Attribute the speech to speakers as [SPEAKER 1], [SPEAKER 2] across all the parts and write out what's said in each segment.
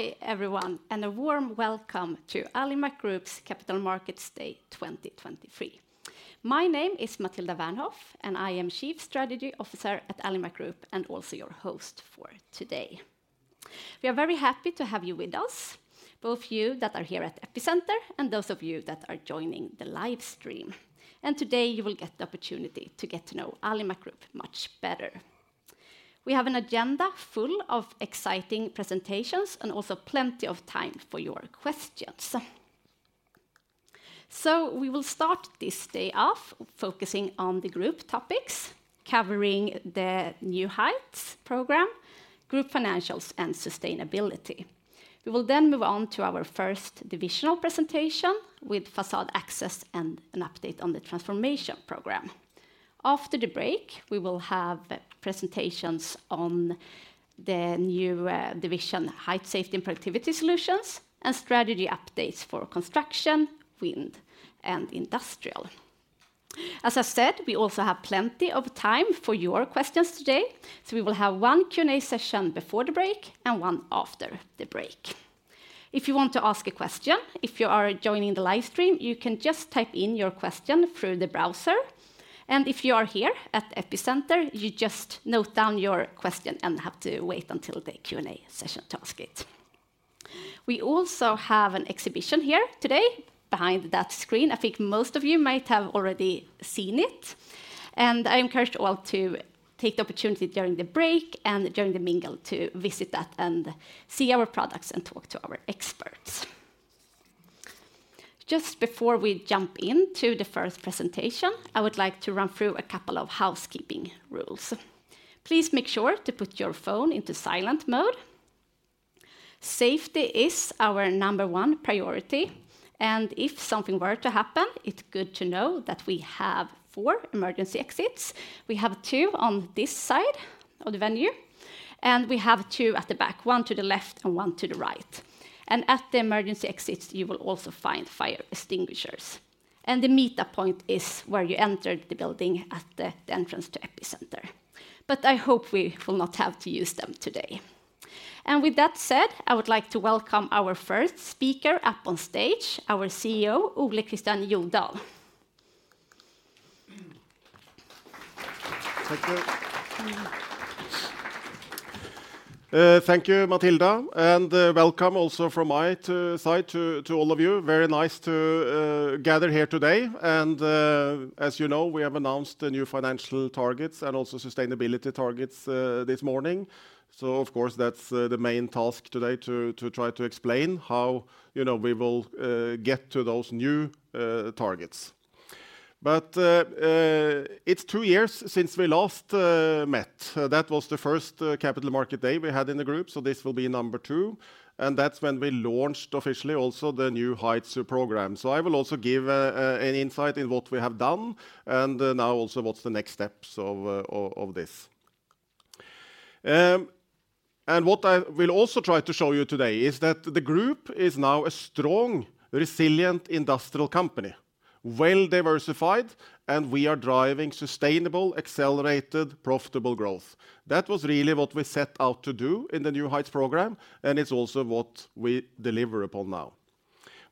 [SPEAKER 1] Hi, everyone. A warm welcome to Alimak Group's Capital Markets Day 2023. My name is Mathilda Wernhoff, I am Chief Strategy Officer at Alimak Group, also your host for today. We are very happy to have you with us, both you that are here at Epicenter, those of you that are joining the live stream. Today, you will get the opportunity to get to know Alimak Group much better. We have an agenda full of exciting presentations, also plenty of time for your questions. We will start this day off focusing on the group-level topics, covering the New Heights Program, Group financials, and sustainability. We will move on to our first divisional presentation with Facade Access Division and an update on the transformation program. After the break, we will have presentations on the new division, Height Safety and Productivity Solutions, and strategy updates for construction, wind, and industrial. As I said, we also have plenty of time for your questions today, so we will have one Q&A session before the break and one after the break. If you want to ask a question, if you are joining the live stream, you can just type in your question through the browser, and if you are here at Epicenter, you just note down your question and have to wait until the Q&A session to ask it. We also have an exhibition here today behind that screen. I think most of you might have already seen it, and I encourage you all to take the opportunity during the break and during the mingle to visit that and see our products and talk to our experts. Just before we begin the first presentation, I would like to run through a couple of housekeeping items. Please make sure to put your phone into silent mode. Safety is our number one priority, and if something were to happen, it's good to know that we have four emergency exits. We have two on this side of the venue, and we have two at the back, one to the left and one to the right. At the emergency exits, you will also find fire extinguishers. The meetup point is where you entered the building at the entrance to Epicenter. I hope we will not have to use them today. With that said, I would like to welcome our first speaker up on stage, our CEO, Ole Kristian Jødahl.
[SPEAKER 2] Thank you. Thank you, Mathilda. Welcome also from my to side to all of you. Very nice to gather here today. As you know, we have announced the new financial targets and also sustainability targets this morning. Of course, that's the main task today, to try to explain how, you know, we will get to those new targets. It's two years since we last met. That was the first Capital Markets Day we had in the group, so this will be number two, and that's when we launched officially also the New Heights program. I will also give an insight in what we have done, and now also what's the next steps of this. What I will also try to show you today is that the group is now a strong, resilient, industrial company, well-diversified, and we are driving sustainable, accelerated, profitable growth. That was really what we set out to do in the New Heights Program, and it's also what we deliver upon now.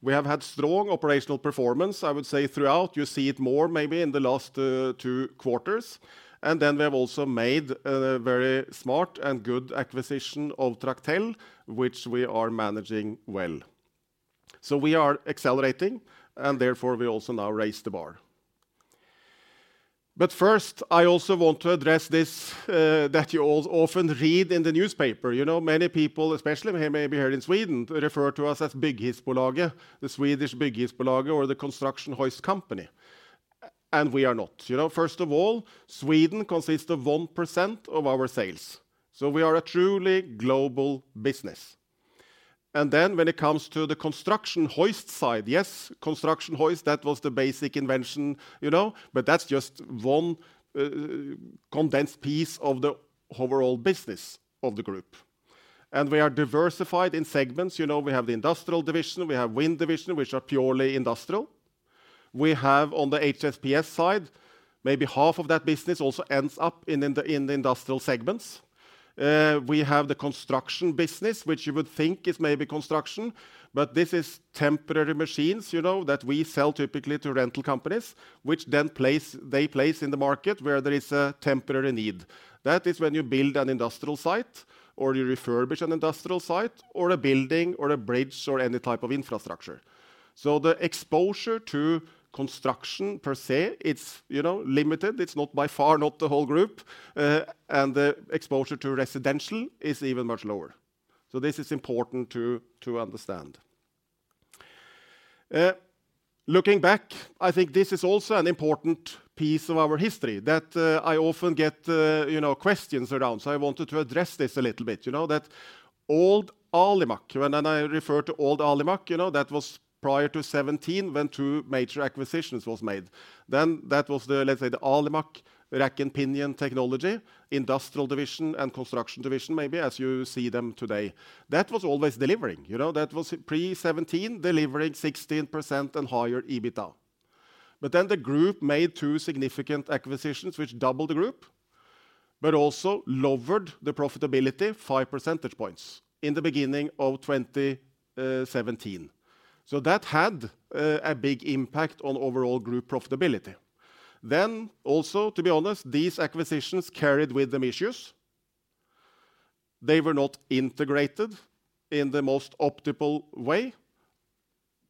[SPEAKER 2] We have had strong operational performance, I would say, throughout. You see it more maybe in the last two quarters, and then we have also made a very smart and good acquisition of Tractel, which we are managing well. We are accelerating, and therefore we also now raise the bar. First, I also want to address this that you often read in the newspaper. You know, many people, especially maybe here in Sweden, refer to us as big hissbolaget, the Swedish big hissbolaget or the construction hoist company, and we are not. You know, first of all, Sweden consists of 1% of our sales, we are a truly global business. When it comes to the construction hoist side, yes, construction hoist, that was the basic invention, you know, but that's just one condensed piece of the overall business of the group. We are diversified in segments. You know, we have the Industrial Division, we have Wind Division, which are purely industrial. We have, on the HSPS side, maybe half of that business also ends up in the industrial segments. We have the construction business, which you would think is maybe construction, but this is temporary machines, you know, that we sell typically to rental companies, which then they place in the market where there is a temporary need. That is when you build an industrial site or you refurbish an industrial site or a building or a bridge or any type of infrastructure. The exposure to construction per se, it's, you know, limited. It's not by far, not the whole group, and the exposure to residential is even much lower. This is important to understand. Looking back, I think this is also an important piece of our history that I often get, you know, questions around, I wanted to address this a little bit. You know, that old Alimak, when I refer to old Alimak, you know, that was prior to 2017, when two major acquisitions was made. That was the, let's say, the Alimak rack-and-pinion technology, Industrial Division and Construction Division, maybe as you see them today. That was always delivering. You know, that was prior to 2017, delivering 16% and higher EBITDA. The group made two significant acquisitions, which doubled the group, but also lowered the profitability five percentage points in the beginning of 2017. That had a big impact on overall group profitability. Also, to be honest, these acquisitions carried with them issues. They were not integrated in the most optimal way,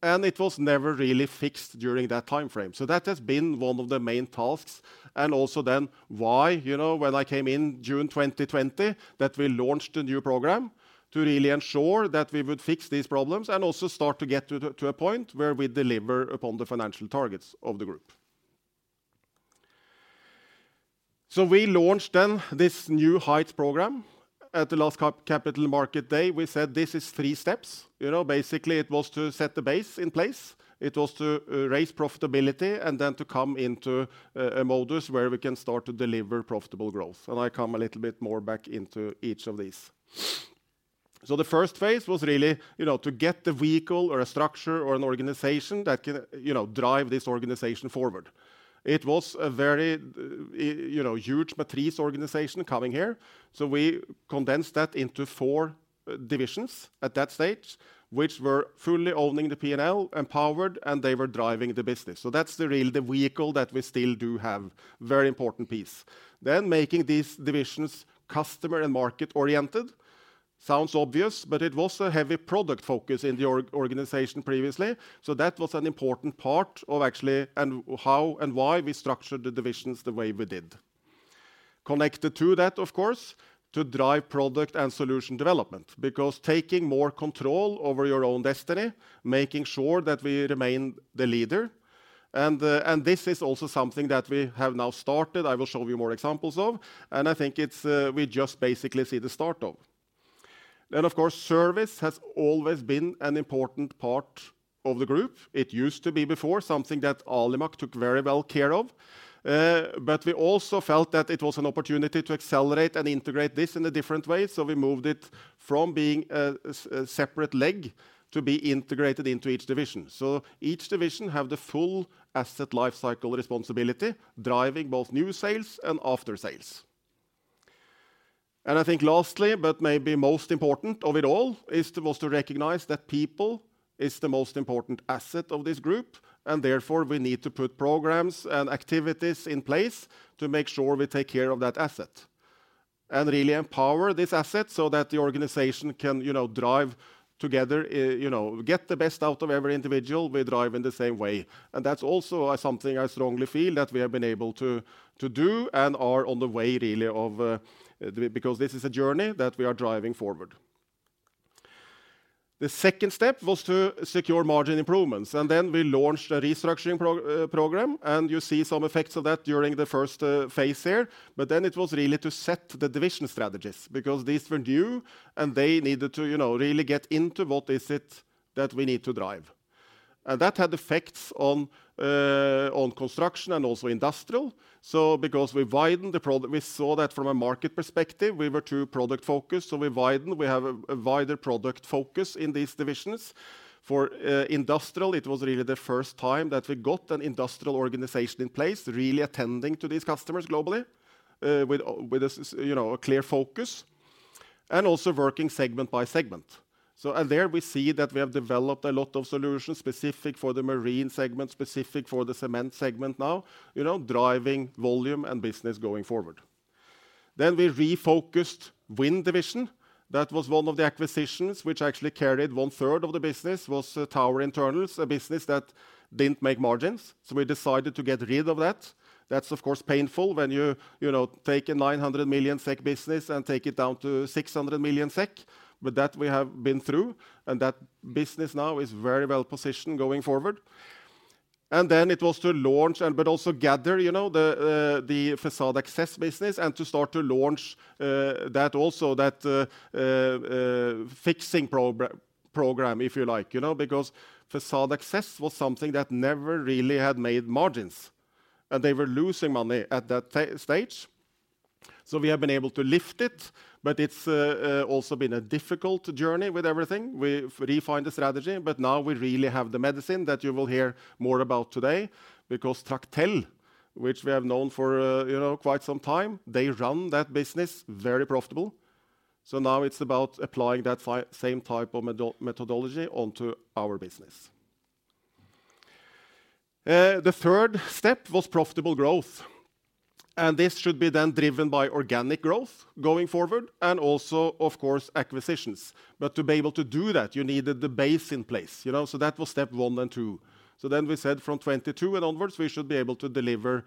[SPEAKER 2] and it was never really fixed during that time frame. That has been one of the main tasks, and also then why, you know, when I came in June 2020, that we launched a new program to really ensure that we would fix these problems, and also start to get to a point where we deliver upon the financial targets of the group. We launched then this New Heights Program. At the last cap, Capital Markets Day, we said, "This is three steps." You know, basically, it was to set the base in place. It was to raise profitability and then to come into a modus where we can start to deliver profitable growth, and I come a little bit more back into each of these. The first phase was really, you know, to get the vehicle or a structure or an organization that can, you know, drive this organization forward. It was a very, you know, huge matrix organization coming here, so we condensed that into four divisions at that stage, which were fully owning the P&L, empowered, and they were driving the business. That's the vehicle that we still do have, a very important piece. Making these divisions customer-and market-oriented. Sounds obvious, it was a heavy a strong-product focused structure in the organization previously, so that was an important part of actually. And how and why we structured the divisions the way we did. Connected to that, of course, to drive product and solution development, because taking more control over your own destiny, making sure that we remain the leader, and this is also something that we have now started, I will show you more examples of, and I think it's, we just basically see the start of. Of course, service has always been an important part of the group. It used to be before, something that Alimak Group took very well care of, but we also felt that it was an opportunity to accelerate and integrate this in a different way. We moved it from being a separate leg to be integrated into each division. Each division have the full asset lifecycle responsibility, driving both new sales and aftersales. I think lastly, but maybe most important of it all, was to recognize that people is the most important asset of this Group, and therefore, we need to put programs and activities in place to make sure we take care of that asset and really empower this asset so that the organization can, you know, drive together, you know, get the best out of every individual, we drive in the same way. That's also something I strongly feel that we have been able to do and are on the way, really, of, because this is a journey that we are driving forward. The second step was to secure margin improvements. We launched a restructuring program, and you see some effects of that during the first phase here. It was really to set the division strategies, because these were new, and they needed to, you know, really get into what is it that we need to drive. That had effects on Construction Division and also Industrial Division. Because we saw that from a market perspective, we were too product-focused, so we widened. We have a wider product focus in these divisions. For industrial, it was really the first time that we got an industrial organization in place, really attending to these customers globally, with a, you know, a clear focus, and also working segment by segment. There, we see that we have developed a lot of solutions specific for the marine segment, specific for the cement segment now, you know, driving volume and business going forward. We refocused Wind Division. That was one of the acquisitions which actually carried one-third of the business, was, tower internals, a business that didn't make margins, so we decided to get rid of that. That's, of course, painful when you know, take a 900 million SEK to 600 million SEK, but that we have been through, and that business now is very well positioned going forward. It was to launch and also gather, you know, the Facade Access Division business and to start to launch that also, that fixing program, if you like, you know, because Facade Access Division was something that never really had made margins, and they were losing money at that stage. We have been able to lift it, but it's also been a difficult journey with everything. We've refined the strategy, but now we really have the medicine that you will hear more about today, because Tractel, which we have known for, you know, quite some time, they run that business very profitable. Now it's about applying that same type of methodology onto our business. The third step was profitable growth, and this should be then driven by organic growth going forward, and also, of course, acquisitions. To be able to do that, you needed the base in place, you know? That was Steps One and Two. From 2022 onwards, we should be able to deliver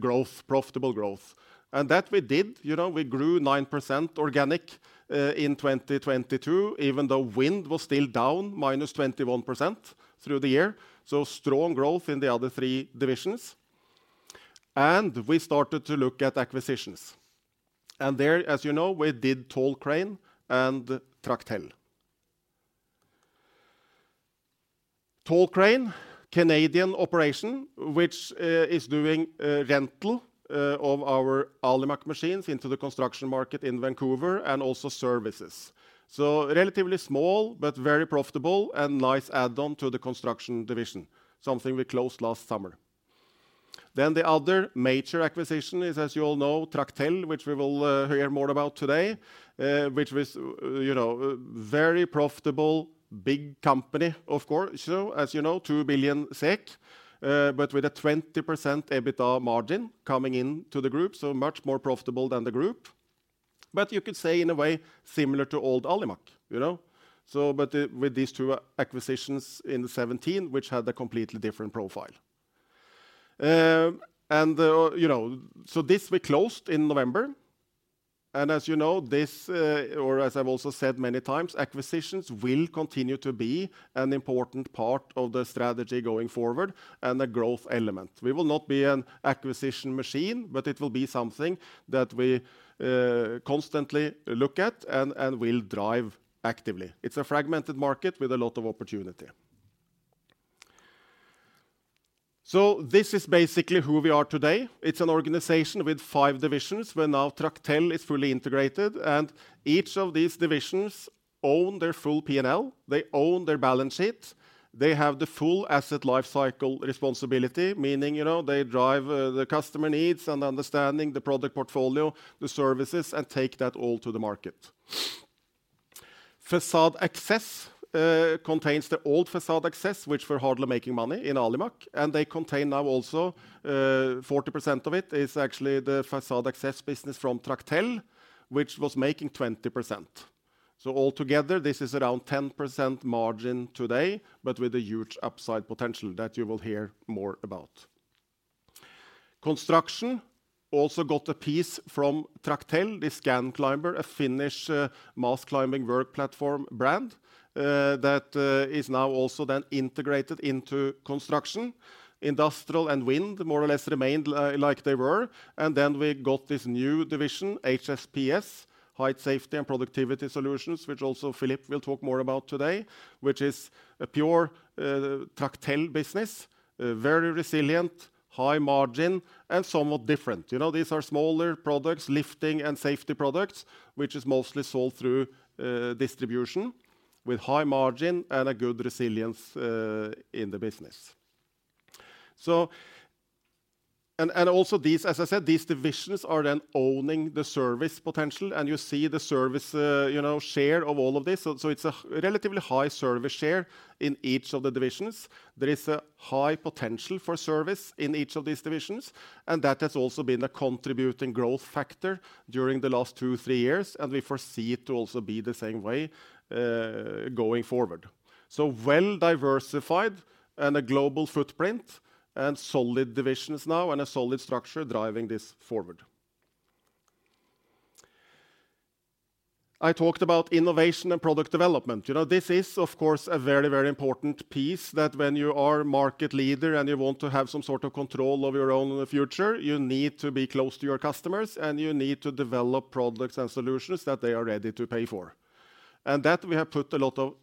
[SPEAKER 2] growth, profitable growth, and that we did. You know, we grew 9% organic in 2022, even though wind was still down, 21%, through the year, so strong growth in the other three divisions. We started to look at acquisitions, and there, as you know, we did Tall Crane and Tractel. Tall Crane, Canadian operation, which is doing rental of our Alimak machines into the construction market in Vancouver and also services, so relatively small but very profitable and nice add-on to the construction division, something we closed last summer. The other major acquisition is, as you all know, Tractel, which we will hear more about today. Which is, you know, very profitable, big company, of course. As you know, 2 billion SEK, but with a 20% EBITDA margin coming into the group, so much more profitable than the group. You could say in a way, similar to old Alimak, you know? With these two acquisitions in 2017, which had a completely different profile. You know, so this we closed in November, as you know, this, or as I've also said many times, acquisitions will continue to be an important part of the strategy going forward and a growth element. We will not be an acquisition machine, but it will be something that we constantly look at and will drive actively. It's a fragmented market with a lot of opportunity. This is basically who we are today. It's an organization with five divisions, where now Tractel is fully integrated, and each of these divisions own their full P&L, they own their balance sheet, they have the full asset life cycle responsibility, meaning, you know, they drive the customer needs and understanding the product portfolio, the services, and take that all to the market. Facade Access Division Division contains the old Facade Access Division, which were hardly making money in Alimak Group, and they contain now also, 40% of it is actually the Facade Access Division business from Tractel, which was making 20% margin. Altogether, this is around 10% margin today, but with a huge upside potential that you will hear more about. Construction also got a piece from Tractel, the Scanclimber, a Finnish mast climbing work platforms brand that is now also then integrated into construction. Industrial and Wind, more or less, remained like they were. We got this new division, HSPS, Height Safety and Productivity Solutions, which also Philippe will talk more about today, which is a pure Tractel business, very resilient, high margin, and somewhat different. You know, these are smaller products, lifting and safety products, which is mostly sold through distribution, with high margin and a good resilience in the business. And also these, as I said, these divisions are then owning the service potential, and you see the service, you know, share of all of this. It's a relatively high service share in each of the divisions. There is a high potential for service in each of these divisions, and that has also been a contributing growth factor during the last two to three years, and we foresee it to also be the same way going forward. Well-diversified and a global footprint, and solid divisions now, and a solid structure driving this forward. I talked about innovation and product development. You know, this is, of course, a very, very important piece that when you are market leader and you want to have some sort of control of your own in the future, you need to be close to your customers, and you need to develop products and solutions that they are ready to pay for. That, we have put a lot of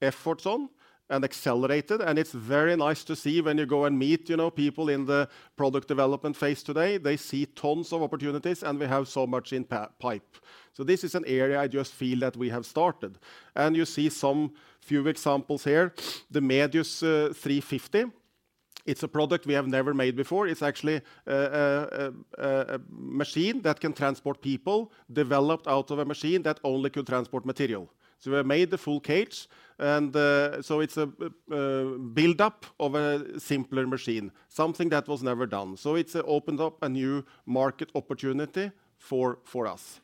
[SPEAKER 2] efforts on and accelerated, and it's very nice to see when you go and meet, you know, people in the product development phase today, they see tons of opportunities, and we have so much in pipe. This is an area I just feel that we have started. You see some few examples here. The Medius 350, it's a product we have never made before. It's actually a machine that can transport people, developed out of a machine that only could transport material. We have made the full cage, and it's a build-up of a simpler machine, something that was never done. It's opened up a new market opportunity for us.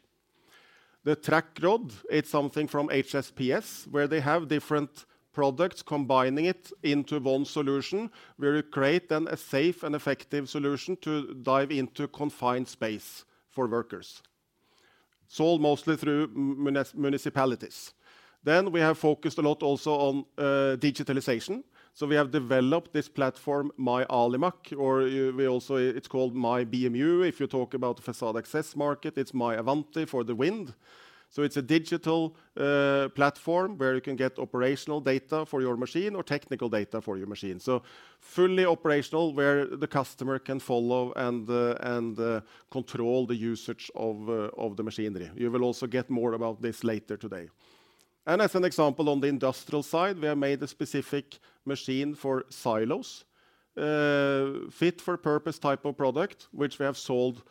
[SPEAKER 2] The Trackrod, it's something from HSPS, where they have different products, combining it into one solution, where you create then a safe and effective solution to dive into confined space for workers. Sold mostly through municipalities. We have focused a lot also on digitalization. We have developed this platform, MyAlimak, or it's called MyBMU, if you talk about the facade access market. It's MyAvanti for the wind. It's a digital platform, where you can get operational data for your machine or technical data for your machine. Fully operational, where the customer can follow and control the usage of the machinery. You will also get more about this later today. As an example, on the industrial side, we have made a specific machine for silos, fit for purpose type of product, which we have sold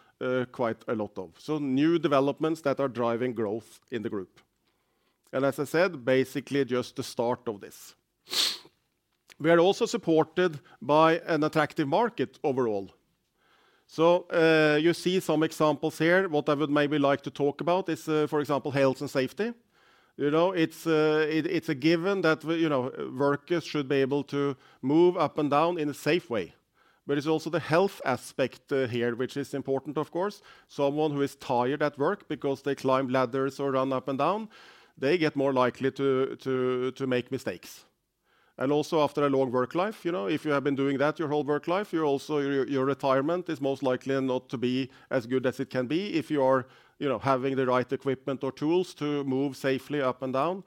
[SPEAKER 2] quite a lot of. New developments that are driving growth in the group, and as I said, basically just the start of this. We are also supported by an attractive market overall. You see some examples here. What I would maybe like to talk about is, for example, health and safety. You know, it's a given that, you know, workers should be able to move up and down in a safe way, but it's also the health aspect here, which is important, of course. Someone who is tired at work because they climb ladders or run up and down, they get more likely to make mistakes. Also, after a long work life, you know, if you have been doing that your whole work life, you're also, your retirement is most likely not to be as good as it can be if you are, you know, having the right equipment or tools to move safely up and down,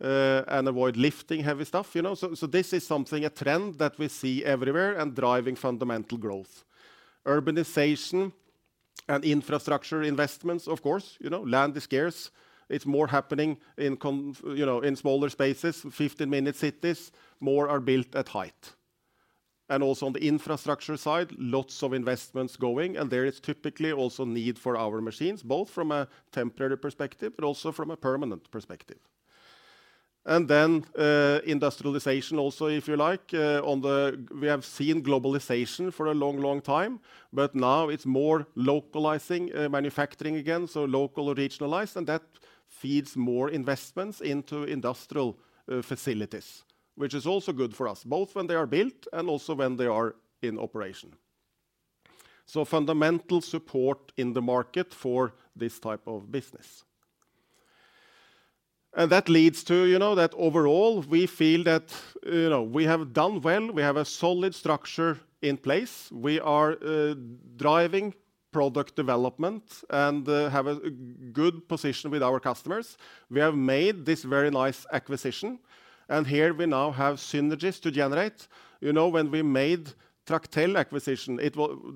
[SPEAKER 2] and avoid lifting heavy stuff, you know? This is something, a trend that we see everywhere and driving fundamental growth. Urbanization and infrastructure investments, of course, you know, land is scarce. It's more happening in smaller spaces, 15-minute cities, more are built at height. Also on the infrastructure side, lots of investments going, and there is typically also need for our machines, both from a temporary perspective, but also from a permanent perspective. Then industrialization also, if you like, we have seen globalization for a long, long time, but now it's more localizing manufacturing again, so local or regionalized, and that feeds more investments into industrial facilities, which is also good for us, both when they are built and also when they are in operation. Fundamental support in the market for this type of business. That leads to, you know, that overall, we feel that, you know, we have done well, we have a solid structure in place. We are driving product development and have a good position with our customers. We have made this very nice acquisition. Here we now have synergies to generate. You know, when we made Tractel acquisition,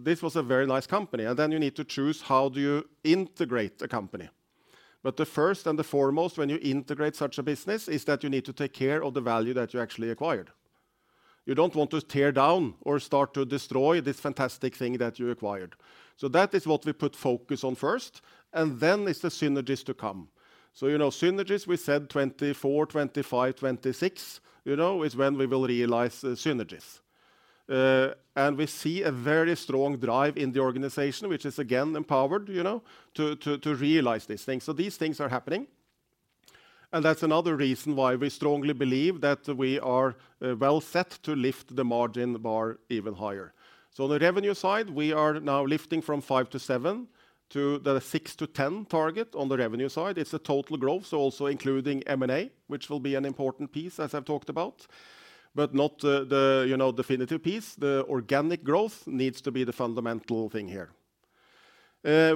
[SPEAKER 2] this was a very nice company. Then you need to choose how do you integrate a company. The first and the foremost, when you integrate such a business, is that you need to take care of the value that you actually acquired. You don't want to tear down or start to destroy this fantastic thing that you acquired. That is what we put focus on first. Then it's the synergies to come. You know, synergies, we said 2024, 2025 and 2026, you know, is when we will realize the synergies. We see a very strong drive in the organization, which is again, empowered, you know, to realize these things. These things are happening, and that's another reason why we strongly believe that we are well set to lift the margin bar even higher. On the revenue side, we are now lifting from 5%-7%, to the 6%-10% target on the revenue side. It's a total growth, so also including M&A, which will be an important piece, as I've talked about, but not the, you know, definitive piece. The organic growth needs to be the fundamental thing here.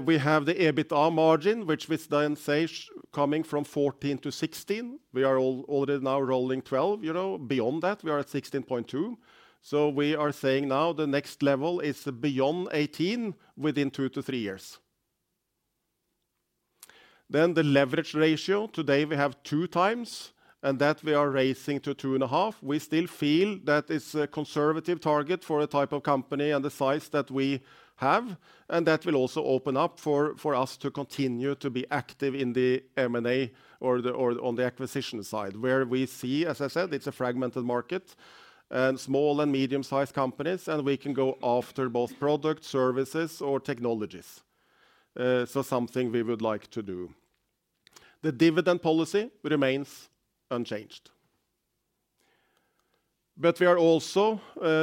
[SPEAKER 2] We have the EBITDA margin, which we then say, coming from 14%-16%, we are already now rolling 12, you know, beyond that, we are at 16.2%. We are saying now the next level is beyond 18%, within two to three years. The leverage ratio, today we have 2.0x, and that we are raising to 2.5x. We still feel that it's a conservative target for a type of company and the size that we have, and that will also open up for us to continue to be active in the M&A or the, or on the acquisition side, where we see, as I said, it's a fragmented market and small and medium-sized companies, and we can go after both product, services, or technologies. Something we would like to do. The dividend policy remains unchanged. We are also,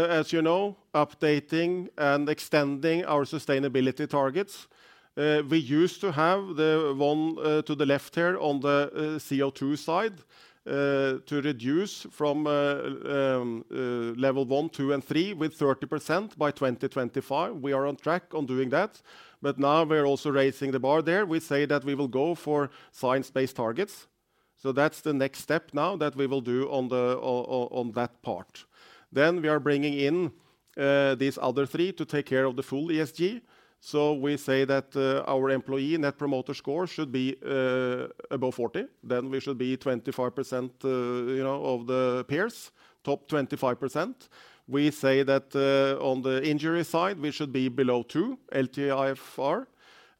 [SPEAKER 2] as you know, updating and extending our sustainability targets. We used to have the one to the left here on the CO₂ side to reduce from Scope 1, 2, and 3 by 30% by 2025. We are on track on doing that, but now we're also raising the bar there. We say that we will go for Science-Based Targets, that's the next step now that we will do on that part. We are bringing in these other three to take care of the full ESG. We say that our Employee Net Promoter Score should be above 40. We should be 25%, you know, of the peers, top 25%. We say that on the injury side, we should be below 2 LTIFR,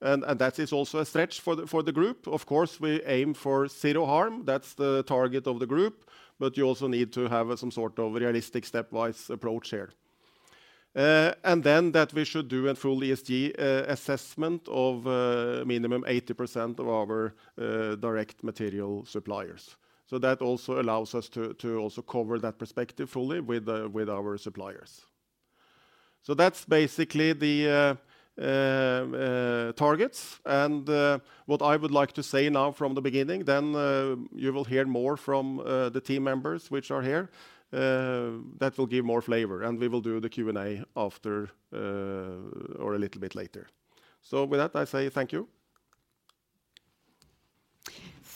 [SPEAKER 2] and that is also a stretch for the group. Of course, we aim for Zero Harm. That's the target of the group, but you also need to have some sort of realistic step-wise approach here. That we should do a full ESG assessment of minimum 80% of our direct material suppliers. That also allows us to also cover that perspective fully with our suppliers. That's basically the targets, and what I would like to say now from the beginning, then, you will hear more from the team members which are here, that will give more flavor, and we will do the Q&A after or a little bit later. With that, I say thank you.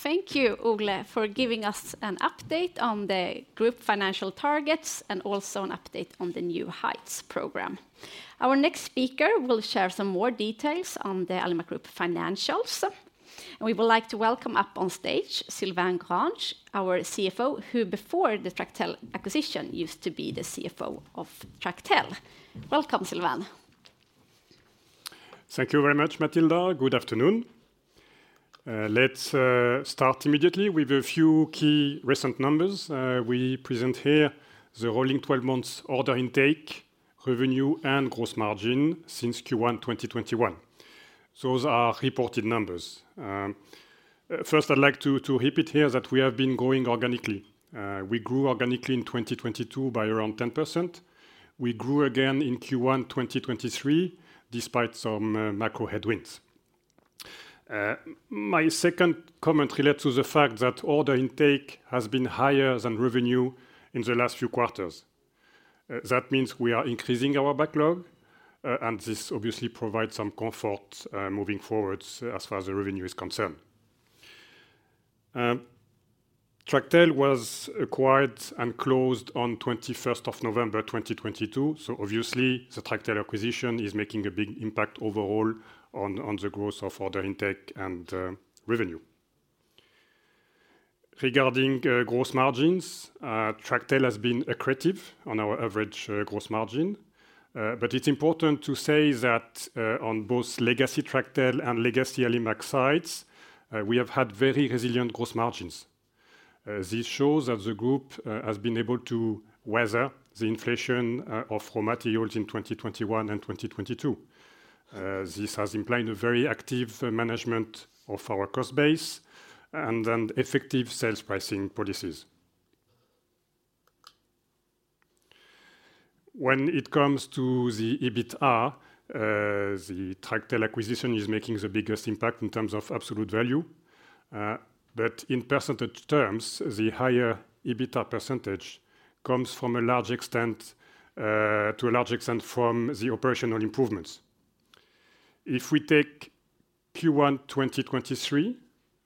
[SPEAKER 1] Thank you, Ole, for giving us an update on the group financial targets and also an update on the New Heights program. Our next speaker will share some more details on the Alimak Group financials. We would like to welcome up on stage, Sylvain Grange, our CFO, who before the Tractel acquisition, used to be the CFO of Tractel. Welcome, Sylvain.
[SPEAKER 3] Thank you very much, Mathilda. Good afternoon. Let's start immediately with a few key recent numbers. We present here the rolling 12 months order intake, revenue, and gross margin since Q1 2021. Those are reported numbers. First, I'd like to repeat here that we have been growing organically. We grew organically in 2022 by around 10%. We grew again in Q1 2023, despite some macro headwinds. My second comment relates to the fact that order intake has been higher than revenue in the last few quarters. That means we are increasing our backlog, and this obviously provides some comfort moving forward as far as the revenue is concerned. Tractel was acquired and closed on November 21, 2022. Obviously, the Tractel acquisition is making a big impact overall on the growth of order intake and revenue. Regarding gross margins, Tractel has been accretive on our average gross margin. It's important to say that on both legacy Tractel and legacy Alimak sides, we have had very resilient gross margins. This shows that the group has been able to weather the inflation of raw materials in 2021 and 2022. This has implied a very active management of our cost base and then effective sales pricing policies. When it comes to the EBITDA, the Tractel acquisition is making the biggest impact in terms of absolute value. In % terms, the higher EBITDA % comes from a large extent, to a large extent from the operational improvements. If we take Q1 2023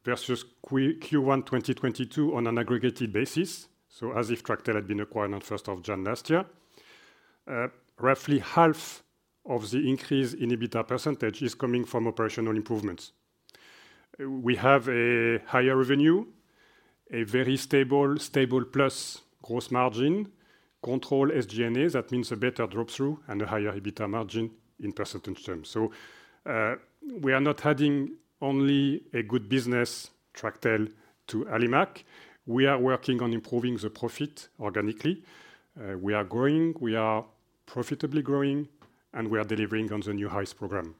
[SPEAKER 3] versus Q1 2022 on an aggregated basis, so as if Tractel had been acquired on 1st of January last year, roughly half of the increase in EBITDA % is coming from operational improvements. We have a higher revenue, a very stable-plus gross margin, controlled SG&As. That means a better drop-through and a higher EBITDA margin in % terms. We are not adding only a good business, Tractel, to Alimak. We are working on improving the profit organically. We are growing, we are profitably growing, and we are delivering on the New Heights program.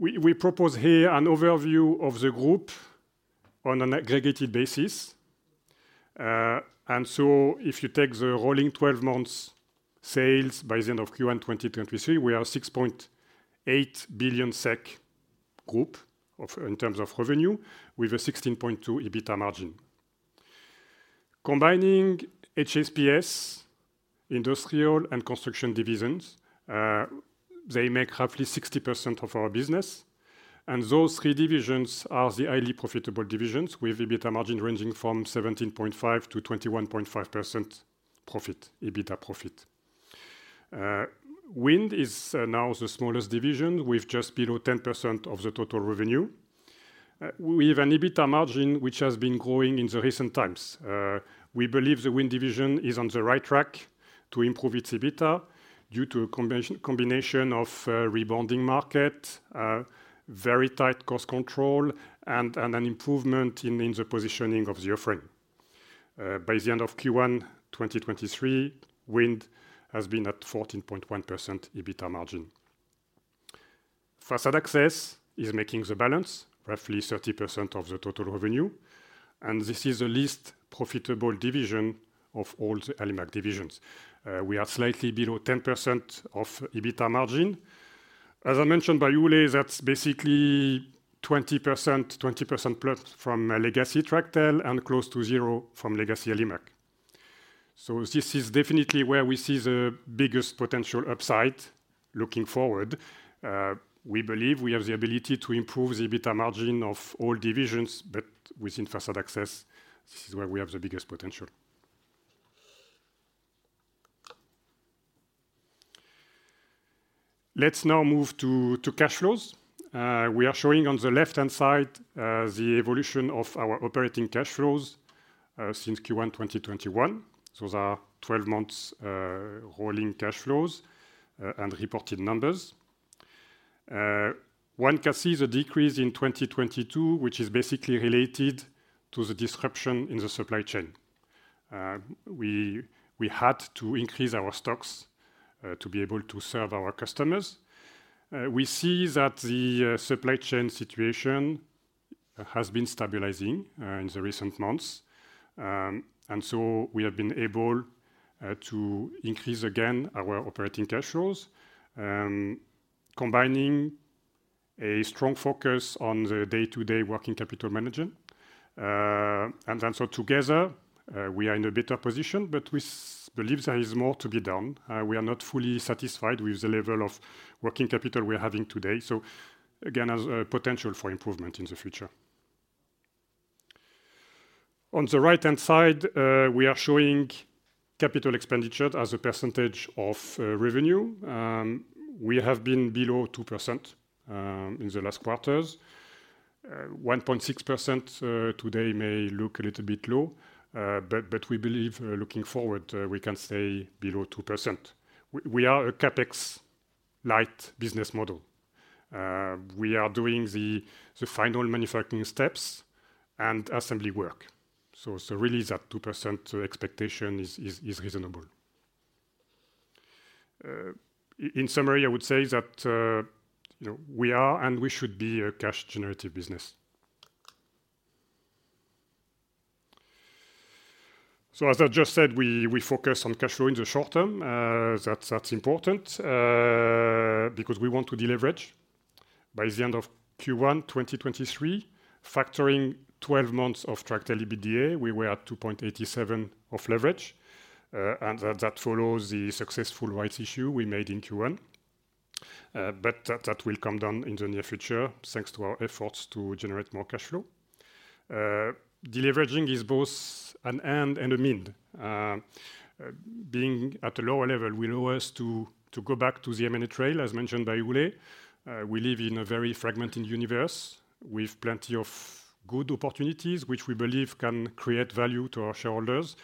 [SPEAKER 3] We propose here an overview of the group on an aggregated basis. If you take the rolling 12 months sales by the end of Q1 2023, we are 6.8 billion SEK group in terms of revenue, with a 16.2% EBITDA margin. Combining HSPS, Industrial, and Construction divisions, they make roughly 60% of our business, and those three divisions are the highly profitable divisions, with EBITDA margin ranging from 17.5% to 21.5% profit. Wind is now the smallest division, with just below 10% of the total revenue. We have an EBITDA margin, which has been growing in the recent times. We believe the Wind division is on the right track to improve its EBITDA due to a combination of a rebounding market, very tight cost control, and an improvement in the positioning of the offering. By the end of Q1 2023, Wind has been at 14.1% EBITDA margin. Facade Access Division Division is making the balance, roughly 30% of the total revenue. This is the least profitable division of all the Alimak divisions. We are slightly below 10% of EBITDA margin. As mentioned by Ole, that's basically 20% plus from legacy Tractel and close to zero from legacy Alimak. This is definitely where we see the biggest potential upside looking forward. We believe we have the ability to improve the EBITDA margin of all divisions. Within Facade Access Division, this is where we have the biggest potential. Let's now move to cash flows. We are showing on the left-hand side the evolution of our operating cash flows since Q1 2021. Those are 12 months, rolling cash flows, and reported numbers. One can see the decrease in 2022, which is basically related to the disruption in the supply chain. We had to increase our stocks to be able to serve our customers. We see that the supply chain situation has been stabilizing in the recent months. We have been able to increase again our operating cash flows. Combining a strong focus on the day-to-day working capital management. Together, we are in a better position, but we believe there is more to be done. We are not fully satisfied with the level of working capital we are having today. Again, there's a potential for improvement in the future. On the right-hand side, we are showing capital expenditure as a percentage of revenue. We have been below 2% in the last quarters. 1.6% today may look a little bit low, but we believe looking forward, we can stay below 2%. We are a CapEx-light business model. We are doing the final manufacturing steps and assembly work. So really, that 2% expectation is reasonable. In summary, I would say that, you know, we are and we should be a cash-generative business. As I just said, we focus on cash flow in the short term. That's important because we want to deleverage. By the end of Q1 2023, factoring 12 months of Tractel EBITDA, we were at 2.87x of leverage, that follows the successful rights issue we made in Q1. That will come down in the near future, thanks to our efforts to generate more cash flow. De-leveraging is both an and a mean. Being at a lower level will allow us to go back to the M&A trail, as mentioned by Ole. We live in a very fragmented universe with plenty of good opportunities, which we believe can create value to our shareholders.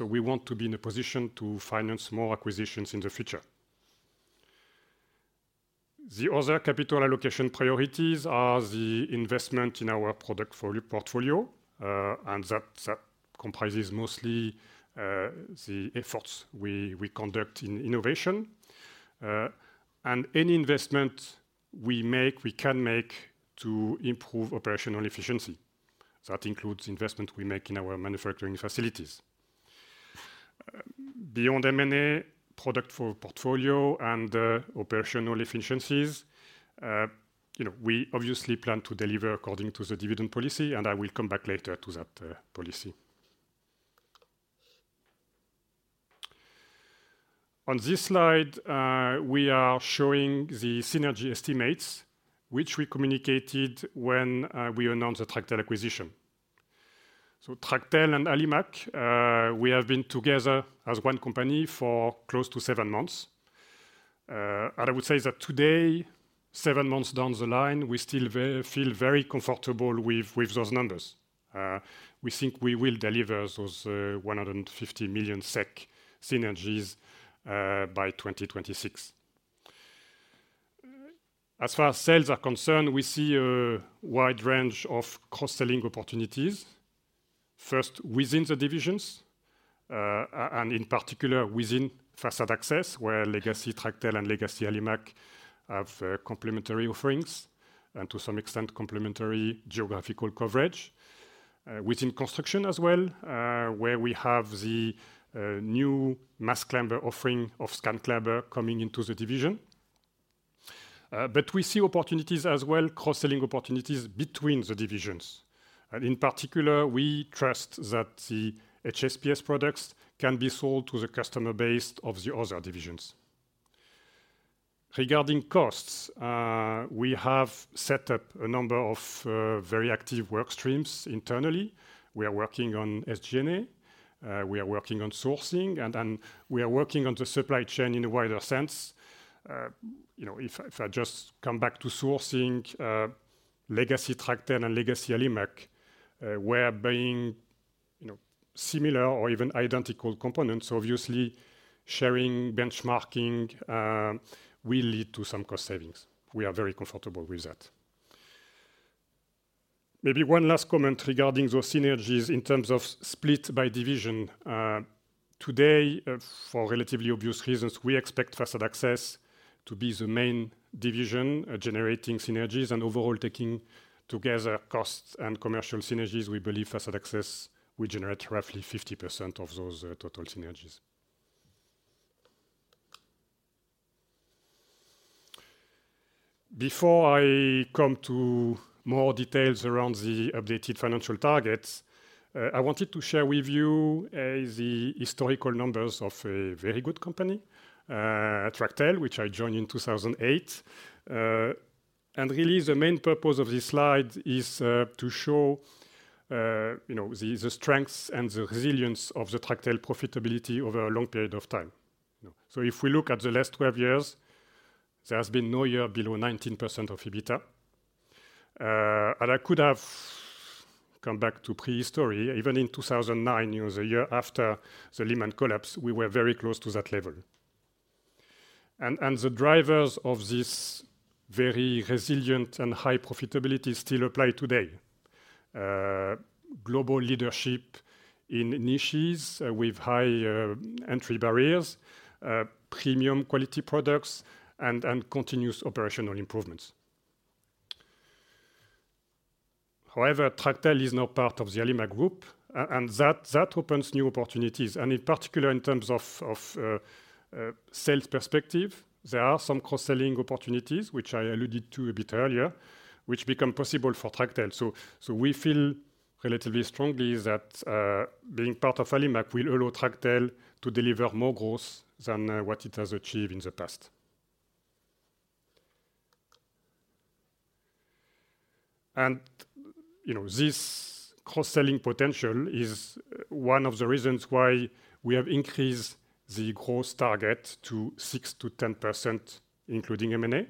[SPEAKER 3] We want to be in a position to finance more acquisitions in the future. The other capital allocation priorities are the investment in our product portfolio, that comprises mostly the efforts we conduct in innovation. Any investment we make, we can make to improve operational efficiency. That includes investment we make in our manufacturing facilities. Beyond M&A, product portfolio and operational efficiencies, you know, we obviously plan to deliver according to the dividend policy, and I will come back later to that policy. On this slide, we are showing the synergy estimates, which we communicated when we announced the Tractel acquisition. Tractel and Alimak Group, we have been together as one company for close to seven months. I would say that today, seven months down the line, we still feel very comfortable with those numbers. We think we will deliver those 150 million SEK synergies by 2026. As far as sales are concerned, we see a wide range of cross-selling opportunities. First, within the divisions, and in particular, within Facade Access Division, where legacy Tractel and legacy Alimak Group have complementary offerings, and to some extent, complementary geographical coverage. Within construction as well, where we have the new mast climber offering of Scanclimber coming into the division. We see opportunities as well, cross-selling opportunities between the divisions. In particular, we trust that the HSPS products can be sold to the customer base of the other divisions. Regarding costs, we have set up a number of very active work streams internally. We are working on SG&A, we are working on sourcing, and then we are working on the supply chain in a wider sense. You know, if I, if I just come back to sourcing, legacy Tractel and legacy Alimak Group were buying, you know, similar or even identical components, obviously, sharing, benchmarking, will lead to some cost savings. We are very comfortable with that. Maybe one last comment regarding those synergies in terms of split by division. Today, for relatively obvious reasons, we expect Facade Access Division to be the main division, generating synergies. Overall, taking together costs and commercial synergies, we believe Facade Access Division will generate roughly 50% of those total synergies. Before I come to more details around the updated financial targets, I wanted to share with you the historical numbers of a very good company, Tractel, which I joined in 2008. Really, the main purpose of this slide is to show, you know, the strengths and the resilience of the Tractel profitability over a long period of time. If we look at the last 12 years, there has been no year below 19% of EBITDA. And I could have come back to prehistory. Even in 2009, you know, the year after the Lehman collapse, we were very close to that level. The drivers of this very resilient and high profitability still apply today. Global leadership in niches with high entry barriers, premium quality products, and continuous operational improvements. Tractel is now part of the Alimak Group, and that opens new opportunities, and in particular, in terms of sales perspective, there are some cross-selling opportunities, which I alluded to a bit earlier, which become possible for Tractel. We feel relatively strongly that being part of Alimak will allow Tractel to deliver more growth than what it has achieved in the past. You know, this cross-selling potential is one of the reasons why we have increased the growth target to 6% to 10%, including M&A.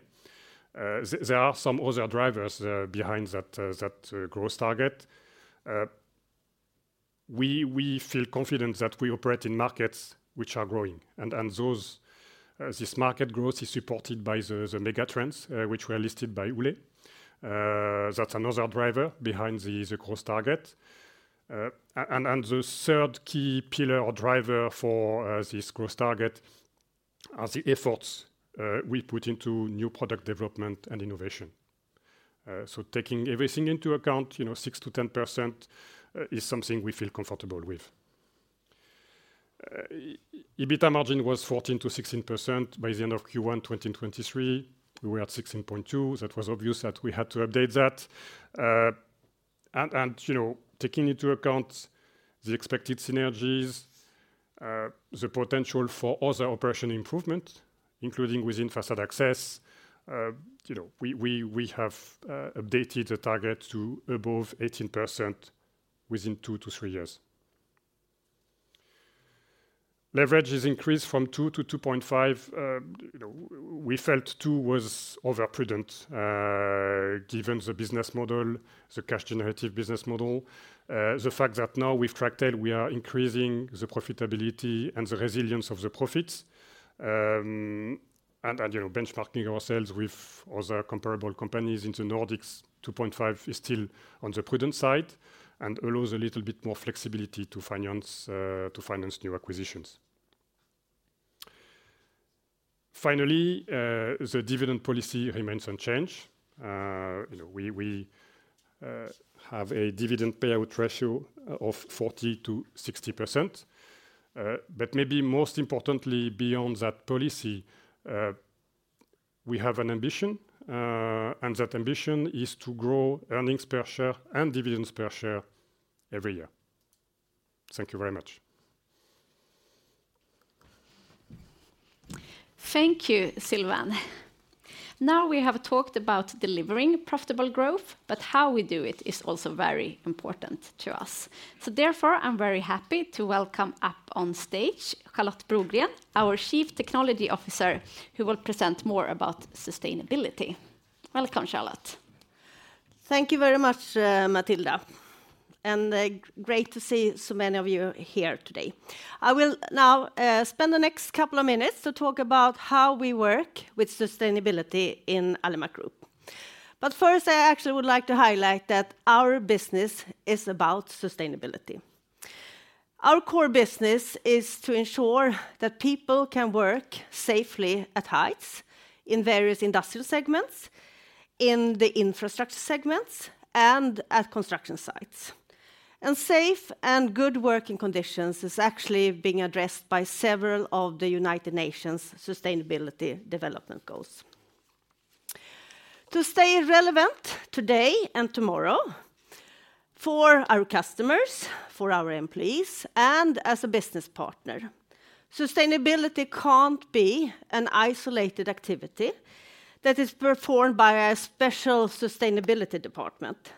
[SPEAKER 3] There are some other drivers behind that growth target. We feel confident that we operate in markets which are growing, and this market growth is supported by the mega trends, which were listed by Ole. That's another driver behind the growth target. The third key pillar or driver for this growth target are the efforts we put into new product development and innovation. Taking everything into account, you know, 6%-10% is something we feel comfortable with. EBITDA margin was 14% to 16%. By the end of Q1 2023, we were at 16.2%. That was obvious that we had to update that. You know, taking into account the expected synergies, the potential for other operation improvement, including within Facade Access Division, you know, we have updated the target to above 18% within two to three years. Leverage has increased from 2.0x to 2.5x, you know, we felt 2.0x was overprudent given the business model, the cash generative business model, the fact that now we've tracked it, we are increasing the profitability and the resilience of the profits. You know, benchmarking ourselves with other comparable companies in the Nordics, 2.5x is still on the prudent side and allows a little bit more flexibility to finance to finance new acquisitions. Finally, the dividend policy remains unchanged. You know, we have a dividend payout ratio of 40% to 60%. Maybe most importantly, beyond that policy, we have an ambition, and that ambition is to grow earnings per share and dividends per share every year. Thank you very much.
[SPEAKER 1] Thank you, Sylvain. We have talked about delivering profitable growth, but how we do it is also very important to us. Therefore, I'm very happy to welcome up on stage, Charlotte Brogren, our Chief Technology Officer, who will present more about sustainability. Welcome, Charlotte.
[SPEAKER 4] Thank you very much, Mathilda. Great to see so many of you here today. I will now spend the next couple of minutes to talk about how we work with sustainability in Alimak Group. First, I actually would like to highlight that our business is about sustainability. Our core business is to ensure that people can work safely at heights in various industrial segments, in the infrastructure segments, and at construction sites. Safe and good working conditions is actually being addressed by several of the United Nations Sustainable Development Goals. To stay relevant today and tomorrow for our customers, for our employees, and as a business partner, sustainability can't be an isolated activity that is performed by a special sustainability department.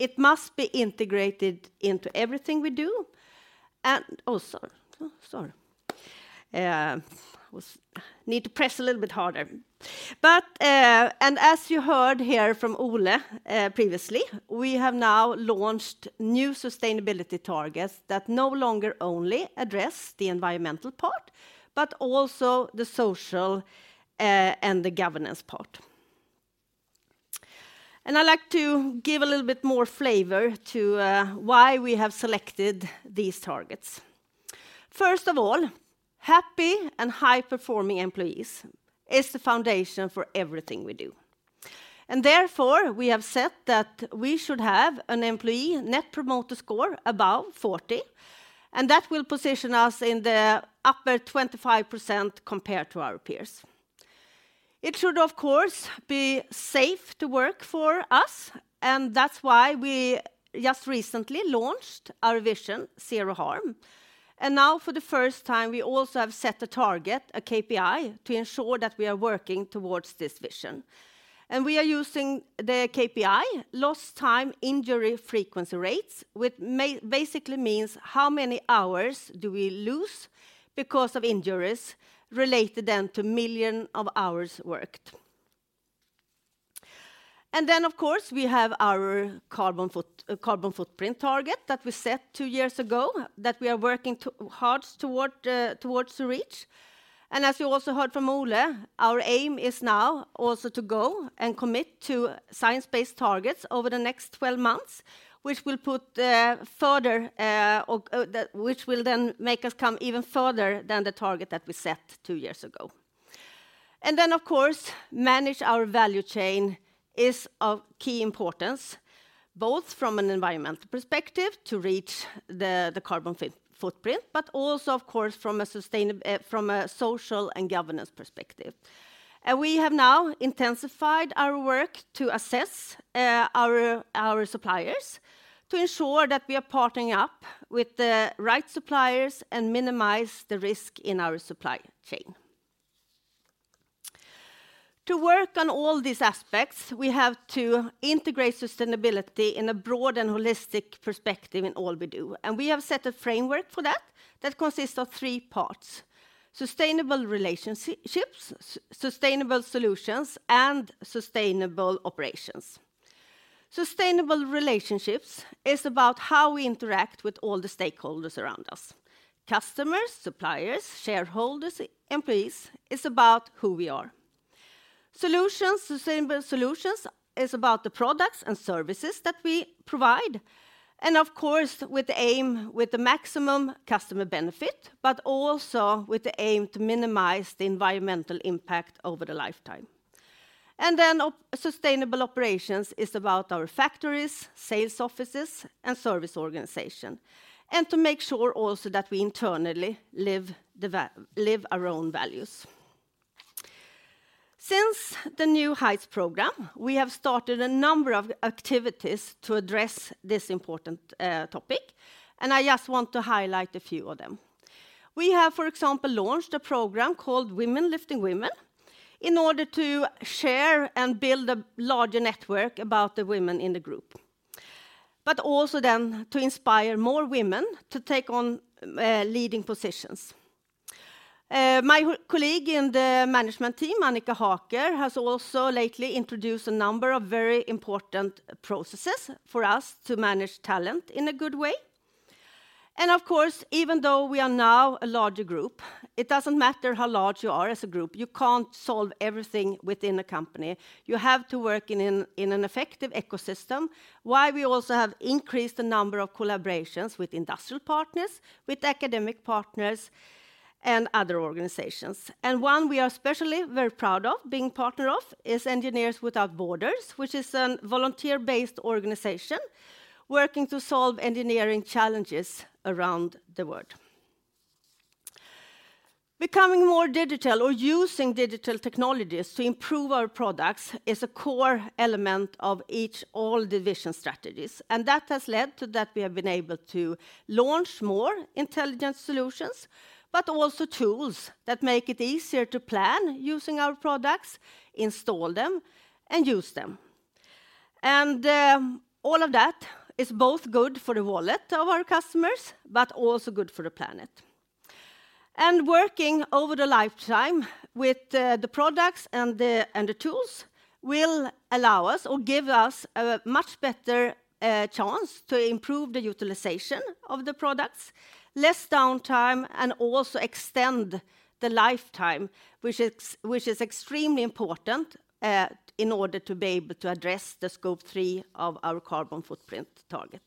[SPEAKER 4] It must be integrated into everything we do. Oh, sorry. Oh, sorry. Need to press a little bit harder. As you heard here from Ole, previously, we have now launched new sustainability targets that no longer only address the environmental part, but also the social and the governance part. I'd like to give a little bit more flavor to why we have selected these targets. First of all, happy and high-performing employees is the foundation for everything we do. Therefore, we have said that we should have an Employee Net Promoter Score above 40, and that will position us in the upper 25% compared to our peers. It should, of course, be safe to work for us, and that's why we just recently launched our vision, Zero Harm. Now, for the first time, we also have set a target, a KPI, to ensure that we are working towards this vision. We are using the KPI, Lost Time Injury Frequency Rate, which may basically means how many hours do we lose because of injuries related then to million of hours worked. Of course, we have our carbon footprint target that we set two years ago, that we are working hard toward, towards to reach. As you also heard from Ole, our aim is now also to go and commit to Science-Based Targets over the next 12 months, which will put further, or, which will then make us come even further than the target that we set two years ago. Of course, manage our value chain is of key importance, both from an environmental perspective, to reach the carbon footprint, but also, of course, from a social and governance perspective. We have now intensified our work to assess our suppliers, to ensure that we are partnering up with the right suppliers and minimize the risk in our supply chain. To work on all these aspects, we have to integrate sustainability in a broad and holistic perspective in all we do. We have set a framework for that consists of three parts: sustainable relationships, sustainable solutions, and sustainable operations. Sustainable relationships is about how we interact with all the stakeholders around us, customers, suppliers, shareholders, employees. It's about who we are. Solutions, sustainable solutions is about the products and services that we provide, and of course, with the aim, with the maximum customer benefit, but also with the aim to minimize the environmental impact over the lifetime. Sustainable operations is about our factories, sales offices, and service organization, and to make sure also that we internally live our own values. Since the New Heights program, we have started a number of activities to address this important topic, and I just want to highlight a few of them. We have, for example, launched a program called Women Lifting Women in order to share and build a larger network about the women in the group, but also then to inspire more women to take on leading positions. My colleague in the management team, Annika Haaker, has also lately introduced a number of very important processes for us to manage talent in a good way. Of course, even though we are now a larger group, it doesn't matter how large you are as a group, you can't solve everything within a company. You have to work in an effective ecosystem. While we also have increased the number of collaborations with industrial partners, with academic partners, and other organizations. One we are especially very proud of being partner of is Engineers Without Borders, which is a volunteer-based organization working to solve engineering challenges around the world. Becoming more digital or using digital technologies to improve our products is a core element of each all division strategies, that has led to that we have been able to launch more intelligent solutions, but also tools that make it easier to plan using our products, install them, and use them. All of that is both good for the wallet of our customers, but also good for the planet. Working over the lifetime with the products and the tools will allow us or give us a much better chance to improve the utilization of the products, less downtime, and also extend the lifetime, which is extremely important in order to be able to address the Scope 3 of our carbon footprint target.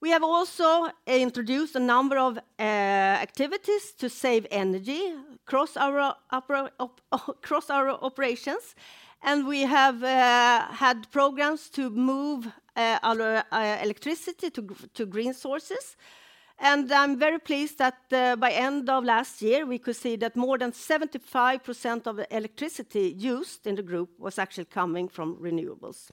[SPEAKER 4] We have also introduced a number of activities to save energy across our operations, and we have had programs to move our electricity to green sources. I'm very pleased that by end of last year, we could see that more than 75% of the electricity used in the group was actually coming from renewables.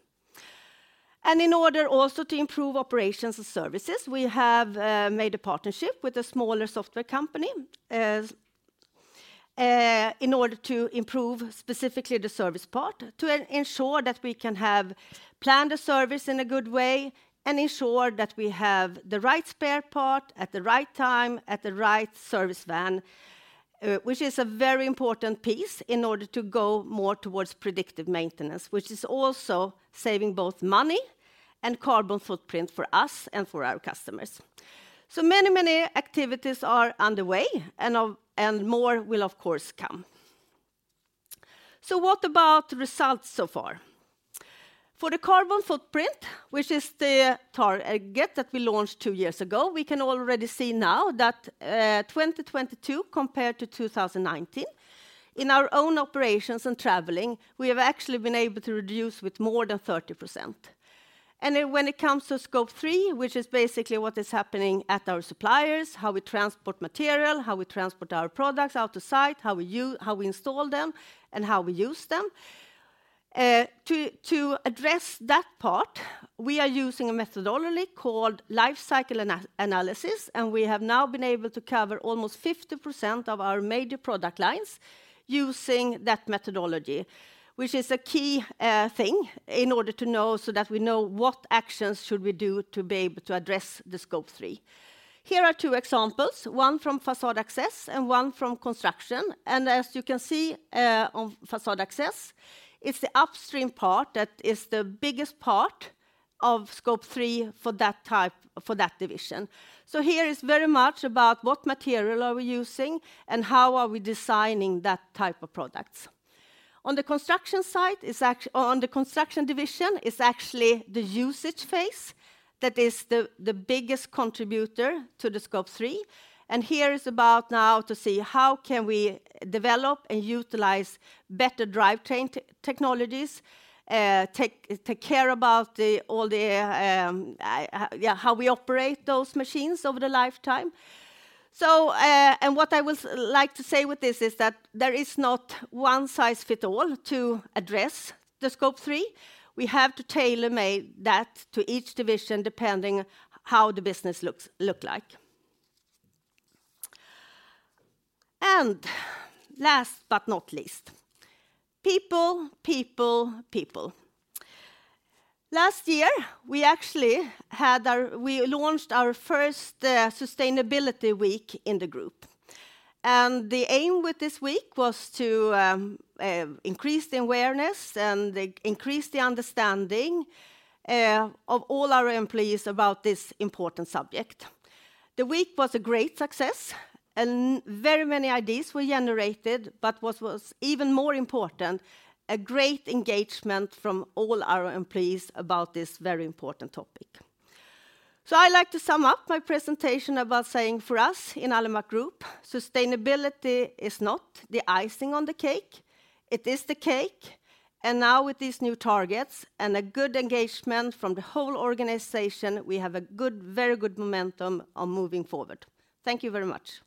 [SPEAKER 4] In order also to improve operations and services, we have made a partnership with a smaller software company in order to improve specifically the service part, to ensure that we can have planned a service in a good way and ensure that we have the right spare part at the right time, at the right service van, which is a very important piece in order to go more towards predictive maintenance, which is also saving both money and carbon footprint for us and for our customers. Many, many activities are underway, and more will, of course, come. What about results so far? For the carbon footprint, which is the target that we launched two years ago, we can already see now that, 2022 compared to 2019, in our own operations and traveling, we have actually been able to reduce with more than 30%. When it comes to Scope 3, which is basically what is happening at our suppliers, how we transport material, how we transport our products out to site, how we install them, and how we use them, to address that part, we are using a methodology called life cycle analysis. We have now been able to cover almost 50% of our major product lines using that methodology, which is a key thing in order to know so that we know what actions should we do to be able to address the Scope 3. Here are two examples, one from Facade Access Division and one from construction. As you can see, on Facade Access Division, it's the upstream part that is the biggest part of Scope 3 for that type, for that division. Here is very much about what material are we using and how are we designing that type of products. On the construction site, on the Construction Division, is actually the usage phase that is the biggest contributor to the Scope 3, here is about now to see how can we develop and utilize better drivetrain technologies, take care about the, all the, yeah, how we operate those machines over the lifetime. What I would like to say with this is that there is not one-size-fits-all to address the Scope 3. We have to tailor-made that to each division, depending how the business looks like. Last but not least, people, people. Last year, we actually launched our first sustainability week in the group. The aim with this week was to increase the awareness and increase the understanding of all our employees about this important subject. The week was a great success, and very many ideas were generated, but what was even more important, a great engagement from all our employees about this very important topic. I like to sum up my presentation about saying for us in Alimak Group, sustainability is not the icing on the cake, it is the cake. Now with these new targets and a good engagement from the whole organization, we have a very good momentum on moving forward. Thank you very much.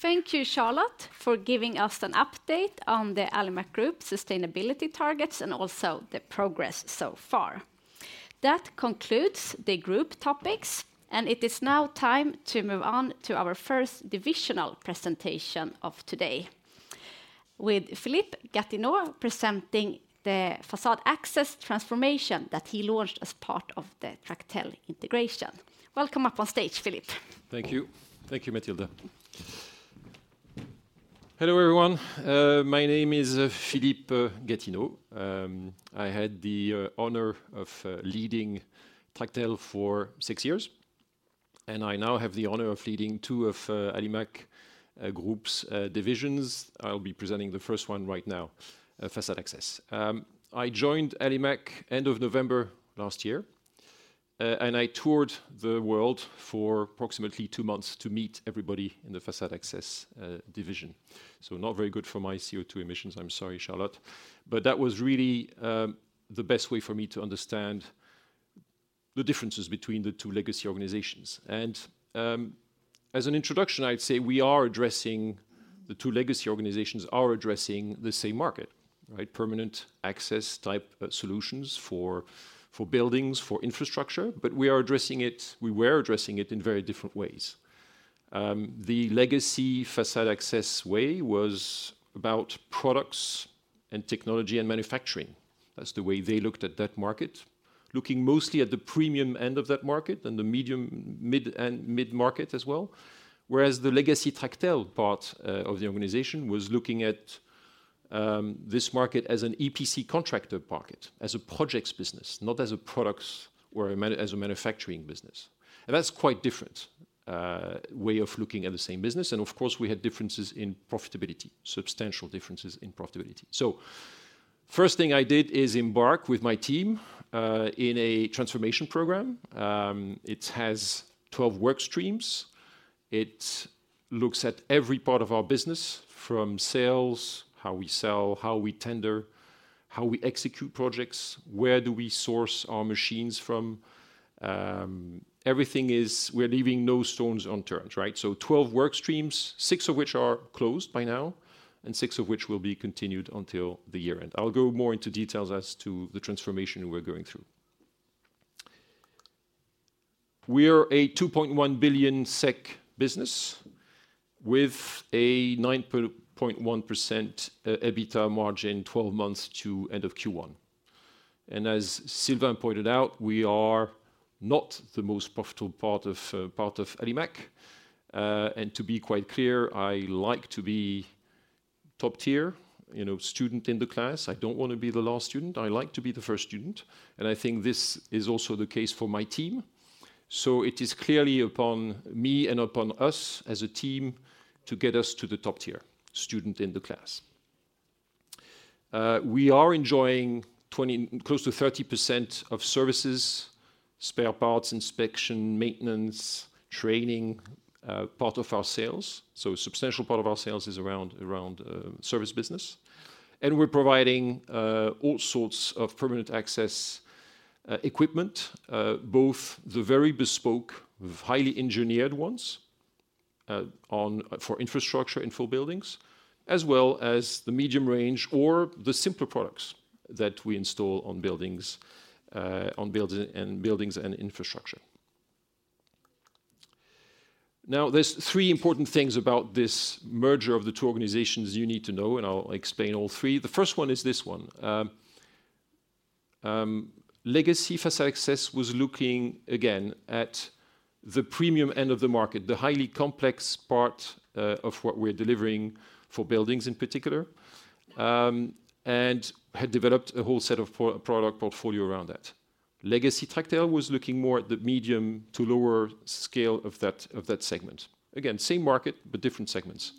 [SPEAKER 1] Thank you, Charlotte, for giving us an update on the Alimak Group sustainability targets and also the progress so far. It is now time to move on to our first divisional presentation of today, with Philippe Gardien presenting the Facade Access Division transformation that he launched as part of the Tractel integration. Welcome up on stage, Philippe.
[SPEAKER 5] Thank you. Thank you, Mathilda. Hello, everyone, my name is Philippe Gardien. I had the honor of leading Tractel for six years, and I now have the honor of leading two of Alimak Group's divisions. I'll be presenting the first one right now, Facade Access Division. I joined Alimak end of November last year, and I toured the world for approximately two months to meet everybody in the Facade Access Division division. Not very good for my CO₂ emissions, I'm sorry, Charlotte, but that was really the best way for me to understand the differences between the two legacy organizations. As an introduction, I'd say we are addressing the two legacy organizations are addressing the same market, right? Permanent access-type solutions for buildings, for infrastructure, we are addressing it in very different ways. The legacy Facade Access Division way was about products and technology and manufacturing. That's the way they looked at that market, looking mostly at the premium end of that market and the medium, mid, and mid-market as well. Whereas the legacy Tractel part of the organization was looking at this market as an EPC contractor market, as a projects business, not as a products or a manufacturing business. That's quite different way of looking at the same business, and of course, we had differences in profitability, substantial differences in profitability. First thing I did is embark with my team in a transformation program. It has 12 work streams. It looks at every part of our business, from sales, how we sell, how we tender, how we execute projects, where do we source our machines from. Everything is, we're leaving no stones unturned, right? Twelve work streams, six of which are closed by now, and six of which will be continued until the year end. I'll go more into details as to the transformation we're going through. We are a 2.1 billion SEK business with a 9.1% EBITDA margin, 12 months to end of Q1. As Sylvain pointed out, we are not the most profitable part of Alimak Group. To be quite clear, I like to be top tier, you know, student in the class. I don't want to be the last student. I like to be the 1st student, and I think this is also the case for my team. It is clearly upon me and upon us as a team to get us to the top tier student in the class. We are enjoying 20% to 30% of services, spare parts, inspection, maintenance, training, part of our sales. A substantial part of our sales is around service business. We're providing all sorts of permanent access equipment, both the very bespoke, highly engineered ones, for infrastructure and for buildings, as well as the medium range or the simpler products that we install on buildings, and buildings and infrastructure. Now, there's three important things about this merger of the two organizations you need to know, and I'll explain all three. The 1st one is this one. Legacy Facade Access Division was looking again at the premium end of the market, the highly complex part of what we're delivering for buildings in particular, and had developed a whole set of product portfolio around that. Legacy Tractel was looking more at the medium to lower scale of that segment. Same market, but different segments.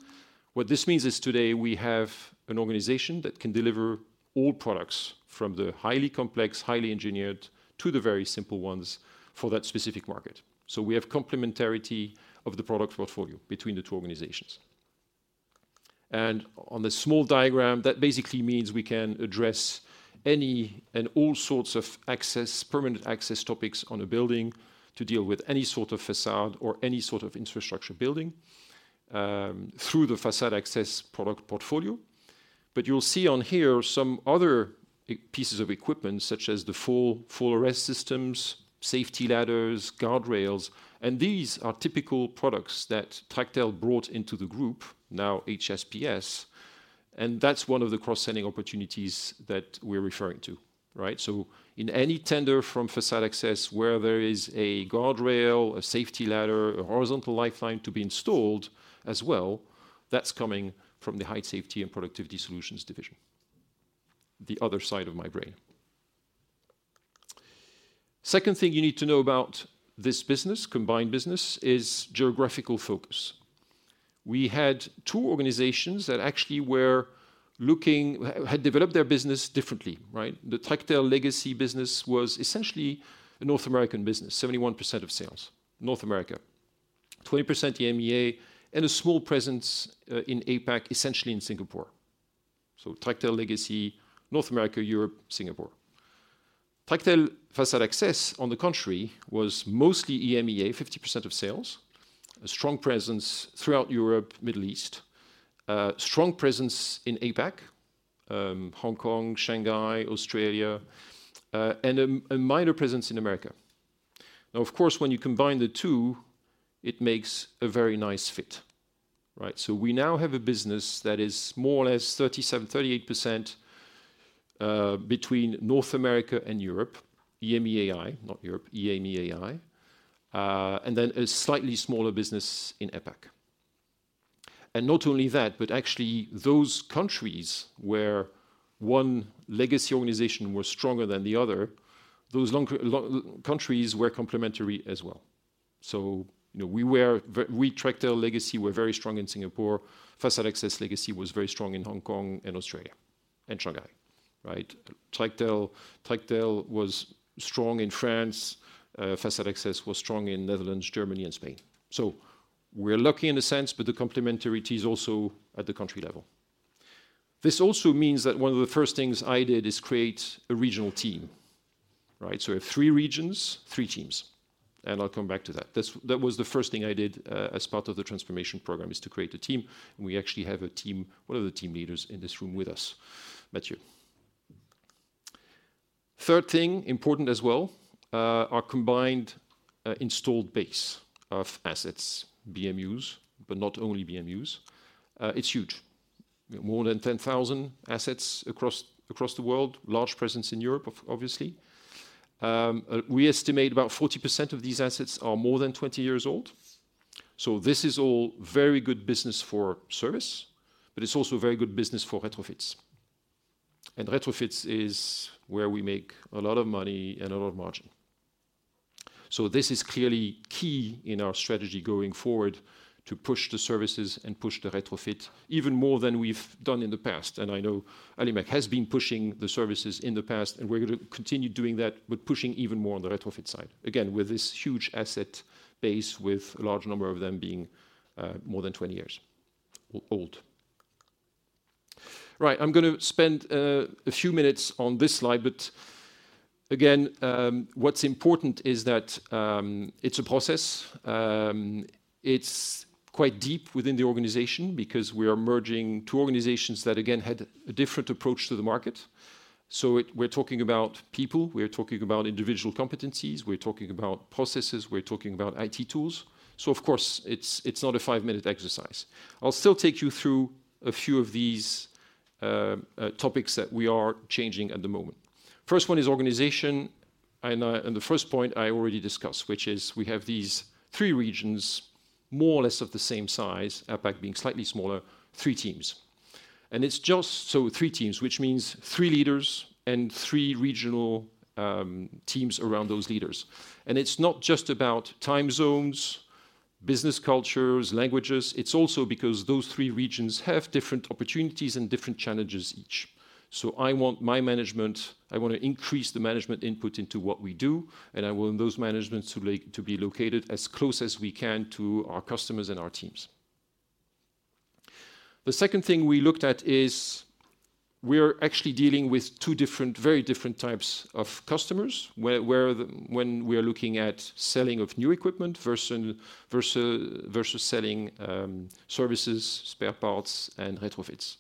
[SPEAKER 5] What this means is today we have an organization that can deliver all products, from the highly complex, highly engineered, to the very simple ones for that specific market. We have complementarity of the product portfolio between the two organizations. On this small diagram, that basically means we can address any and all sorts of access, permanent access topics on a building to deal with any sort of facade or any sort of infrastructure building, through the Facade Access Division product portfolio. You'll see on here some other pieces of equipment, such as the fall arrest systems, safety ladders, guardrails, and these are typical products that Tractel brought into the group, now HSPS, and that's one of the cross-selling opportunities that we're referring to, right? In any tender from Facade Access Division, where there is a guardrail, a safety ladder, a horizontal lifeline to be installed as well, that's coming from the Height Safety and Productivity Solutions division, the other side of my brain. Second thing you need to know about this business, combined business, is geographical focus. We had two organizations that actually were looking, had developed their business differently, right? The Tractel legacy business was essentially a North American business, 71% of sales, North America, 20% EMEA, and a small presence in APAC, essentially in Singapore. Tractel legacy, North America, Europe, Singapore. Of course, when you combine the two, it makes a very nice fit, right? We now have a business that is more or less 37% to 38% between North America and Europe, EMEAI, not Europe, EMEAI, and a slightly smaller business in APAC. Not only that, but actually, those countries where one legacy organization was stronger than the other, those long countries were complementary as well. You know, we were, Tractel legacy, were very strong in Singapore. Facade Access Division legacy was very strong in Hong Kong and Australia and Shanghai, right? Tractel was strong in France, Facade Access Division was strong in Netherlands, Germany and Spain. We're lucky in a sense, but the complementarity is also at the country level. This also means that one of the first things I did is create a regional team, right? We have three regions, three teams, and I'll come back to that. That was the first thing I did as part of the transformation program, is to create a team, and we actually have a team, one of the team leaders in this room with us, Matthew. Third thing, important as well, our combined installed base of assets, BMUs, but not only BMUs. It's huge. More than 10,000 assets across the world. Large presence in Europe, obviously. We estimate about 40% of these assets are more than 20 years old. This is all very good business for service, but it's also very good business for retrofits. Retrofits is where we make a lot of money and a lot of margin. This is clearly key in our strategy going forward to push the services and push the retrofit even more than we've done in the past. I know Alimak has been pushing the services in the past, and we're going to continue doing that, but pushing even more on the retrofit side. Again, with this huge asset base, with a large number of them being more than 20 years old. Right, I'm going to spend a few minutes on this slide, but again, what's important is that it's a process. It's quite deep within the organization because we are merging two organizations that, again, had a different approach to the market. We're talking about people, we're talking about individual competencies, we're talking about processes, we're talking about IT tools. Of course, it's not a five-minute exercise. I'll still take you through a few of these topics that we are changing at the moment. First one is organization. The first point I already discussed, which is three have these three regions, more or less of the same size, APAC being slightly smaller, three teams. three teams, which means three leaders and three regional teams around those leaders. It's not just about time zones, business cultures, languages, it's also because those three regions have different opportunities and different challenges each. I want my management, I want to increase the management input into what we do, and I want those managements to be located as close as we can to our customers and our teams. The second thing we looked at is we are actually dealing with two different, very different types of customers, where when we are looking at selling of new equipment versus selling services, spare parts, and retrofits.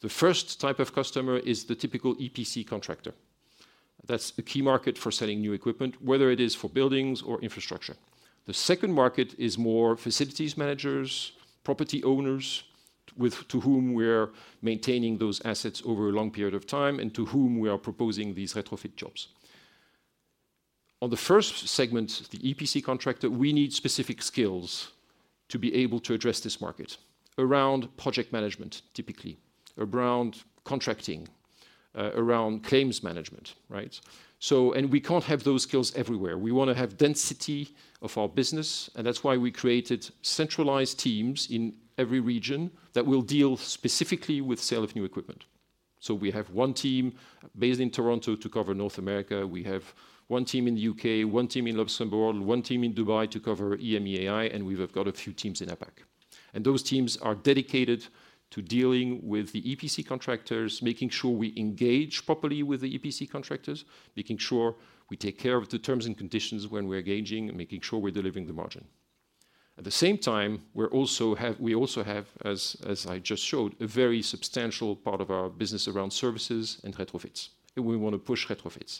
[SPEAKER 5] The first type of customer is the typical EPC contractor. That's a key market for selling new equipment, whether it is for buildings or infrastructure. The second market is more facilities managers, property owners, to whom we are maintaining those assets over a long period of time, and to whom we are proposing these retrofit jobs. On the first segment, the EPC contractor, we need specific skills to be able to address this market around project management, typically, around contracting, around claims management, right? We can't have those skills everywhere. We want to have density of our business, that's why we created centralized teams in every region that will deal specifically with sale of new equipment. We have one team based in Toronto to cover North America. We have one team in the UK, one team in Luxembourg, one team in Dubai to cover EMEAI, and we've got a few teams in APAC. Those teams are dedicated to dealing with the EPC contractors, making sure we engage properly with the EPC contractors, making sure we take care of the terms and conditions when we're engaging, and making sure we're delivering the margin. At the same time, we also have, as I just showed, a very substantial part of our business around services and retrofits, and we want to push retrofits.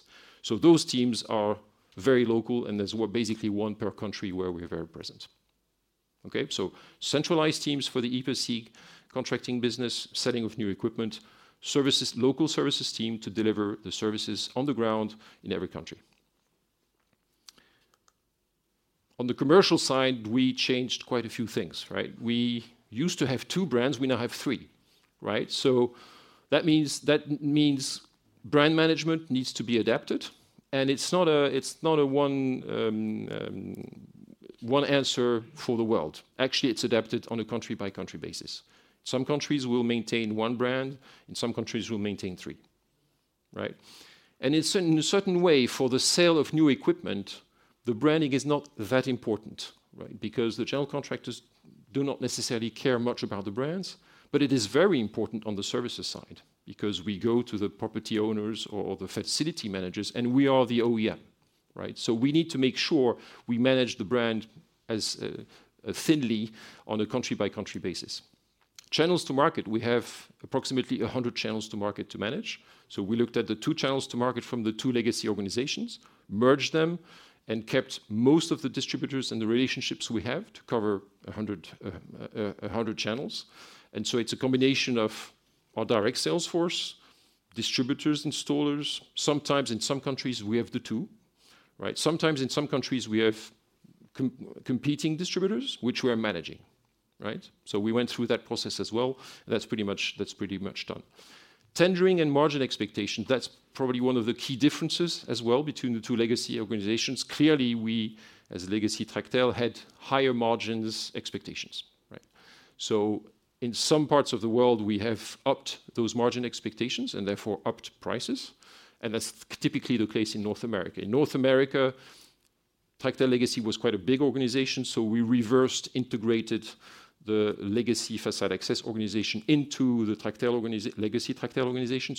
[SPEAKER 5] Those teams are very local and there's, well, basically one per country where we are very present. Okay, centralized teams for the EPC contracting business, selling of new equipment, services, local services team to deliver the services on the ground in every country. On the commercial side, we changed quite a few things, right? We used to have two brands. We now have three, right? That means brand management needs to be adapted, and it's not a, it's not a one answer for the world. Actually, it's adapted on a country-by-country basis. Some countries will maintain one brand, and some countries will maintain three. Right? In a certain way, for the sale of new equipment, the branding is not that important, right? The general contractors do not necessarily care much about the brands, but it is very important on the services side, because we go to the property owners or the facility managers, and we are the OEM, right? We need to make sure we manage the brand as thinly on a country-by-country basis. Channels to market, we have approximately 100 channels to market to manage. We looked at the two channels to market from the two legacy organizations, merged them, and kept most of the distributors and the relationships we have to cover 100 channels. It's a combination of our direct sales force, distributors, installers. Sometimes in some countries, we have the two, right? Sometimes in some countries, we have competing distributors, which we are managing, right? We went through that process as well. That's pretty much done. Tendering and margin expectation, that's probably one of the key differences as well between the two legacy organizations. Clearly, we, as legacy Tractel, had higher margins expectations, right? In some parts of the world, we have upped those margin expectations, and therefore upped prices, and that's typically the case in North America. In North America, Tractel legacy was quite a big organization. We reversed integrated the legacy Facade Access Division organization into the legacy Tractel organization.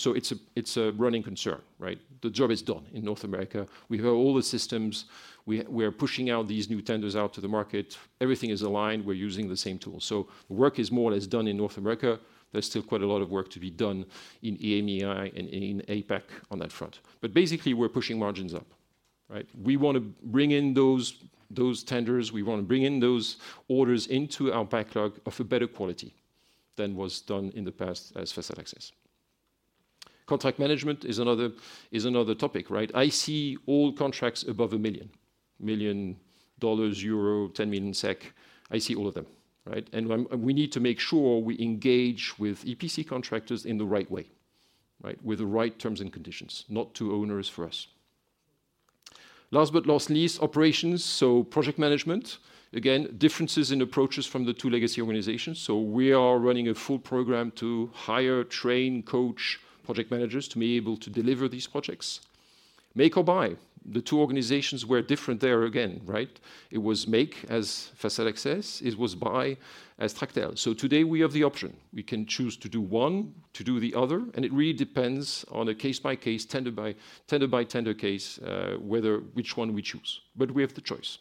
[SPEAKER 5] It's a running concern, right? The job is done in North America. We have all the systems. We are pushing out these new tenders out to the market. Everything is aligned. We're using the same tool. The work is more or less done in North America. There's still quite a lot of work to be done in EMEAI and in APAC on that front. Basically, we're pushing margins up, right? We wanna bring in those tenders. We wanna bring in those orders into our backlog of a better quality than was done in the past as Facade Access Division. Contract management is another topic, right? I see all contracts above 1 million: $1 million, EUR 1 million, SEK 10 million. I see all of them, right? We need to make sure we engage with EPC contractors in the right way, right? With the right terms and conditions, not too onerous for us. Last but not least, operations, so project management. Again, differences in approaches from the two legacy organizations. We are running a full program to hire, train, coach project managers to be able to deliver these projects. Make or buy, the two organizations were different there again, right? It was make as Facade Access Division, it was buy as Tractel. Today we have the option. We can choose to do one, to do the other, and it really depends on a case-by-case, tender-by-tender case, whether which one we choose, but we have the choice.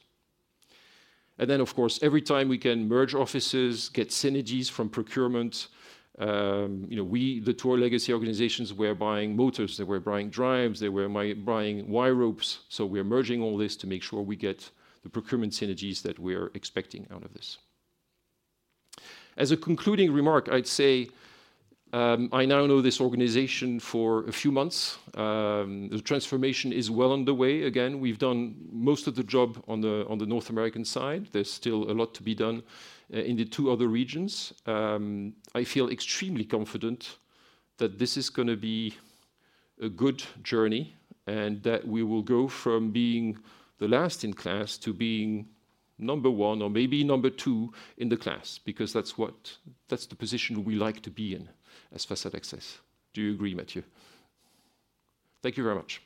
[SPEAKER 5] Then, of course, every time we can merge offices, get synergies from procurement, you know, we, the two legacy organizations, we're buying motors, they were buying drives, they were buying wire ropes. We are merging all this to make sure we get the procurement synergies that we are expecting out of this. As a concluding remark, I'd say, I now know this organization for a few months. The transformation is well on the way. Again, we've done most of the job on the, on the North American side. There's still a lot to be done in the two other regions. I feel extremely confident that this is gonna be a good journey, and that we will go from being the last in class to being number one or maybe number two in the class, because that's the position we like to be in as Facade Access Division. Do you agree, Mathilda? Thank you very much.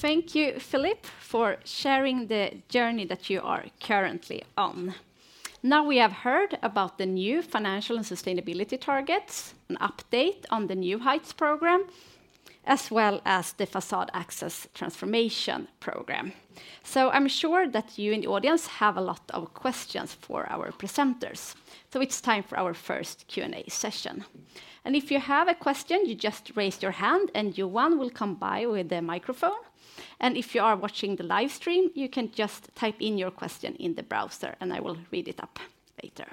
[SPEAKER 1] Thank you, Philippe, for sharing the journey that you are currently on. We have heard about the new financial and sustainability targets, an update on the New Heights program, as well as the Facade Access Division transformation program. I'm sure that you in the audience have a lot of questions for our presenters. It's time for our first Q&A session. If you have a question, you just raise your hand, and Johan will come by with a microphone. If you are watching the live stream, you can just type in your question in the browser, and I will read it up later.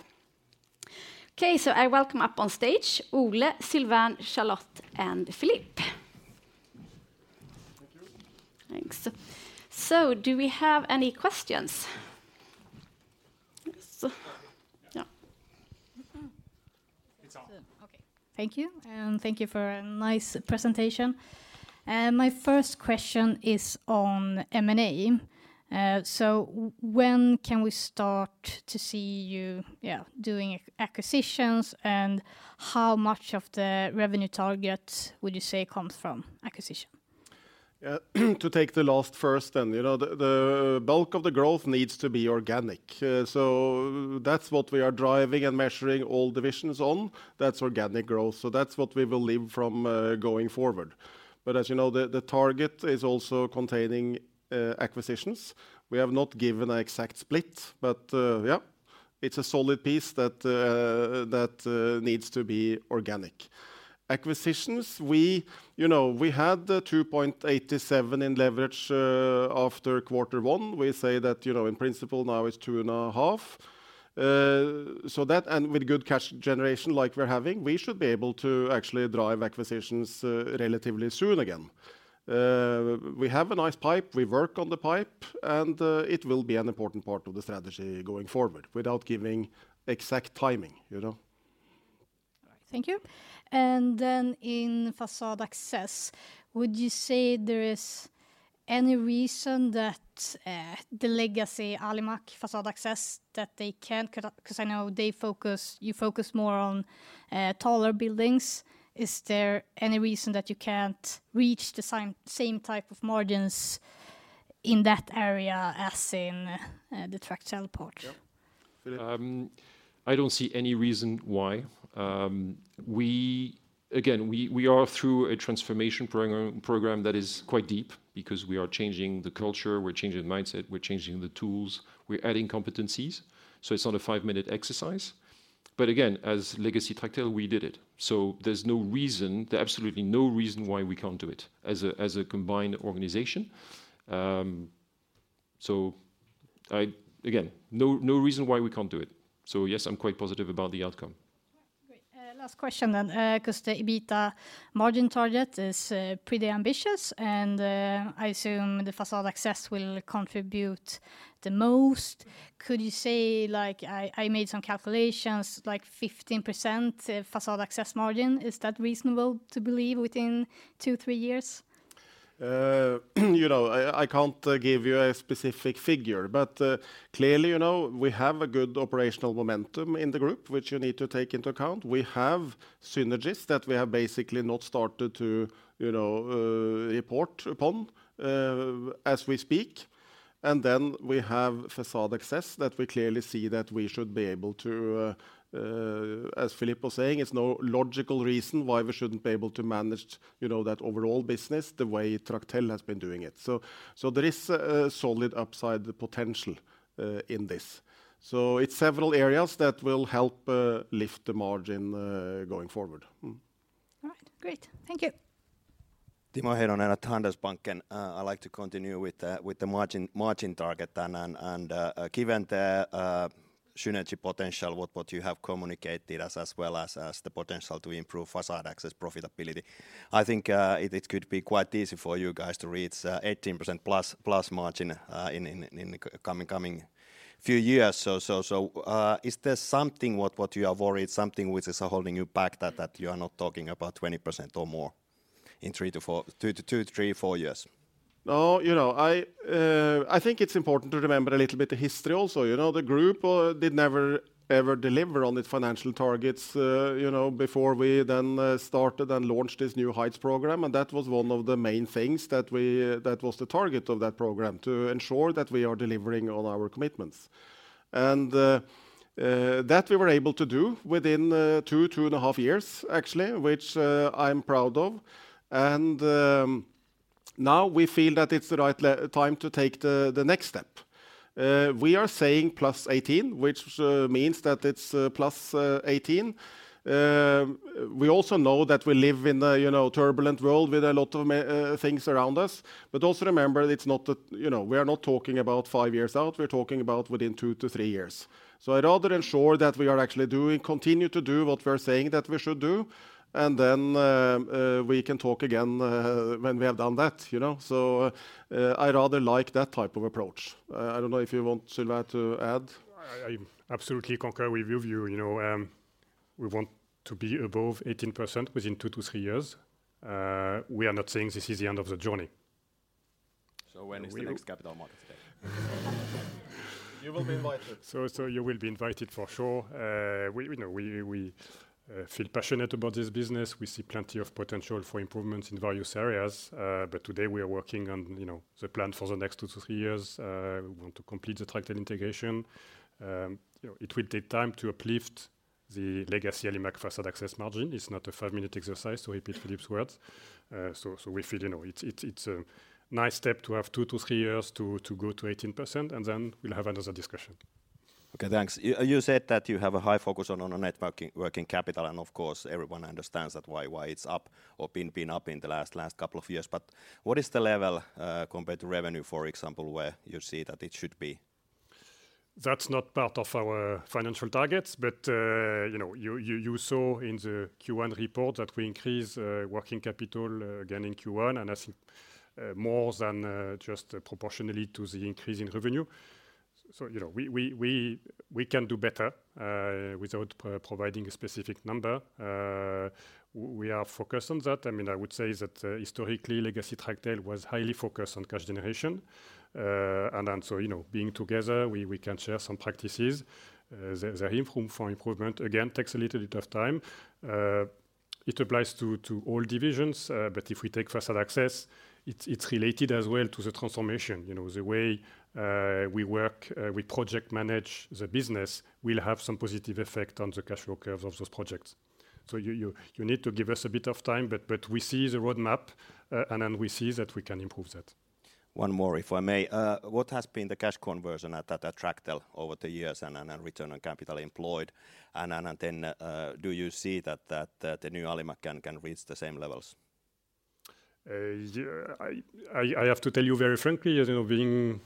[SPEAKER 1] I welcome up on stage Ole, Sylvain, Charlotte, and Philippe.
[SPEAKER 5] Thank you.
[SPEAKER 1] Thanks. Do we have any questions? Yes. Yeah.
[SPEAKER 6] It's on.
[SPEAKER 7] Okay. Thank you, and thank you for a nice presentation. My first question is on M&A. When can we start to see you, yeah, doing acquisitions, and how much of the revenue targets would you say comes from acquisition?
[SPEAKER 5] To take the last first, you know, the bulk of the growth needs to be organic. That's what we are driving and measuring all divisions on. That's organic growth, so that's what we will live from going forward. As you know, the target is also containing acquisitions. We have not given an exact split, but, yeah, it's a solid piece that needs to be organic. Acquisitions, we, you know, we had the 2.87x in leverage after Q1. We say that, you know, in principle now, it's 2.5x. That, and with good cash generation like we're having, we should be able to actually drive acquisitions relatively soon again. We have a nice pipe, we work on the pipe, and it will be an important part of the strategy going forward, without giving exact timing, you know?
[SPEAKER 7] Thank you. Then in Facade Access Division, would you say there is any reason that the legacy Alimak Facade Access Division, that they can't, because I know they focus, you focus more on taller buildings. Is there any reason that you can't reach the same type of margins in that area as in the Tractel part?
[SPEAKER 3] I don't see any reason why. again, we are through a transformation program that is quite deep because we are changing the culture, we're changing the mindset, we're changing the tools, we're adding competencies. it's not a five-minute exercise. again, as legacy Tractel, we did it. there's no reason, there's absolutely no reason why we can't do it as a combined organization. again, no reason why we can't do it. yes, I'm quite positive about the outcome.
[SPEAKER 7] Great. Last question then, 'cause the EBITDA margin target is pretty ambitious, and I assume the Facade Access Division will contribute the most. Could you say like I made some calculations, like 15% Facade Access Division margin, is that reasonable to believe within 2-3 years?
[SPEAKER 2] You know, I can't give you a specific figure, but clearly, you know, we have a good operational momentum in the group, which you need to take into account. We have synergies that we have basically not started to, you know, report upon as we speak. We have Facade Access Division that we clearly see that we should be able to, as Philippe was saying, there's no logical reason why we shouldn't be able to manage, you know, that overall business the way Tractel has been doing it. There is a solid upside potential in this. It's several areas that will help lift the margin going forward. Mm-hmm.
[SPEAKER 7] All right. Great. Thank you.
[SPEAKER 8] Timo Heinonen at Handelsbanken. I'd like to continue with the margin target then, and given the synergy potential, what you have communicated as well as the potential to improve Facade Access Division profitability, I think it could be quite easy for you guys to reach 18% plus margin in the coming few years. Is there something what you are worried, something which is holding you back that you are not talking about 20% or more in two, three, four years?
[SPEAKER 2] No, you know, I think it's important to remember a little bit of history also. You know, the group did never ever deliver on its financial targets, you know, before we then started and launched this New Heights program. That was one of the main things that was the target of that program, to ensure that we are delivering on our commitments. That we were able to do within two and a half years, actually, which I'm proud of. Now we feel that it's the right time to take the next step. We are saying plus 18, which means that it's plus 18. We also know that we live in a, you know, turbulent world with a lot of things around us. Also remember, it's not that. You know, we are not talking about five years out, we're talking about within two to three years. I'd rather ensure that we are actually doing, continue to do what we are saying that we should do, and then we can talk again when we have done that, you know. I'd rather like that type of approach. I don't know if you want Sylvain to add.
[SPEAKER 3] I absolutely concur with your view. You know, we want to be above 18% within two to three years. We are not saying this is the end of the journey.
[SPEAKER 8] When is the next Capital Markets Day?
[SPEAKER 2] You will be invited.
[SPEAKER 3] You will be invited for sure. We, you know, we feel passionate about this business. We see plenty of potential for improvements in various areas, today we are working on, you know, the plan for the next two to three years. We want to complete the Tractel integration. You know, it will take time to uplift the legacy Alimak Facade Access Division margin. It's not a five-minute exercise, I repeat Philippe's words. We feel, you know, it's a nice step to have two to three years to go to 18%, then we'll have another discussion.
[SPEAKER 8] Okay, thanks. You said that you have a high focus on a net working capital, and of course, everyone understands that why it's up or been up in the last couple of years. What is the level, compared to revenue, for example, where you see that it should be?
[SPEAKER 3] That's not part of our financial targets, you know, you saw in the Q1 report that we increased working capital again in Q1, and I think, more than just proportionally to the increase in revenue. You know, we can do better without providing a specific number. We are focused on that. I mean, I would say that historically, legacy Tractel was highly focused on cash generation. You know, being together, we can share some practices. The room for improvement, again, takes a little bit of time. It applies to all divisions, but if we take Facade Access Division, it's related as well to the transformation. You know, the way we work, we project manage the business will have some positive effect on the cash flow curve of those projects. You need to give us a bit of time, but we see the roadmap, and then we see that we can improve that.
[SPEAKER 8] One more, if I may. What has been the cash conversion at Tractel over the years and return on capital employed? Do you see that the new Alimak Group can reach the same levels?
[SPEAKER 3] Yeah, I have to tell you very frankly, you know, being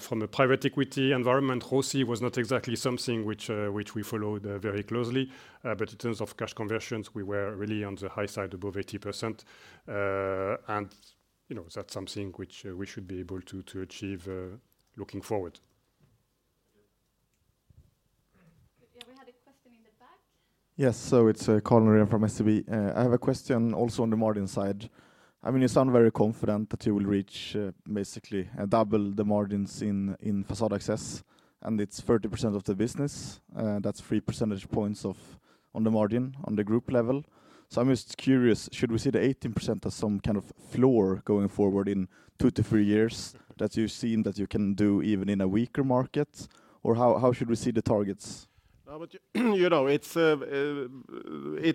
[SPEAKER 3] from a private equity environment, ROCE was not exactly something which we followed very closely. In terms of cash conversions, we were really on the high side, above 80%. You know, that's something which we should be able to achieve looking forward.
[SPEAKER 9] Yeah, we had a question in the back?
[SPEAKER 10] It's Carl-Johan Söderberg from SEB. I have a question also on the margin side. I mean, you sound very confident that you will reach basically double the margins in Facade Access Division, and it's 30% of the business, that's 3% margin, on the group level. I'm just curious, should we see the 18% as some kind of floor going forward in two to three years, that you've seen that you can do even in a weaker market? Or how should we see the targets?
[SPEAKER 2] No, but, you know, it's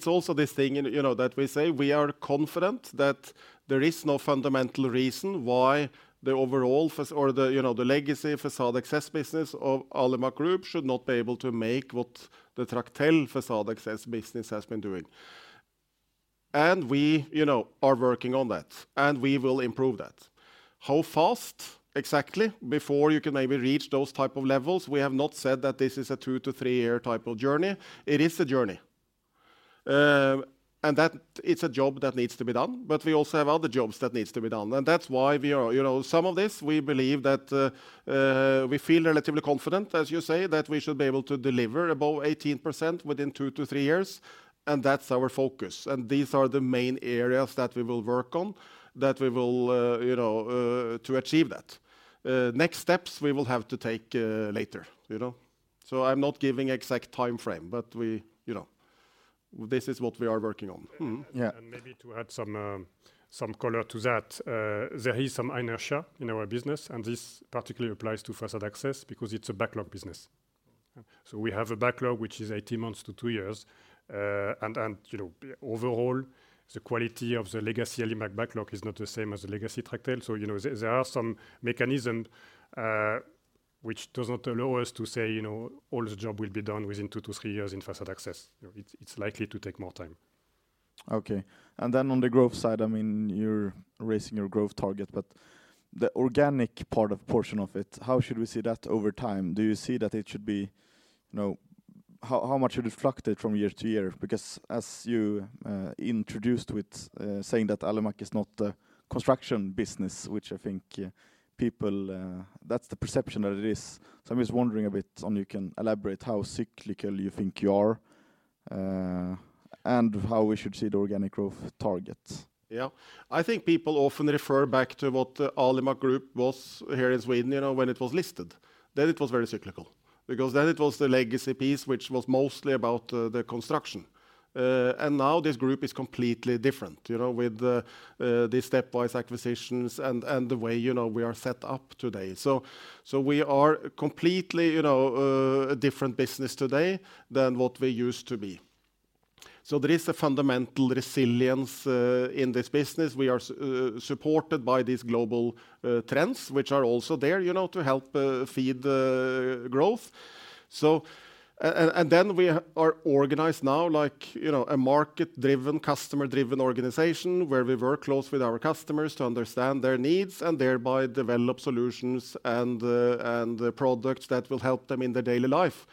[SPEAKER 2] also this thing, you know, that we say we are confident that there is no fundamental reason why the overall or the, you know, the legacy facade access business of Alimak Group should not be able to make what the Tractel Facade Access business has been doing. And we, you know, are working on that, and we will improve that. How fast, exactly, before you can maybe reach those type of levels? We have not said that this is a two to three-year type of journey. It is a journey, and that it's a job that needs to be done, but we also have other jobs that needs to be done. That's why we are, you know, some of this, we believe that we feel relatively confident, as you say, that we should be able to deliver above 18% within two to three years, and that's our focus. These are the main areas that we will work on, that we will, you know, to achieve that. Next steps, we will have to take later, you know? I'm not giving exact timeframe, but we, you know, this is what we are working on. Mm-hmm. Yeah.
[SPEAKER 3] Maybe to add some color to that, there is some inertia in our business, and this particularly applies to Facade Access Division because it's a backlog business. We have a backlog which is 18 months to two years. You know, overall, the quality of the legacy Alimak Group backlog is not the same as the legacy Tractel. You know, there are some mechanism which does not allow us to say, you know, all the job will be done within two to three years in Facade Access Division. You know, it's likely to take more time.
[SPEAKER 10] On the growth side, I mean, you're raising your growth target, but the organic portion of it, how should we see that over time? Do you see that it should be, you know, how much should it fluctuate from year to year? Because as you introduced with saying that Alimak is not a construction business, which I think people that's the perception that it is. I'm just wondering a bit on, you can elaborate how cyclical you think you are, and how we should see the organic growth targets.
[SPEAKER 2] Yeah. I think people often refer back to what Alimak Group was here in Sweden, you know, when it was listed. It was very cyclical, because then it was the legacy piece, which was mostly about the construction. Now this group is completely different, you know, with the stepwise acquisitions and the way, you know, we are set up today. We are completely, you know, a different business today than what we used to be. There is a fundamental resilience in this business. We are supported by these global trends, which are also there, you know, to help feed the growth. And then we are organized now, like, you know, a market-driven, customer-driven organization, where we work close with our customers to understand their needs and thereby develop solutions and the products that will help them in their daily life.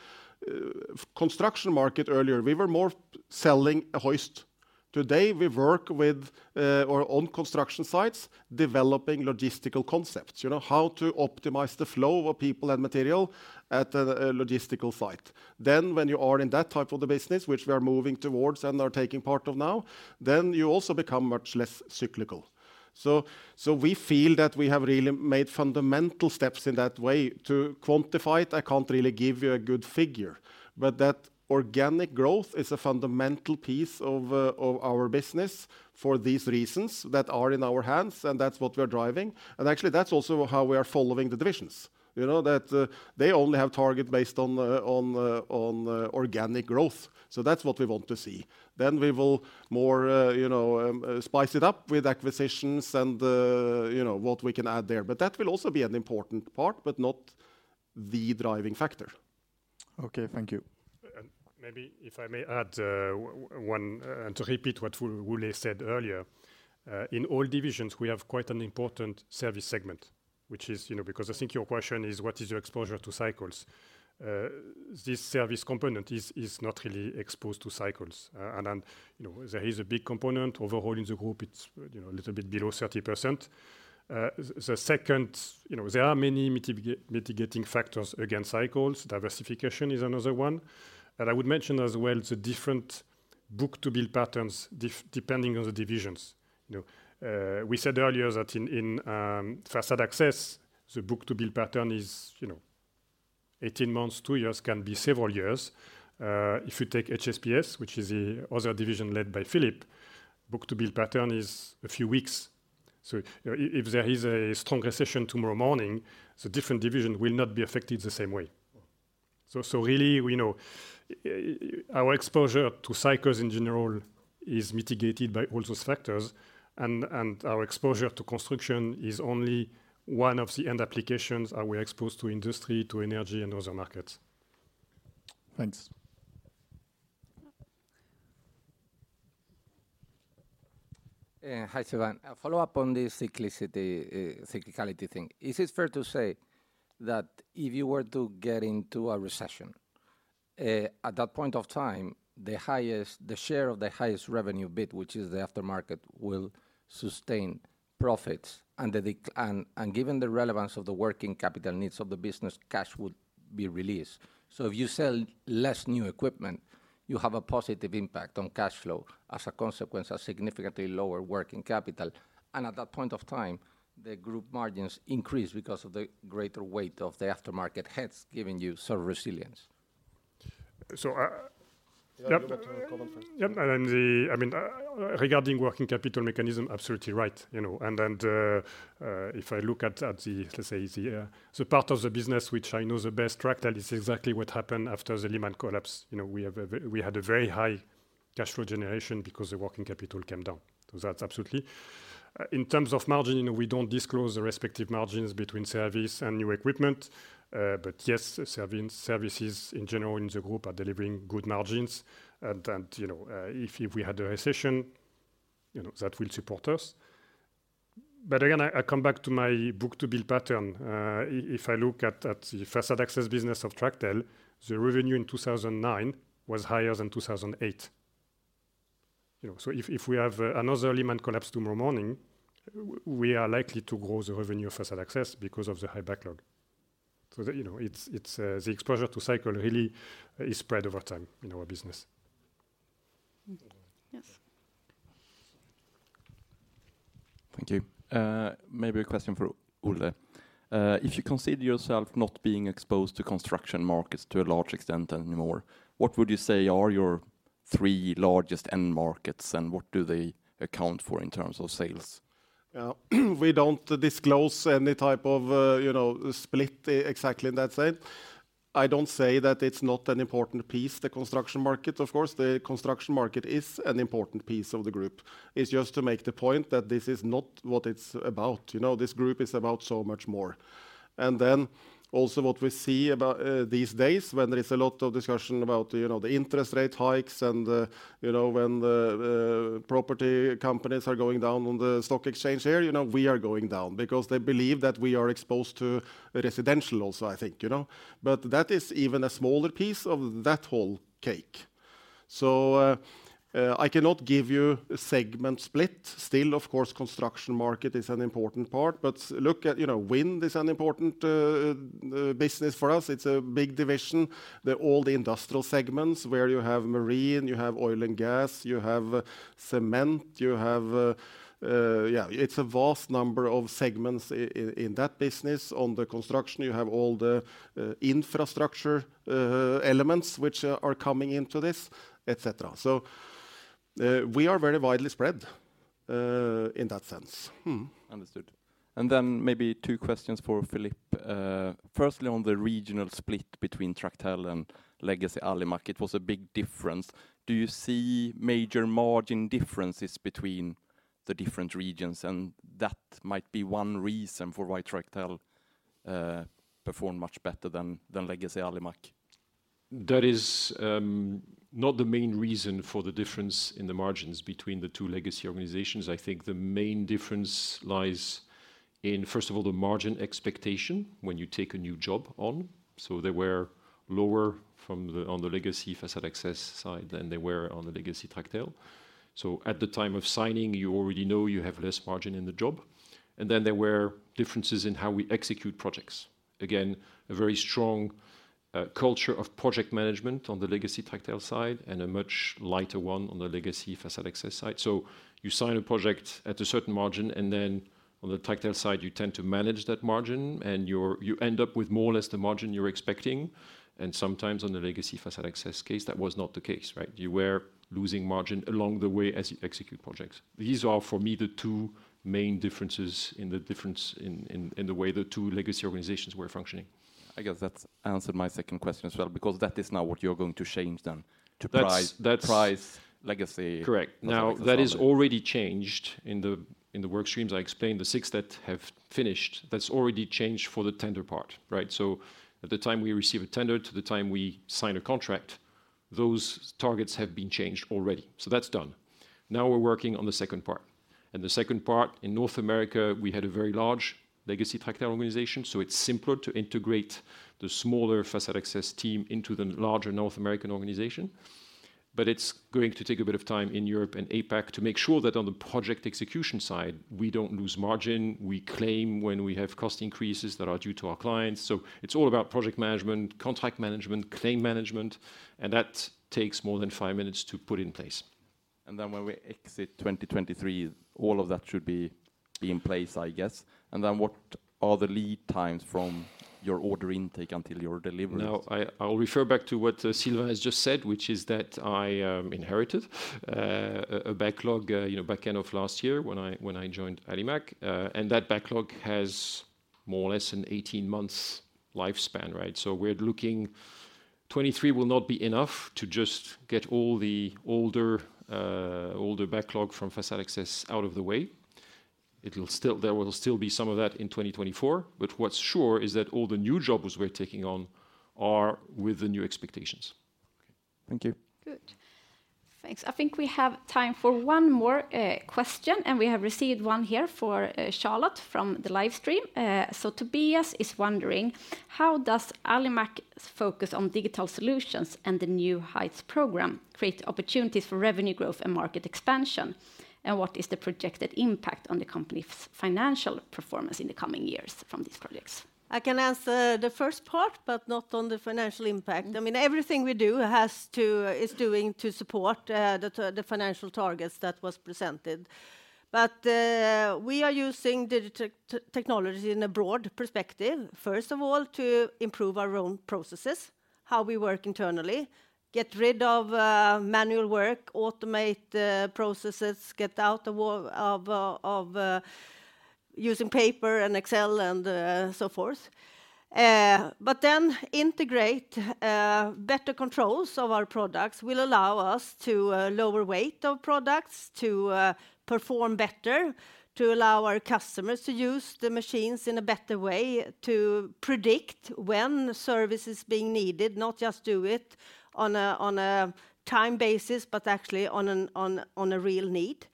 [SPEAKER 2] Construction market earlier, we were more selling a hoist. Today, we work with, or on construction sites, developing logistical concepts, you know, how to optimize the flow of people and material at a logistical site. When you are in that type of the business, which we are moving towards and are taking part of now, then you also become much less cyclical. So we feel that we have really made fundamental steps in that way. To quantify it, I can't really give you a good figure, that organic growth is a fundamental piece of our business for these reasons that are in our hands, and that's what we're driving. Actually, that's also how we are following the divisions. You know, that they only have target based on organic growth. That's what we want to see. We will more, you know, spice it up with acquisitions and, you know, what we can add there. That will also be an important part, but not the driving factor.
[SPEAKER 10] Okay, thank you.
[SPEAKER 3] Maybe if I may add, one, and to repeat what Rulle said earlier, in all divisions, we have quite an important service segment, which is, you know, because I think your question is, what is your exposure to cycles? This service component is not really exposed to cycles. And, you know, there is a big component overall in the group, it's, you know, a little bit below 30%. The second, you know, there are many mitigating factors against cycles. Diversification is another one. I would mention as well, the different book-to-bill patterns, depending on the divisions. You know, we said earlier that in Facade Access Division, the book-to-bill pattern is, you know, 18 months, two years, can be several years. If you take HSPS, which is the other division led by Philip, book-to-bill pattern is a few weeks. If there is a strong recession tomorrow morning, the different division will not be affected the same way. Really, we know, our exposure to cycles in general is mitigated by all those factors, our exposure to construction is only one of the end applications, and we're exposed to industry, to energy, and other markets.
[SPEAKER 10] Thanks.
[SPEAKER 9] Yeah.
[SPEAKER 7] Hi, Sylvain. A follow-up on this cyclicity, cyclicality thing. Is it fair to say that if you were to get into a recession- At that point of time, the share of the highest revenue bid, which is the aftermarket, will sustain profits. Given the relevance of the working capital needs of the business, cash will be released. If you sell less new equipment, you have a positive impact on cash flow as a consequence of significantly lower working capital. At that point of time, the group margins increase because of the greater weight of the aftermarket heads, giving you some resilience.
[SPEAKER 3] So, uh, yep-
[SPEAKER 6] Yeah, go on first.
[SPEAKER 3] Yep, I mean, regarding working capital mechanism, absolutely right, you know. If I look at the, let’s say, the part of the business which I know the best, Tractel, is exactly what happened after the Lehman collapse. You know, we had a very high cash flow generation because the working capital came down. That’s absolutely. In terms of margin, you know, we don’t disclose the respective margins between service and new equipment. Yes, services in general in the group are delivering good margins. You know, if we had a recession, you know, that will support us. Again, I come back to my book-to-bill pattern. If I look at the Facade Access Division business of Tractel, the revenue in 2009 was higher than 2008. You know, if we have another Lehman collapse tomorrow morning, we are likely to grow the revenue of Facade Access Division because of the high backlog. You know, it's, the exposure to cycle really is spread over time in our business.
[SPEAKER 7] Mm-hmm. Yes.
[SPEAKER 11] Thank you. Maybe a question for Ole. If you consider yourself not being exposed to construction markets to a large extent anymore, what would you say are your three largest end markets, and what do they account for in terms of sales?
[SPEAKER 2] Yeah, we don't disclose any type of, you know, split exactly in that sense. I don't say that it's not an important piece, the construction market, of course. The construction market is an important piece of the group. It's just to make the point that this is not what it's about. You know, this group is about so much more. Also what we see about these days, when there is a lot of discussion about, you know, the interest rate hikes and, you know, when the property companies are going down on the stock exchange here, you know, we are going down because they believe that we are exposed to residential also, I think, you know? That is even a smaller piece of that whole cake. I cannot give you a segment split. Still, of course, Construction market is an important part. Look at, you know, Wind is an important business for us. It's a big division. All the industrial segments, where you have marine, you have oil and gas, you have cement, you have. Yeah, it's a vast number of segments in that business. On the Construction, you have all the infrastructure elements which are coming into this, et cetera. We are very widely spread in that sense.
[SPEAKER 11] Understood. Maybe two questions for Philippe. Firstly, on the regional split between Tractel and legacy Alimak, it was a big difference. Do you see major margin differences between the different regions? That might be one reason for why Tractel performed much better than legacy Alimak.
[SPEAKER 5] That is not the main reason for the difference in the margins between the two legacy organizations. I think the main difference lies in, first of all, the margin expectation when you take a new job on. They were lower from the, on the legacy Facade Access Division side than they were on the legacy Tractel. At the time of signing, you already know you have less margin in the job. Then there were differences in how we execute projects. Again, a very strong culture of project management on the legacy Tractel side, and a much lighter one on the legacy Facade Access Division side. You sign a project at a certain margin, then on the Tractel side, you tend to manage that margin, and you end up with more or less the margin you're expecting. Sometimes on the legacy Facade Access Division case, that was not the case, right? You were losing margin along the way as you execute projects. These are, for me, the two main differences in the difference in, in the way the two legacy organizations were functioning.
[SPEAKER 11] I guess that's answered my second question as well, because that is now what you're going to change then, to price-
[SPEAKER 5] That's-
[SPEAKER 11] price legacy.
[SPEAKER 5] Correct.
[SPEAKER 11] Okay.
[SPEAKER 5] That is already changed in the work streams. I explained the six that have finished. That's already changed for the tender part, right? At the time we receive a tender to the time we sign a contract, those targets have been changed already, so that's done. We're working on the second part. The second part, in North America, we had a very large legacy Tractel organization, so it's simpler to integrate the smaller facade access team into the larger North American organization. It's going to take a bit of time in Europe and APAC to make sure that on the project execution side, we don't lose margin, we claim when we have cost increases that are due to our clients. It's all about project management, contract management, claim management, and that takes more than five minutes to put in place.
[SPEAKER 11] When we exit 2023, all of that should be in place, I guess. What are the lead times from your order intake until your deliverance?
[SPEAKER 5] I'll refer back to what Sylvain has just said, which is that I inherited a backlog, you know, back end of last year when I joined Alimak. That backlog has more or less an 18 months lifespan, right? We're looking... 2023 will not be enough to just get all the older backlog from Facade Access Division out of the way. There will still be some of that in 2024, but what's sure is that all the new jobs we're taking on are with the new expectations.
[SPEAKER 11] Okay. Thank you.
[SPEAKER 6] Good.
[SPEAKER 1] Thanks. I think we have time for one more question, and we have received one here for Charlotte from the live stream. Tobias is wondering, how does Alimak Group's focus on digital solutions and the New Heights Program create opportunities for revenue growth and market expansion? What is the projected impact on the company's financial performance in the coming years from these projects?
[SPEAKER 4] I can answer the first part, but not on the financial impact. I mean, everything we do is doing to support the financial targets that was presented. We are using technology in a broad perspective, first of all, to improve our own processes, how we work internally, get rid of manual work, automate processes, get out of using paper and Excel and so forth. Integrate better controls of our products will allow us to lower weight of products, to perform better, to allow our customers to use the machines in a better way, to predict when service is being needed, not just do it on a time basis, but actually on a real need.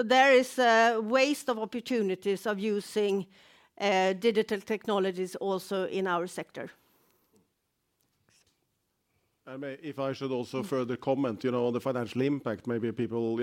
[SPEAKER 4] There is a waste of opportunities of using digital technologies also in our sector.
[SPEAKER 2] I may, if I should also further comment, you know, on the financial impact, maybe people.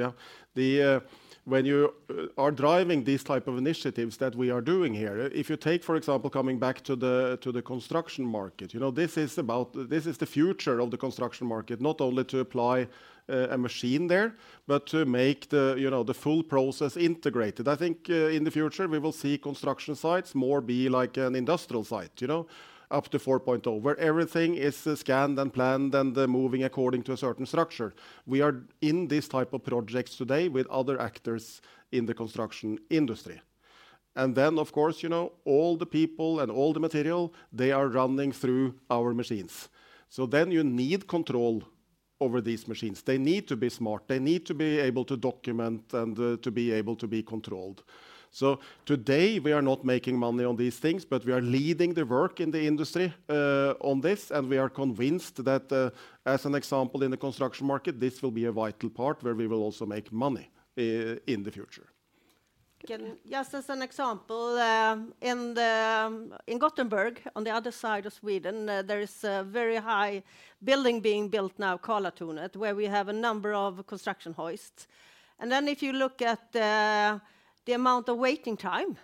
[SPEAKER 2] When you are driving these type of initiatives that we are doing here, if you take, for example, coming back to the, to the construction market, you know, this is the future of the construction market, not only to apply a machine there, but to make the, you know, the full process integrated. I think in the future, we will see construction sites more be like an industrial site, you know, up to 4.0x, where everything is scanned and planned, and they're moving according to a certain structure. We are in these type of projects today with other actors in the construction industry. Then, of course, you know, all the people and all the material, they are running through our machines. You need control over these machines. They need to be smart. They need to be able to document and to be able to be controlled. Today, we are not making money on these things, but we are leading the work in the industry on this, and we are convinced that, as an example, in the construction market, this will be a vital part where we will also make money in the future.
[SPEAKER 4] Can just as an example, in Gothenburg, on the other side of Sweden, there is a very high building being built now, Karlatornet, where we have a number of construction hoists. If you look at the amount of waiting time,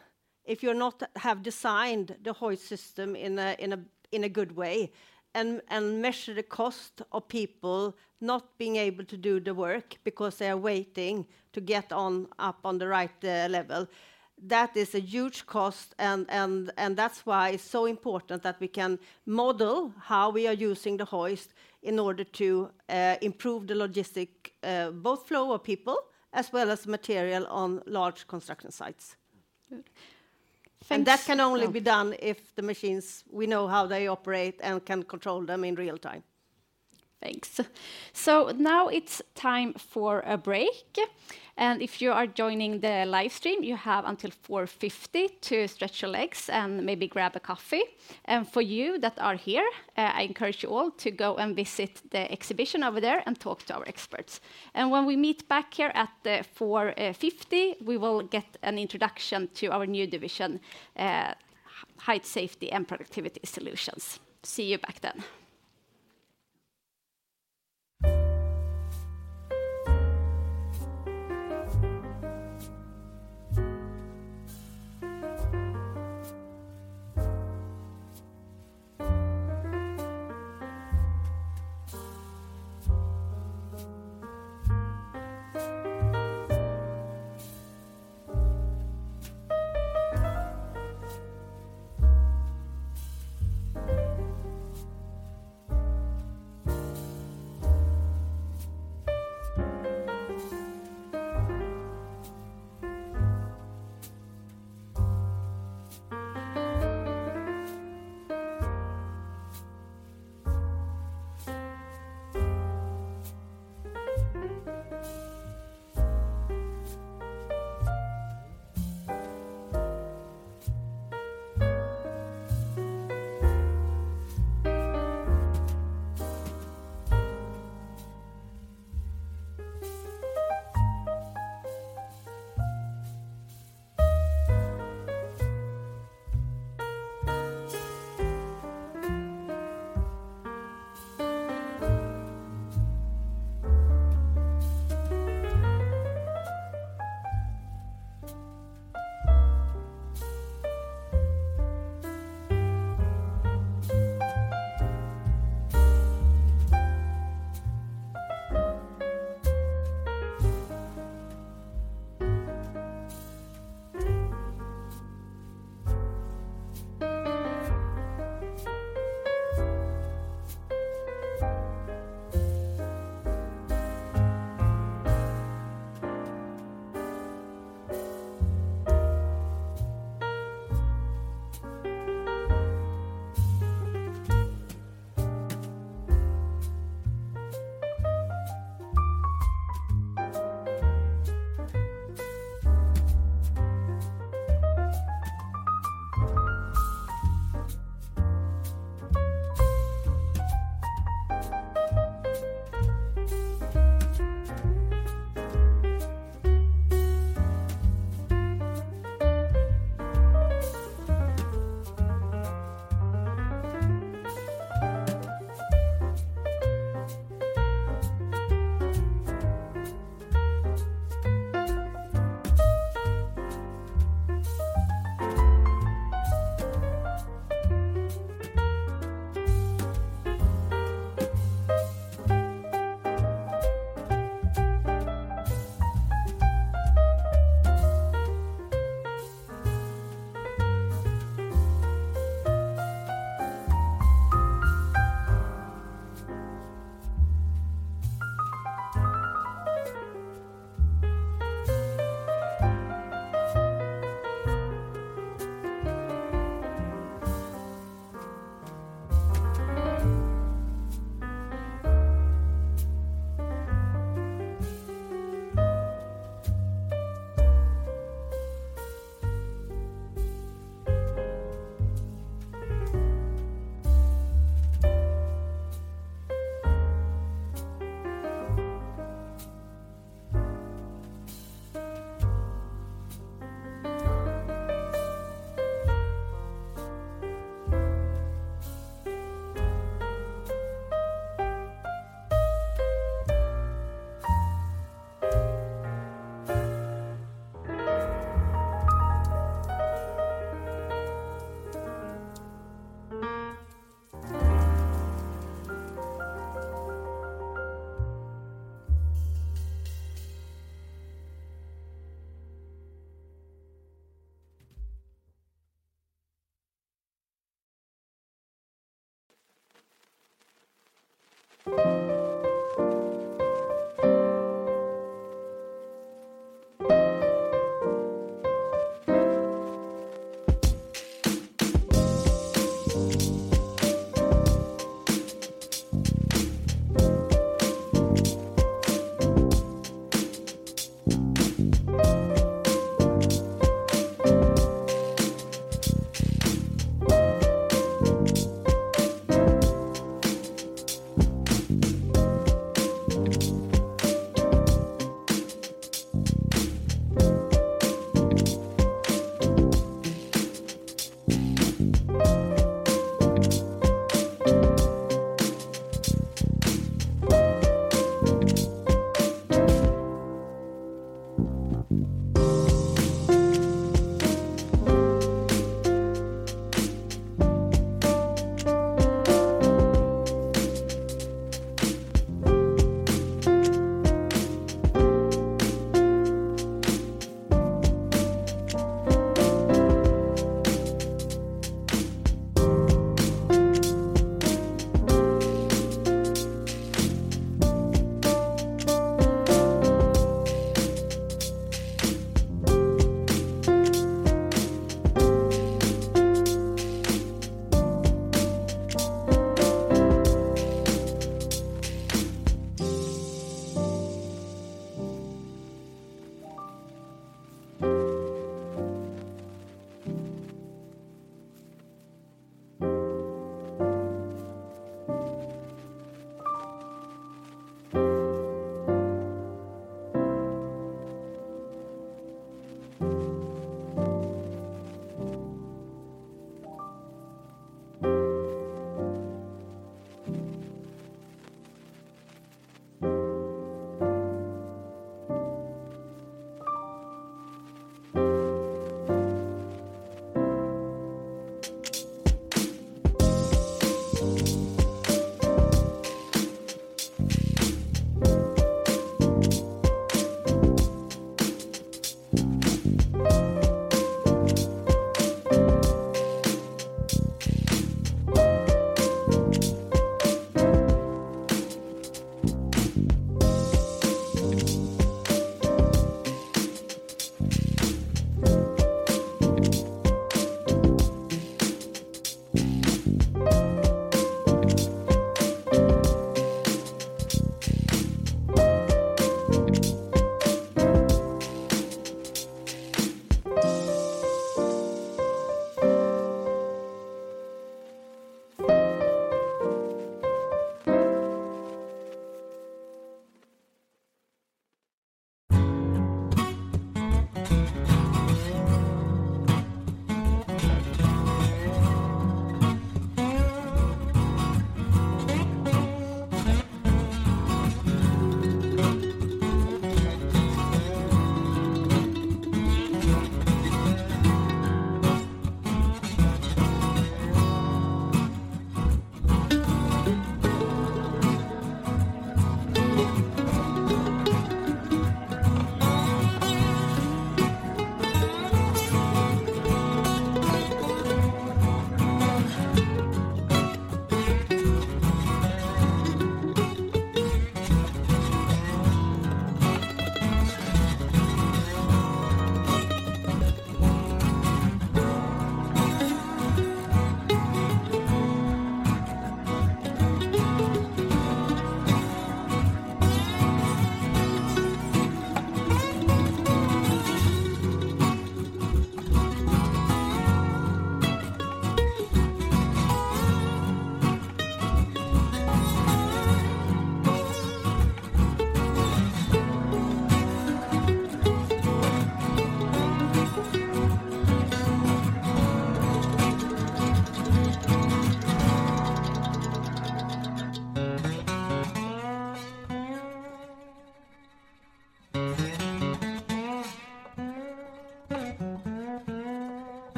[SPEAKER 4] if you're not have designed the hoist system in a, in a, in a good way, and measure the cost of people not being able to do the work because they are waiting to get on, up on the right level, that is a huge cost, and that's why it's so important that we can model how we are using the hoist in order to improve the logistic both flow of people as well as material on large construction sites.
[SPEAKER 1] Good. Thanks.
[SPEAKER 4] That can only be done if the machines, we know how they operate and can control them in real time.
[SPEAKER 1] Thanks. Now it's time for a break. If you are joining the live stream, you have until 4:50 to stretch your legs and maybe grab a coffee. For you that are here, I encourage you all to go and visit the exhibition over there and talk to our experts. When we meet back here at 4:50, we will get an introduction to our new division, Height Safety and Productivity Solutions. See you back then.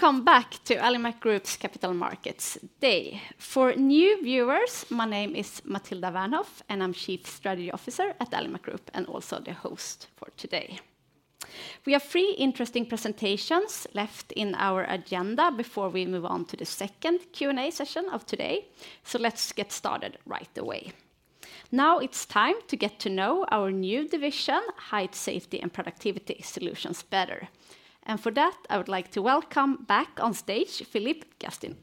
[SPEAKER 1] Welcome back to Alimak Group's Capital Markets Day. For new viewers, my name is Mathilda Wernhoff, and I'm Chief Strategy Officer at Alimak Group, and also the host for today. We have three interesting presentations left in our agenda before we move on to the second Q&A session of today. Let's get started right away. Now it's time to get to know our new division, Height Safety and Productivity Solutions, better. For that, I would like to welcome back on stage, Philippe Gardien.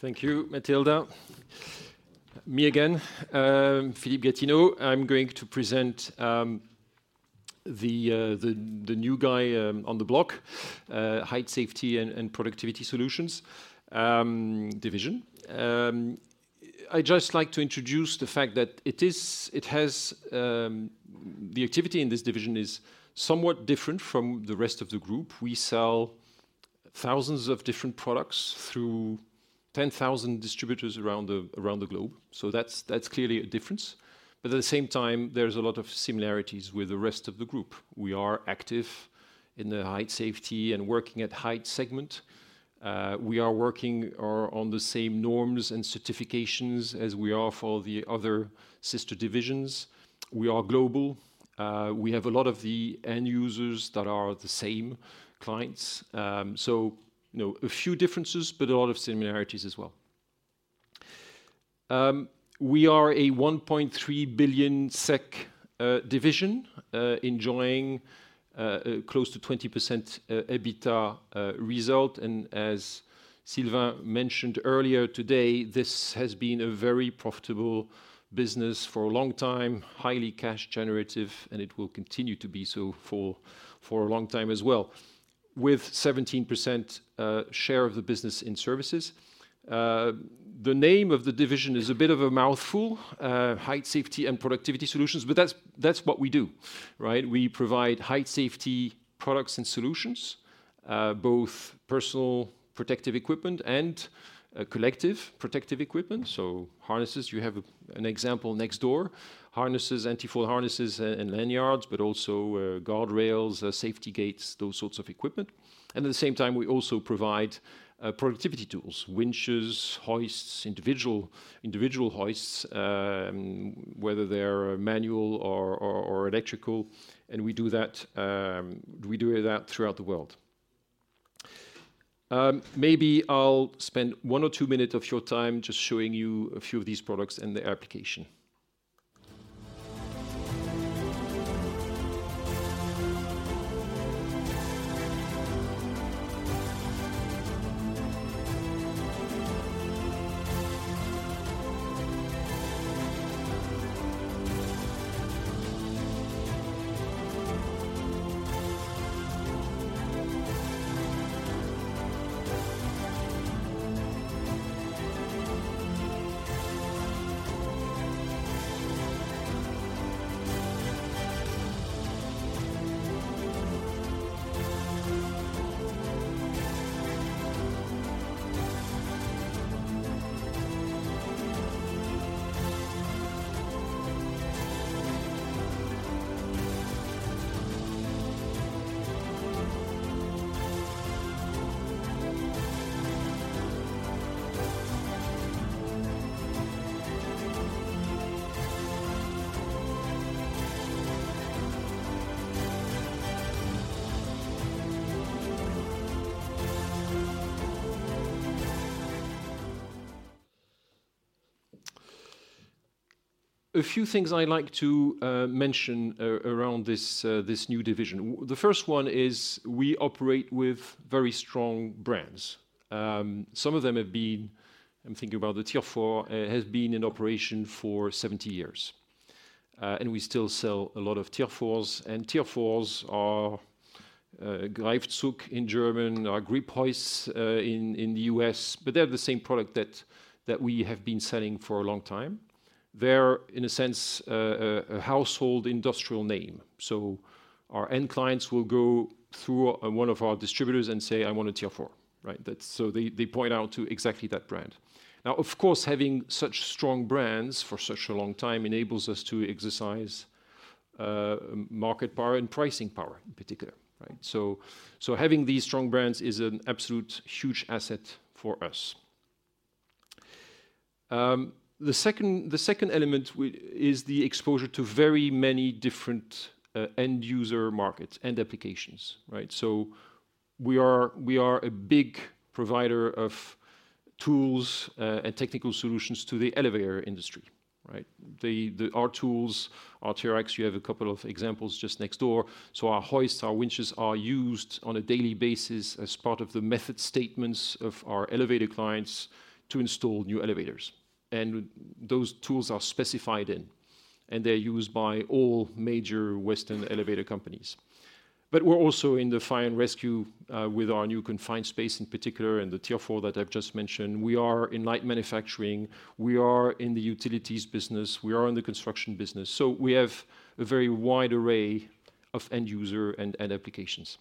[SPEAKER 5] Thank you, Mathilda. Me again, Philippe Gardien. I'm going to present the new guy on the block, Height Safety and Productivity Solutions division. I'd just like to introduce the fact that it has the activity in this division is somewhat different from the rest of the Group. We sell thousands of different products through 10,000 distributors around the globe, so that's clearly a difference. At the same time, there's a lot of similarities with the rest of the Group. We are active in the height safety and working at height segment. We are working on the same norms and certifications as we are for the other sister divisions. We are global. We have a lot of the end users that are the same clients. You know, a few differences, but a lot of similarities as well. We are a 1.3 billion SEK division enjoying close to 20% EBITDA result. As Sylvain mentioned earlier today, this has been a very profitable business for a long time, highly cash generative, and it will continue to be so for a long time as well. With 17% share of the business in services, the name of the division is a bit of a mouthful, Height Safety and Productivity Solutions, but that's what we do, right? We provide height safety products and solutions, both personal protective equipment and collective protective equipment. Harnesses, you have an example next door. Harnesses, anti-fall harnesses and lanyards, but also guardrails, safety gates, those sorts of equipment. At the same time, we also provide productivity tools, winches, hoists, individual hoists, whether they're manual or electrical, and we do that throughout the world. Maybe I'll spend one or two minutes of your time just showing you a few of these products and their application. A few things I'd like to mention around this new division. The first one is we operate with very strong brands. Some of them have been, I'm thinking about the Tirfor, has been in operation for 70 years. We still sell a lot of Tirfors, and Tirfors are Greifzug in German, or Grip-Hoist, in the U.S., but they're the same product that we have been selling for a long time. They're, in a sense, a household industrial name. Our end clients will go through one of our distributors and say, "I want a Tirfor." Right? They point out to exactly that brand. Of course, having such strong brands for such a long time enables us to exercise market power and pricing power in particular, right? Having these strong brands is an absolute huge asset for us. The second element is the exposure to very many different end user markets and applications, right? We are a big provider of tools and technical solutions to the elevator industry, right? Our tools, our TRX, you have a couple of examples just next door. Our hoists, our winches, are used on a daily basis as part of the method statements of our elevator clients to install new elevators, and those tools are specified in, and they're used by all major Western elevator companies. We're also in the fire and rescue with our new confined space in particular, and the Tirfor that I've just mentioned. We are in light manufacturing, we are in the utilities business, we are in the construction business, so we have a very wide array of end user and applications.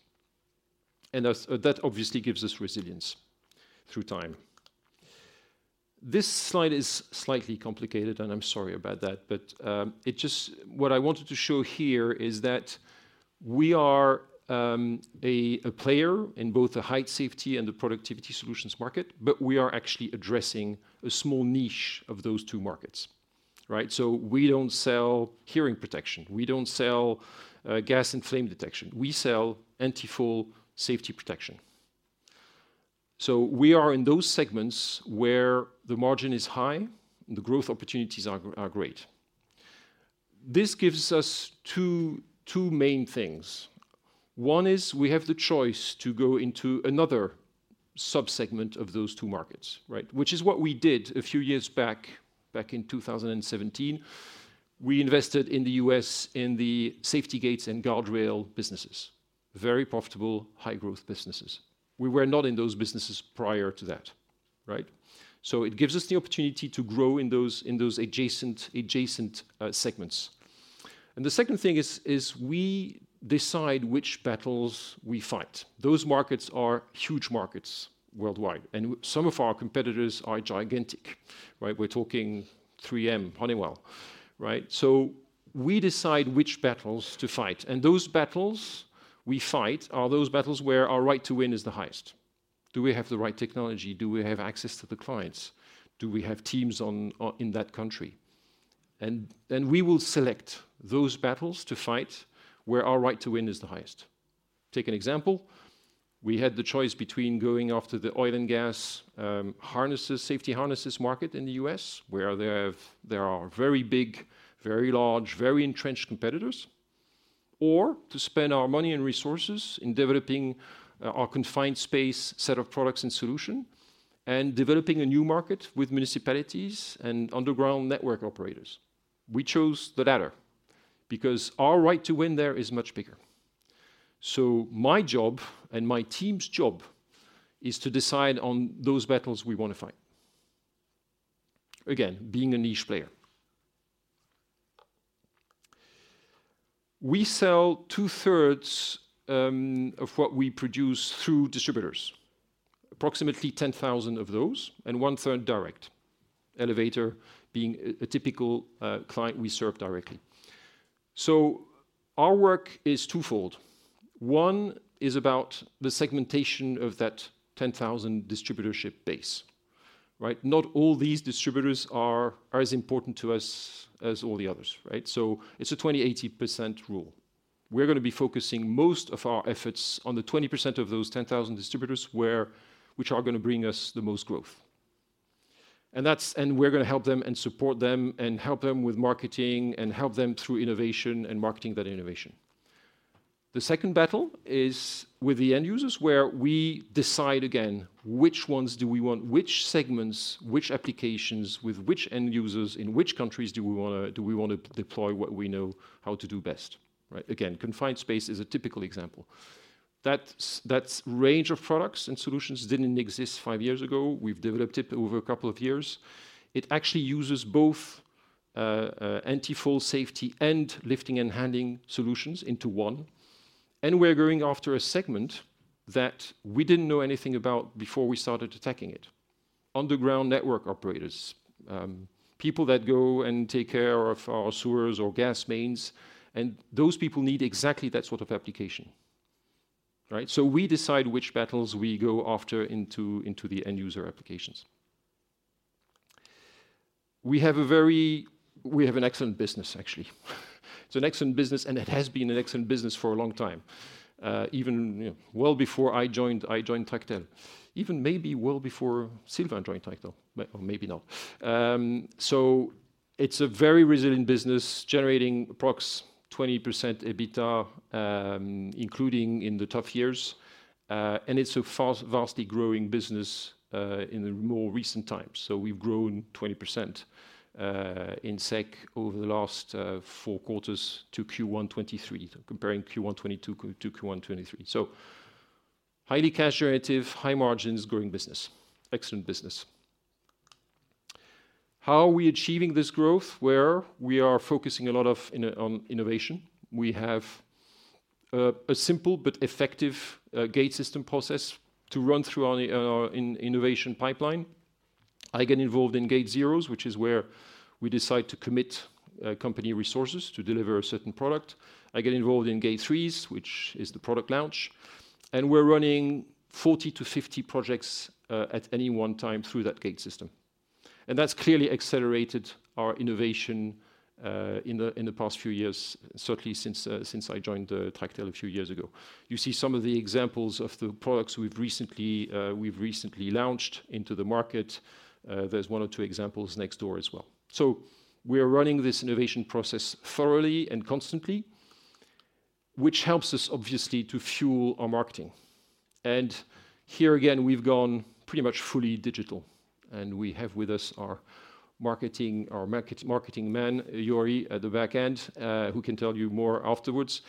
[SPEAKER 5] That obviously gives us resilience through time. This slide is slightly complicated, I'm sorry about that, but, what I wanted to show here is that we are a player in both the height safety and the productivity solutions market, we are actually addressing a small niche of those two markets, right? We don't sell hearing protection, we don't sell gas and flame detection. We sell anti-fall safety protection. We are in those segments where the margin is high, and the growth opportunities are great. This gives us two main things. One is we have the choice to go into another subsegment of those two markets, right? Which is what we did a few years back in 2017, we invested in the U.S., in the safety gates and guardrail businesses. Very profitable, high-growth businesses. We were not in those businesses prior to that, right? It gives us the opportunity to grow in those, in those adjacent segments. The second thing is we decide which battles we fight. Those markets are huge markets worldwide, and some of our competitors are gigantic, right? We're talking 3M, Honeywell, right? We decide which battles to fight, and those battles we fight are those battles where our right to win is the highest. Do we have the right technology? Do we have access to the clients? Do we have teams on in that country? We will select those battles to fight where our right to win is the highest. Take an example. We had the choice between going after the oil and gas, safety harnesses market in the U.S., where there are very big, very large, very entrenched competitors, or to spend our money and resources in developing our confined space set of products and solution, and developing a new market with municipalities and underground network operators. We chose the latter because our right to win there is much bigger. My job and my team's job is to decide on those battles we want to fight. Again, being a niche player. We sell two-thirds of what we produce through distributors, approximately 10,000 of those, and one-third direct. Elevator being a typical client we serve directly. Our work is twofold. One is about the segmentation of that 10,000 distributorship base, right? Not all these distributors are as important to us as all the others, right? It's a 80/20 priciple. We're going to be focusing most of our efforts on the 20% of those 10,000 distributors, which are going to bring us the most growth. We're going to help them and support them and help them with marketing and help them through innovation and marketing that innovation. The second battle is with the end users, where we decide again, which ones do we want, which segments, which applications, with which end users, in which countries do we want to, do we want to deploy what we know how to do best, right? Again, confined space is a typical example. That range of products and solutions didn't exist five years ago. We've developed it over a couple of years. It actually uses both anti-fall safety and lifting and handling solutions into one, and we're going after a segment that we didn't know anything about before we started attacking it. Underground network operators, people that go and take care of our sewers or gas mains, and those people need exactly that sort of application, right? We decide which battles we go after into the end user applications. We have an excellent business, actually. It's an excellent business, and it has been an excellent business for a long time, even, you know, well before I joined Tractel. Even maybe well before Sylvain joined Tractel, but or maybe not. It's a very resilient business, generating approx 20% EBITDA, including in the tough years, and it's a fast, vastly growing business in the more recent times. We've grown 20% in SEK over the last four quarters to Q1 2023, comparing Q1 2022 to Q1 2023. Highly cash generative, high margins, growing business, excellent business. How are we achieving this growth? Well, we are focusing a lot on innovation. We have a simple but effective gate system process to run through our innovation pipeline. I get involved in Gate 0, which is where we decide to commit company resources to deliver a certain product. I get involved in Gate 3, which is the product launch, and we're running 40 to 50 projects at any one time through that gate system. That's clearly accelerated our innovation in the past few years, certainly since I joined Tractel a few years ago. You see some of the examples of the products we've recently launched into the market. There's one or two examples next door as well. We are running this innovation process thoroughly and constantly, which helps us, obviously, to fuel our marketing. Here again, we've gone pretty much fully digital, and we have with us our marketing man, Yori, at the back end, who can tell you more afterwards.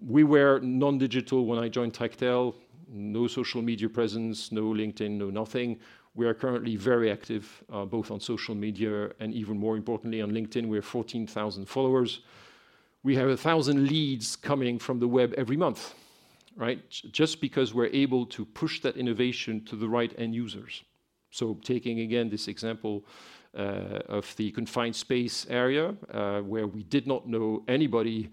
[SPEAKER 5] We were non-digital when I joined Tractel. No social media presence, no LinkedIn, no nothing. We are currently very active, both on social media and even more importantly, on LinkedIn. We have 14,000 followers. We have 1,000 leads coming from the web every month, right? Because we're able to push that innovation to the right end users. Taking again, this example, of the confined space area, where we did not know anybody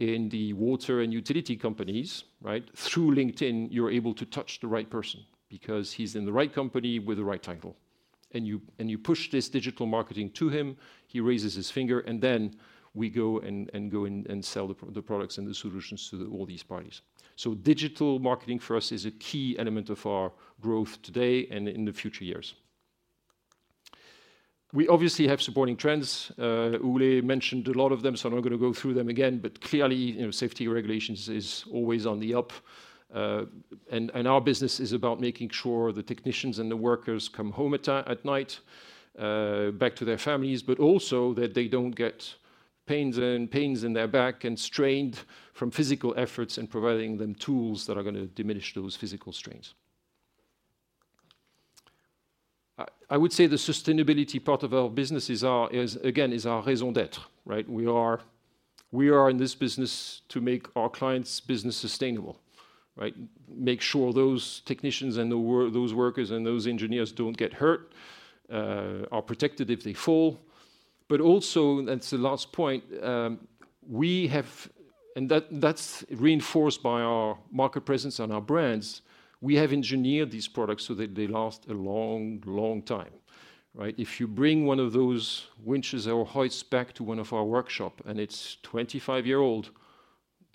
[SPEAKER 5] in the water and utility companies, right? Through LinkedIn, you're able to touch the right person because he's in the right company with the right title. You push this digital marketing to him, he raises his finger, then we go and sell the products and the solutions to all these parties. Digital marketing for us is a key element of our growth today and in the future years. We obviously have supporting trends. Ole mentioned a lot of them, so I'm not gonna go through them again, but clearly, you know, safety regulations is always on the up. Our business is about making sure the technicians and the workers come home at night, back to their families, but also that they don't get pains in their back and strained from physical efforts, and providing them tools that are gonna diminish those physical strains. I would say the sustainability part of our businesses is again, our raison d'être, right? We are in this business to make our clients' business sustainable, right? Make sure those technicians and those workers, and those engineers don't get hurt, are protected if they fall. Also, and it's the last point, we have and that's reinforced by our market presence and our brands, we have engineered these products so that they last a long, long time, right? If you bring one of those winches or hoists back to one of our workshop, and it's 25 year old,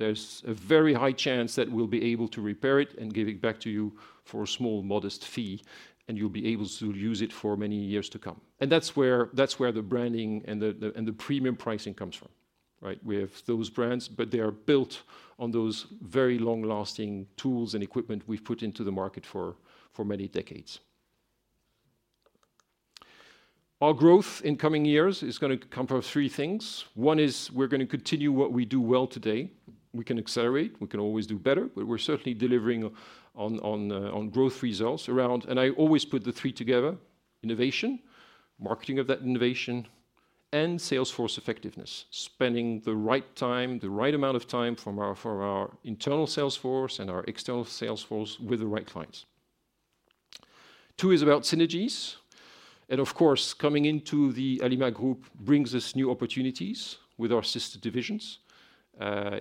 [SPEAKER 5] there's a very high chance that we'll be able to repair it and give it back to you for a small, modest fee, and you'll be able to use it for many years to come. That's where, that's where the branding and the and the premium pricing comes from, right? We have those brands, but they are built on those very long-lasting tools and equipment we've put into the market for many decades. Our growth in coming years is gonna come from three things. One is, we're gonna continue what we do well today. We can accelerate, we can always do better, but we're certainly delivering on growth results around... I always put the three together: innovation, marketing of that innovation, and sales force effectiveness. Spending the right time, the right amount of time for our internal sales force and our external sales force with the right clients. Two is about synergies, and of course, coming into the Alimak Group brings us new opportunities with our sister divisions,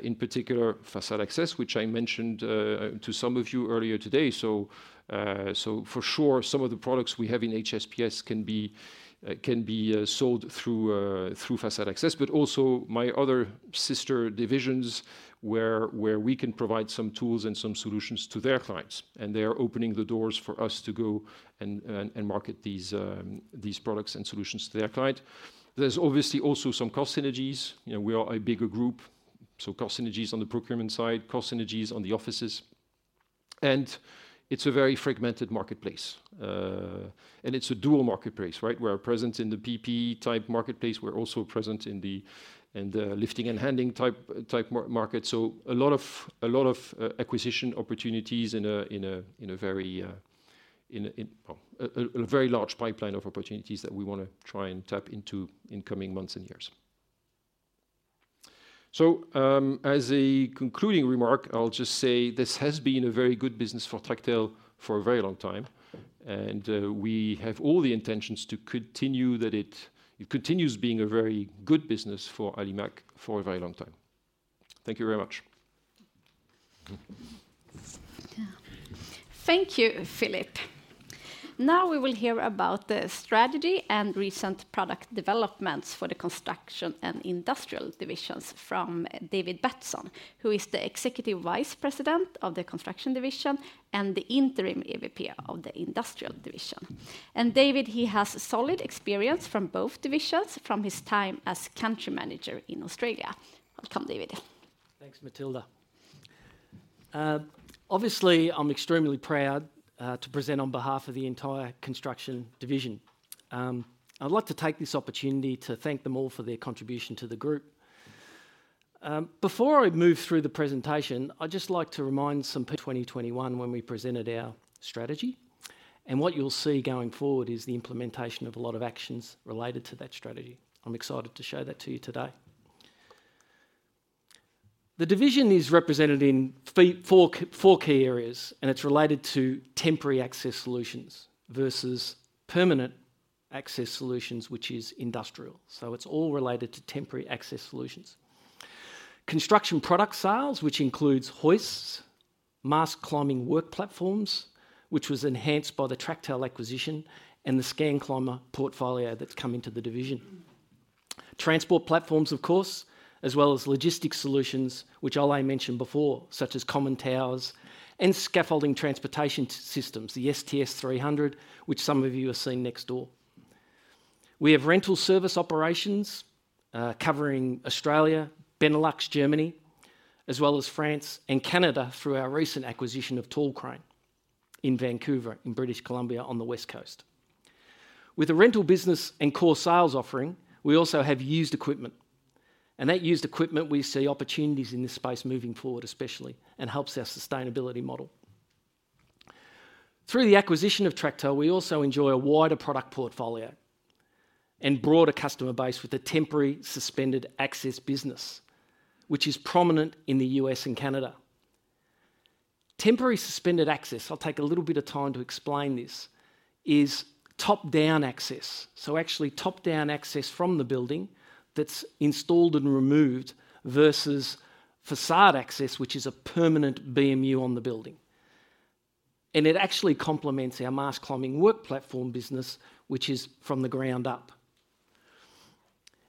[SPEAKER 5] in particular, Facade Access Division, which I mentioned to some of you earlier today. For sure, some of the products we have in HSPS can be sold through Facade Access Division. Also my other sister divisions, where we can provide some tools and some solutions to their clients, and they are opening the doors for us to go and market these products and solutions to their client. There's obviously also some cost synergies. You know, we are a bigger group, cost synergies on the procurement side, cost synergies on the offices. It's a very fragmented marketplace. It's a dual marketplace, right? We're present in the PPE-type marketplace, we're also present in the lifting-and-handling type market. A lot of acquisition opportunities in a very large pipeline of opportunities that we wanna try and tap into in coming months and years. As a concluding remark, I'll just say, this has been a very good business for Tractel for a very long time, and we have all the intentions to continue that it continues being a very good business for Alimak Group for a very long time. Thank you very much.
[SPEAKER 1] Thank you, Philippe. Now we will hear about the strategy and recent product developments for the Construction and Industrial Divisions from David Batson, who is the Executive Vice President of the Construction Division and the interim EVP of the Industrial Division. David, he has solid experience from both divisions from his time as country manager in Australia. Welcome, David.
[SPEAKER 6] Thanks, Mathilda. Obviously, I'm extremely proud to present on behalf of the entire Construction Division. I'd like to take this opportunity to thank them all for their contribution to the group. Before I move through the presentation, I'd just like to remind 2021, when we presented our strategy. What you'll see going forward is the implementation of a lot of actions related to that strategy. I'm excited to show that to you today. The division is represented in four key areas. It's related to temporary access solutions versus permanent access solutions, which is industrial. It's all related to temporary access solutions. Construction Product Sales, which includes hoists, Mast Climbing Work Platforms, which was enhanced by the Tractel acquisition, and the Scanclimber portfolio that's coming to the division. Transport platforms, of course, as well as logistics solutions, which Ole mentioned before, such as common towers and scaffolding transportation systems, the STS 300, which some of you have seen next door. We have rental service operations, covering Australia, Benelux, Germany, as well as France and Canada, through our recent acquisition of Tall Crane in Vancouver, in British Columbia, on the West Coast. With the rental business and core sales offering, we also have used equipment, and that used equipment, we see opportunities in this space moving forward, especially, and helps our sustainability model. Through the acquisition of Tractel, we also enjoy a wider product portfolio and broader customer base with the temporary suspended access business, which is prominent in the U.S. and Canada. Temporary suspended access, I'll take a little bit of time to explain this, is top-down access. Actually, top-down access from the building that's installed and removed versus Facade Access Division, which is a permanent BMU on the building. It actually complements our Mast Climbing Work Platforms business, which is from the ground up.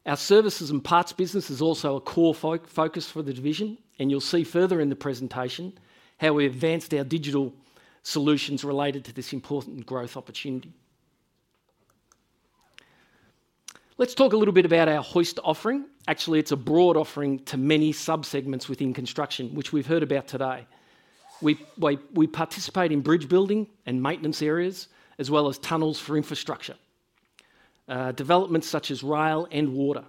[SPEAKER 6] Our services and parts business is also a core focus for the division, and you'll see further in the presentation how we advanced our digital solutions related to this important growth opportunity. Let's talk a little bit about our hoist offering. Actually, it's a broad offering to many sub-segments within construction, which we've heard about today. We participate in bridge building and maintenance areas, as well as tunnels for infrastructure developments such as rail and water,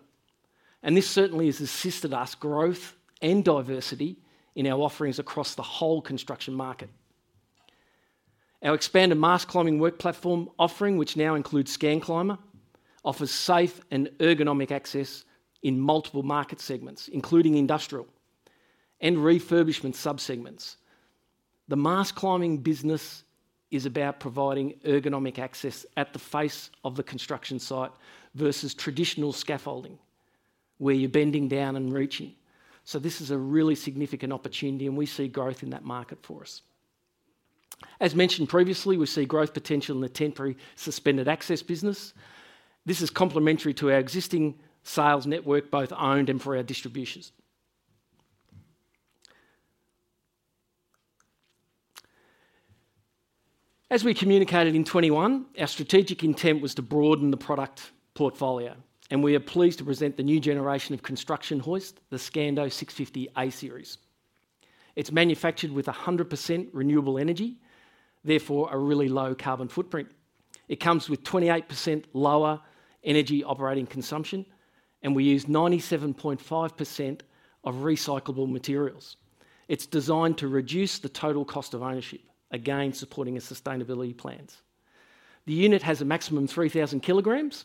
[SPEAKER 6] and this certainly has assisted us growth and diversity in our offerings across the whole construction market. Our expanded Mast Climbing Work Platforms offering, which now includes Scanclimber, offers safe and ergonomic access in multiple market segments, including industrial and refurbishment sub-segments. The mast climbing business is about providing ergonomic access at the face of the construction site versus traditional scaffolding, where you're bending down and reaching. This is a really significant opportunity, and we see growth in that market for us. As mentioned previously, we see growth potential in the temporary suspended access business. This is complementary to our existing sales network, both owned and for our distributions. As we communicated in 21, our strategic intent was to broaden the product portfolio, and we are pleased to present the new generation of construction hoist, the Scando 650a series. It's manufactured with 100% renewable energy, therefore, a really low carbon footprint. It comes with 28% lower energy operating consumption, and we use 97.5% of recyclable materials. It's designed to reduce the total cost of ownership, again, supporting our sustainability plans. The unit has a maximum 3,000 kilograms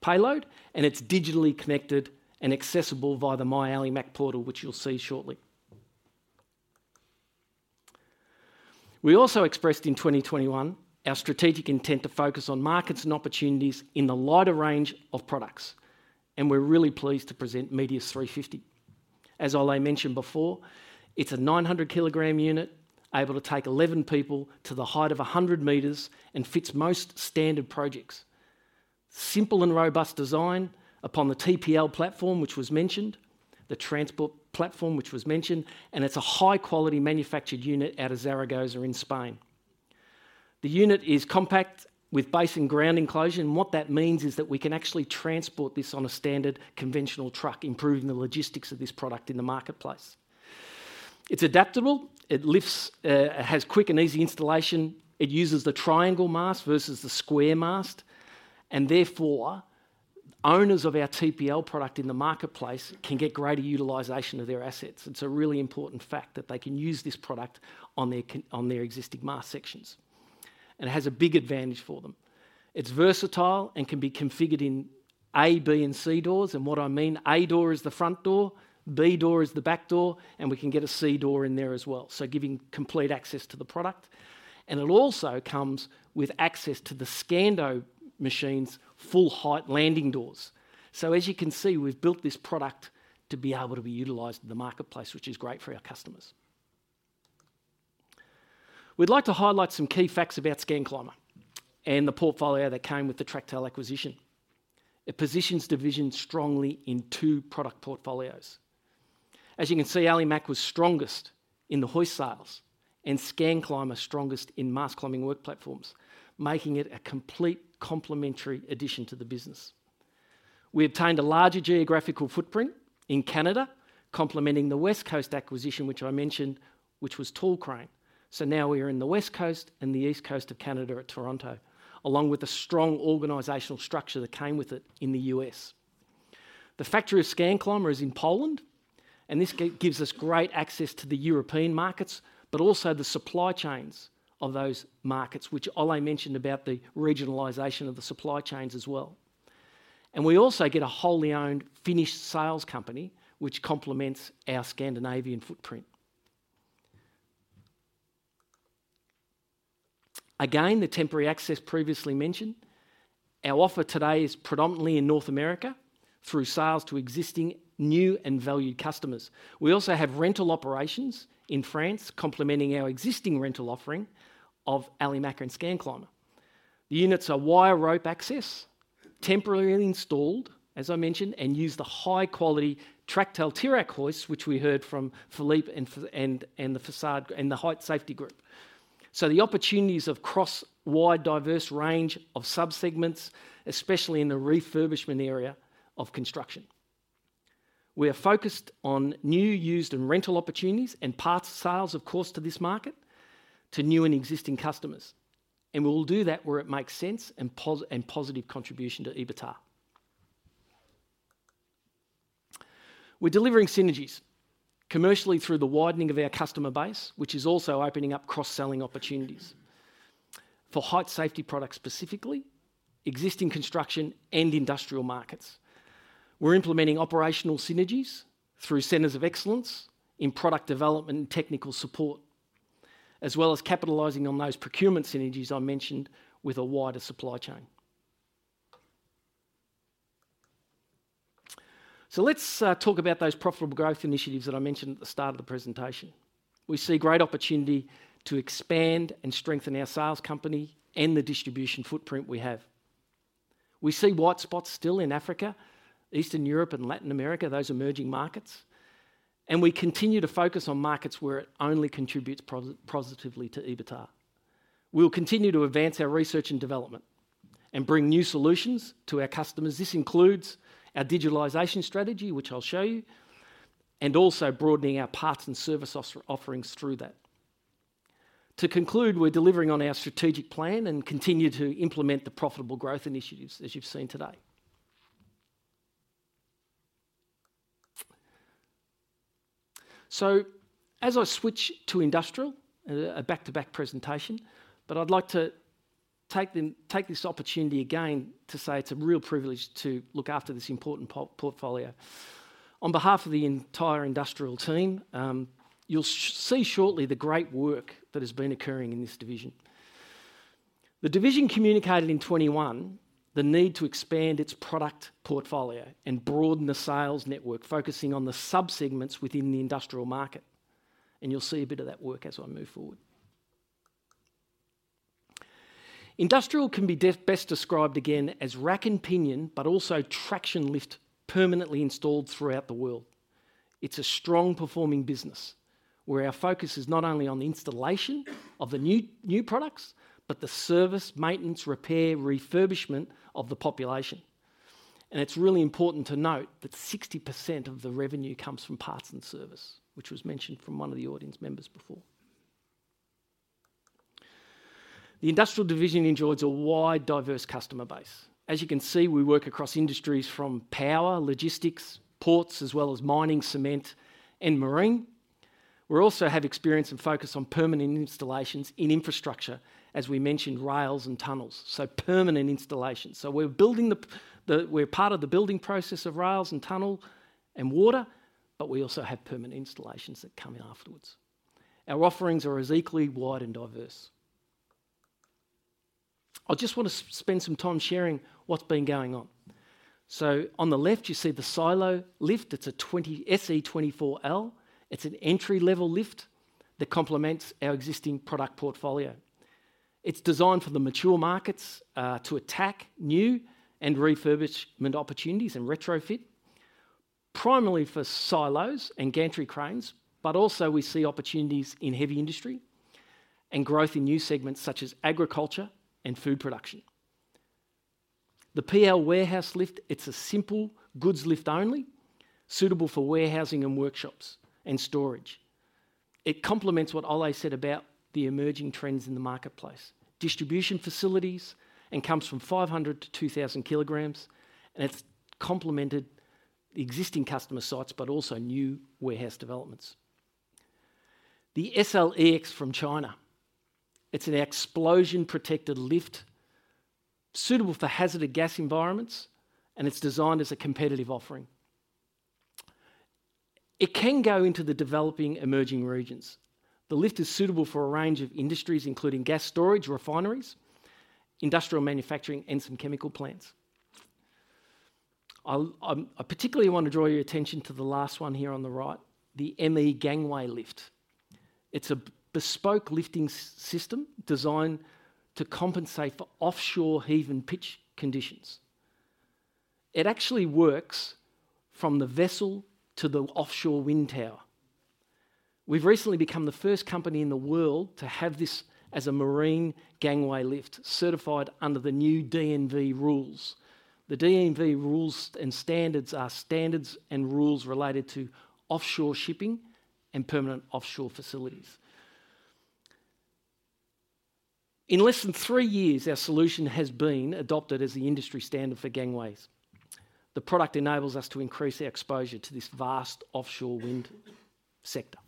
[SPEAKER 6] payload, and it's digitally connected and accessible via the MyAlimak portal, which you'll see shortly. We also expressed in 2021 our strategic intent to focus on markets and opportunities in the lighter range of products, and we're really pleased to present MEDIUS 350. As Ole mentioned before, it's a 900-kilogram capacity unit, able to take 11 people to the height of 100 meters and fits most standard projects. Simple and robust design upon the TPL transport platform architecture, which was mentioned, the transport platform, which was mentioned, and it's a high-quality manufactured unit out of Zaragoza, Spain. The unit is compact with base and ground enclosure. What that means is that we can actually transport this on a standard conventional truck, improving the logistics of this product in the marketplace. It's adaptable. It has quick and easy installation. It uses the triangle mast versus the square mast. Therefore, owners of our TPL product in the marketplace can get greater utilization of their assets. It's a really important fact that they can use this product on their existing mast sections. It has a big advantage for them. It's versatile and can be configured in A, B, and C doors. What I mean, A door is the front door, B door is the back door, and we can get a C door in there as well, so giving complete access to the product. It also comes with access to the SCANDO machine's full height landing doors. As you can see, we've built this product to be able to be utilized in the marketplace, which is great for our customers. We'd like to highlight some key facts about Scanclimber and the portfolio that came with the Tractel acquisition. It positions division strongly in two product portfolios. As you can see, Alimak was strongest in the hoist sales and Scanclimber strongest in Mast Climbing Work Platforms, making it a complete complementary addition to the business. We obtained a larger geographical footprint in Canada, complementing the West Coast acquisition, which I mentioned, which was Tall Crane. Now we are in the West Coast and the East Coast of Canada at Toronto, along with a strong organizational structure that came with it in the U.S. The factory of Scanclimber is in Poland. This gives us great access to the European markets. Also the supply chains of those markets, which Ole mentioned about the regionalization of the supply chains as well. We also get a wholly owned Finnish sales company, which complements our Scandinavian footprint. Again, the temporary access previously mentioned, our offer today is predominantly in North America through sales to existing, new, and valued customers. We also have rental operations in France, complementing our existing rental offering of Alimak and Scanclimber. The units are wire rope access, temporarily installed, as I mentioned, and use the high-quality Tractel Tirak hoists, which we heard from Philippe and the Façade and the Height Safety group. The opportunities of cross wide, diverse range of sub-segments, especially in the refurbishment area of construction. We are focused on new, used, and rental opportunities and parts sales, of course, to this market, to new and existing customers, and we will do that where it makes sense and positive contribution to EBITDA. We're delivering synergies commercially through the widening of our customer base, which is also opening up cross-selling opportunities for height safety products, specifically, existing construction and industrial markets. We're implementing operational synergies through centers of excellence in product development and technical support, as well as capitalizing on those procurement synergies I mentioned with a wider supply chain. Let's talk about those profitable growth initiatives that I mentioned at the start of the presentation. We see great opportunity to expand and strengthen our sales company and the distribution footprint we have. We see white spots still in Africa, Eastern Europe, and Latin America, those emerging markets, and we continue to focus on markets where it only contributes positively to EBITDA. We'll continue to advance our research and development and bring new solutions to our customers. This includes our digitalization strategy, which I'll show you, and also broadening our parts and service offerings through that. To conclude, we're delivering on our strategic plan and continue to implement the profitable growth initiatives, as you've seen today. As I switch to Industrial Division, a back-to-back presentation, but I'd like to take this opportunity again to say it's a real privilege to look after this important portfolio. On behalf of the entire Industrial team, you'll see shortly the great work that has been occurring in this division. The division communicated in 2021, the need to expand its product portfolio and broaden the sales network, focusing on the sub-segments within the industrial market. You'll see a bit of that work as I move forward. Industrial can be best described again as rack-and-pinion, but also traction lift permanently installed throughout the world. It's a strong-performing business, where our focus is not only on the installation of the new products, but the service, maintenance, repair, refurbishment of the population. It's really important to note that 60% of the revenue comes from parts and service, which was mentioned from one of the audience members before. The Industrial division enjoys a wide, diverse customer base. As you can see, we work across industries from power, logistics, ports, as well as mining, cement, and marine. We also have experience and focus on permanent installations in infrastructure, as we mentioned, rails and tunnels, permanent installations. We're part of the building process of rails and tunnel and water, but we also have permanent installations that come in afterwards. Our offerings are as equally wide and diverse. I just want to spend some time sharing what's been going on. On the left, you see the Silo Lift. It's a SE24L. It's an entry-level lift that complements our existing product portfolio. It's designed for the mature markets, to attack new and refurbishment opportunities and retrofit, primarily for silos and gantry cranes, but also we see opportunities in heavy industry and growth in new segments such as agriculture and food production. The PL Warehouse Lift, it's a simple goods lift, only, suitable for warehousing and workshops, and storage. It complements what Ole said about the emerging trends in the marketplace, distribution facilities, and comes from 500 kilograms to 2,000 kilograms, and it's complemented existing customer sites, but also new warehouse developments. The SL-EX from China, it's an explosion-protected lift, suitable for hazardous gas environments, and it's designed as a competitive offering. It can go into the developing, emerging regions. The lift is suitable for a range of industries, including gas storage, refineries, industrial manufacturing, and some chemical plants. I'll particularly want to draw your attention to the last one here on the right, the ME Gangway Lift. It's a bespoke lifting system designed to compensate for offshore heave and pitch conditions. It actually works from the vessel to the offshore wind tower. We've recently become the first company in the world to have this as a marine gangway lift, certified under the new DNV rules. The DNV rules and standards are standards and rules related to offshore shipping and permanent offshore facilities. In less than three years, our solution has been adopted as the industry standard for gangways. The product enables us to increase our exposure to this vast offshore wind sector.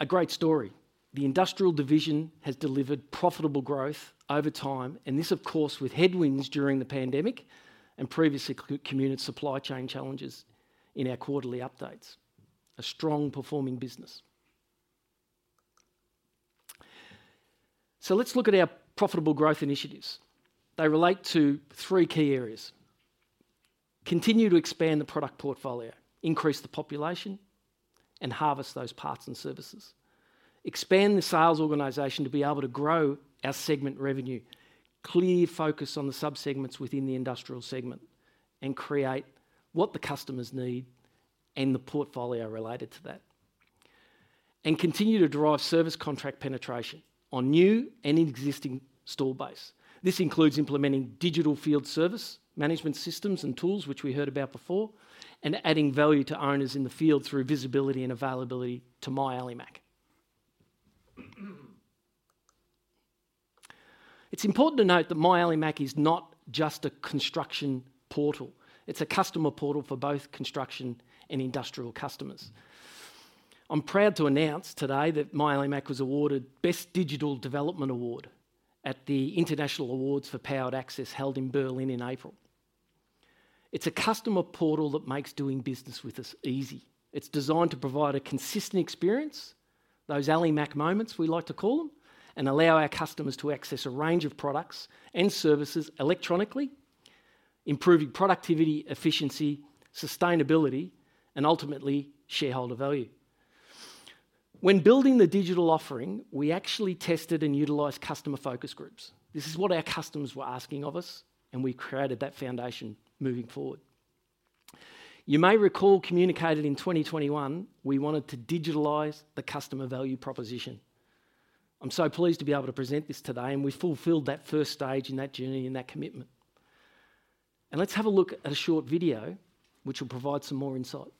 [SPEAKER 6] A great story. The Industrial Division has delivered profitable growth over time, and this, of course, with headwinds during the pandemic and previously supply chain challenges in our quarterly updates. A strong performing business. Let's look at our profitable growth initiatives. They relate to three key areas: Continue to expand the product portfolio, increase the population, and harvest those parts and services. Expand the sales organization to be able to grow our segment revenue, clear focus on the sub-segments within the Industrial segment, and create what the customers need and the portfolio related to that. Continue to drive service contract penetration on new and existing install base. This includes implementing digital field service, management systems and tools, which we heard about before, and adding value to owners in the field through visibility and availability to MyAlimak. It's important to note that MyAlimak is not just a construction portal. It's a customer portal for both construction and industrial customers. I'm proud to announce today that MyAlimak was awarded Best Digital Development Award at the International Awards for Powered Access, held in Berlin in April. It's a customer portal that makes doing business with us easy. It's designed to provide a consistent experience, those Alimak moments, we like to call them, and allow our customers to access a range of products and services electronically, improving productivity, efficiency, sustainability, and ultimately, shareholder value. When building the digital offering, we actually tested and utilized customer focus groups. This is what our customers were asking of us, and we created that foundation moving forward. You may recall, communicated in 2021, we wanted to digitalize the customer value proposition. I'm so pleased to be able to present this today, and we've fulfilled that first stage in that journey and that commitment. Let's have a look at a short video which will provide some more insight.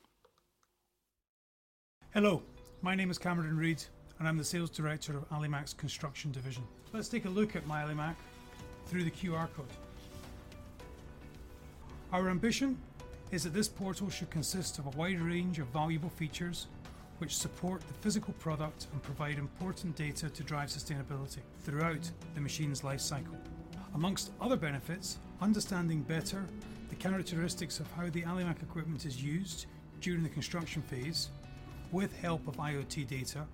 [SPEAKER 9] Hello, my name is Cameron Reid, and I'm the Sales Director of Alimak's Construction Division. Let's take a look at MyAlimak through the QR code. Our ambition is that this portal should consist of a wide range of valuable features which support the physical product and provide important data to drive sustainability throughout the machine's life cycle. Amongst other benefits, understanding better the characteristics of how the Alimak equipment is used during the construction phase, with help of IoT data,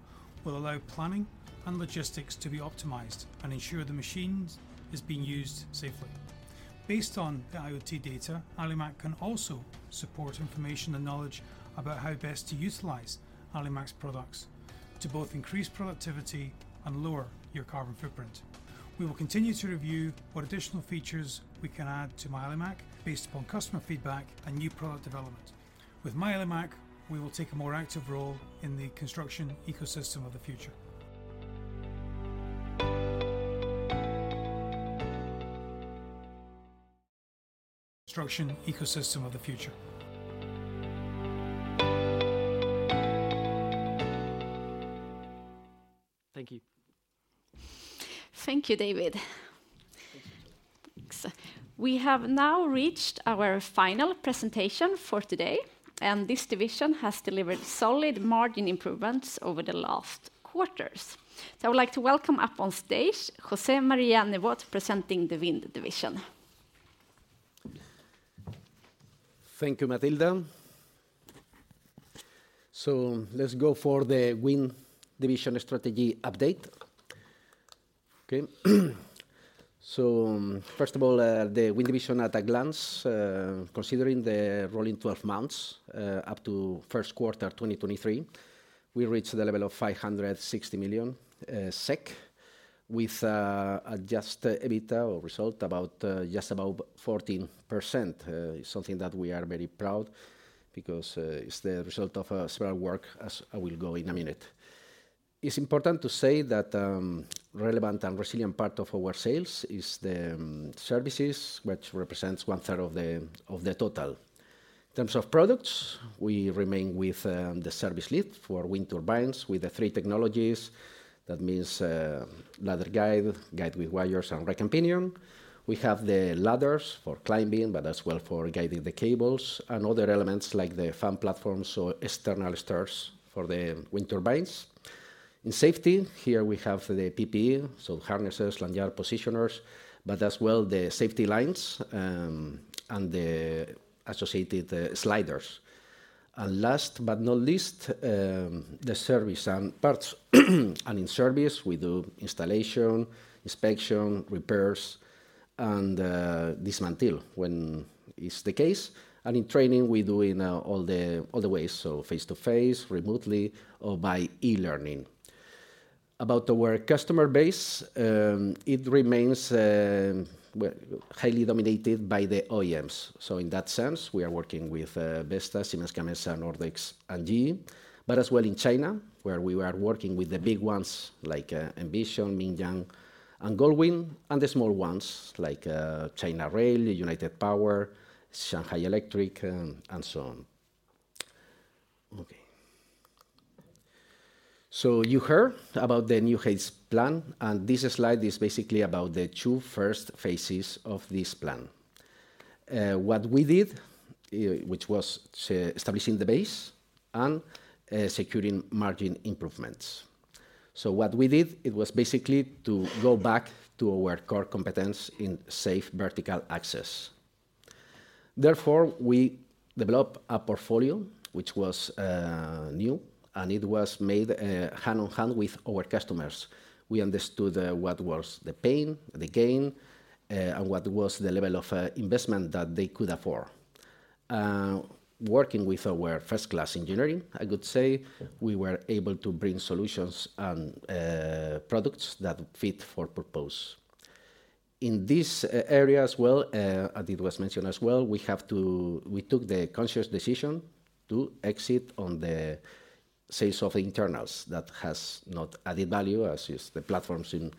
[SPEAKER 9] will allow planning and logistics to be optimized and ensure the machine is being used safely. Based on the IoT data, Alimak can also support information and knowledge about how best to utilize Alimak's products to both increase productivity and lower your carbon footprint. We will continue to review what additional features we can add to MyAlimak based upon customer feedback and new product development. With MyAlimak, we will take a more active role in the construction ecosystem of the future. Construction ecosystem of the future. Thank you.
[SPEAKER 1] Thank you, David. Thanks. We have now reached our final presentation for today. This division has delivered solid margin improvements over the last quarters. I would like to welcome up on stage, José María Nevot, presenting the Wind Division.
[SPEAKER 12] Thank you, Mathilda. Let's go for the Wind Division strategy update. First of all, the Wind Division at a glance, considering the rolling 12 months, up to Q1 2023, we reached the level of 560 million SEK, with adjusted EBITDA or result about just above 14%. We are very proud because it's the result of several work, as I will go in a minute. It's important to say that relevant and resilient part of our sales is the services, which represents one-third of the total sales. In terms of products, we remain with the service lead for wind turbines with the three technologies. That means ladder guide with wires, and rack-and-pinion. We have the ladders for climbing, but as well for guiding the cables and other elements like the fan platforms or external stairs for the wind turbines. In safety, here we have the PPE, so harnesses, lanyard, positioners, but as well the safety lines and the associated sliders. Last but not least, the service and parts. In service, we do installation, inspection, repairs, and dismantle when it's the case. In training, we do it all the ways, so face-to-face, remotely, or by e-learning. About our customer base, it remains, well, highly dominated by the OEMs. In that sense, we are working with Vestas, Siemens Gamesa, Nordex, and GE. As well in China, where we are working with the big ones like Envision, Mingyang, and Goldwind, and the small ones like China Railway, United Power, Shanghai Electric, and so on. Okay. You heard about the New Heights plan, and this slide is basically about the two first phases of this plan. What we did, which was establishing the base and securing margin improvements. What we did, it was basically to go back to our core competence in safe vertical access. Therefore, we developed a portfolio which was new, and it was made hand in hand with our customers. We understood what was the pain, the gain, and what was the level of investment that they could afford. Working with our world-class engineering, I could say, we were able to bring solutions and products that fit for purpose. In this area as well, as it was mentioned as well, we took the conscious decision to exit on the sales of internals that has not added value, as is the platforms in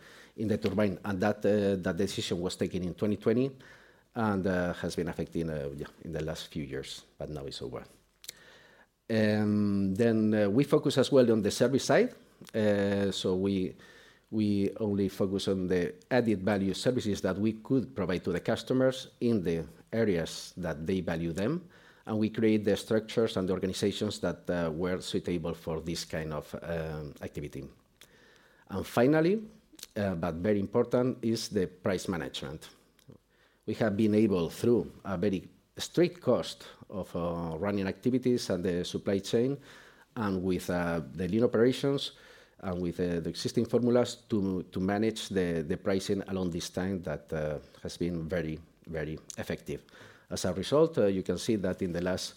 [SPEAKER 12] the turbine. That decision was taken in 2020 and has been affecting, yeah, in the last few years, but now it's over. We focus as well on the service side. We only focus on the added value services that we could provide to the customers in the areas that they value them, and we create the structures and organizations that were suitable for this kind of activity. Finally, very important, is the price management. We have been able, through a very strict cost of running activities and the supply chain, and with the lean operations and with the existing formulas, to manage the pricing along this time that has been very effective. As a result, you can see that in the last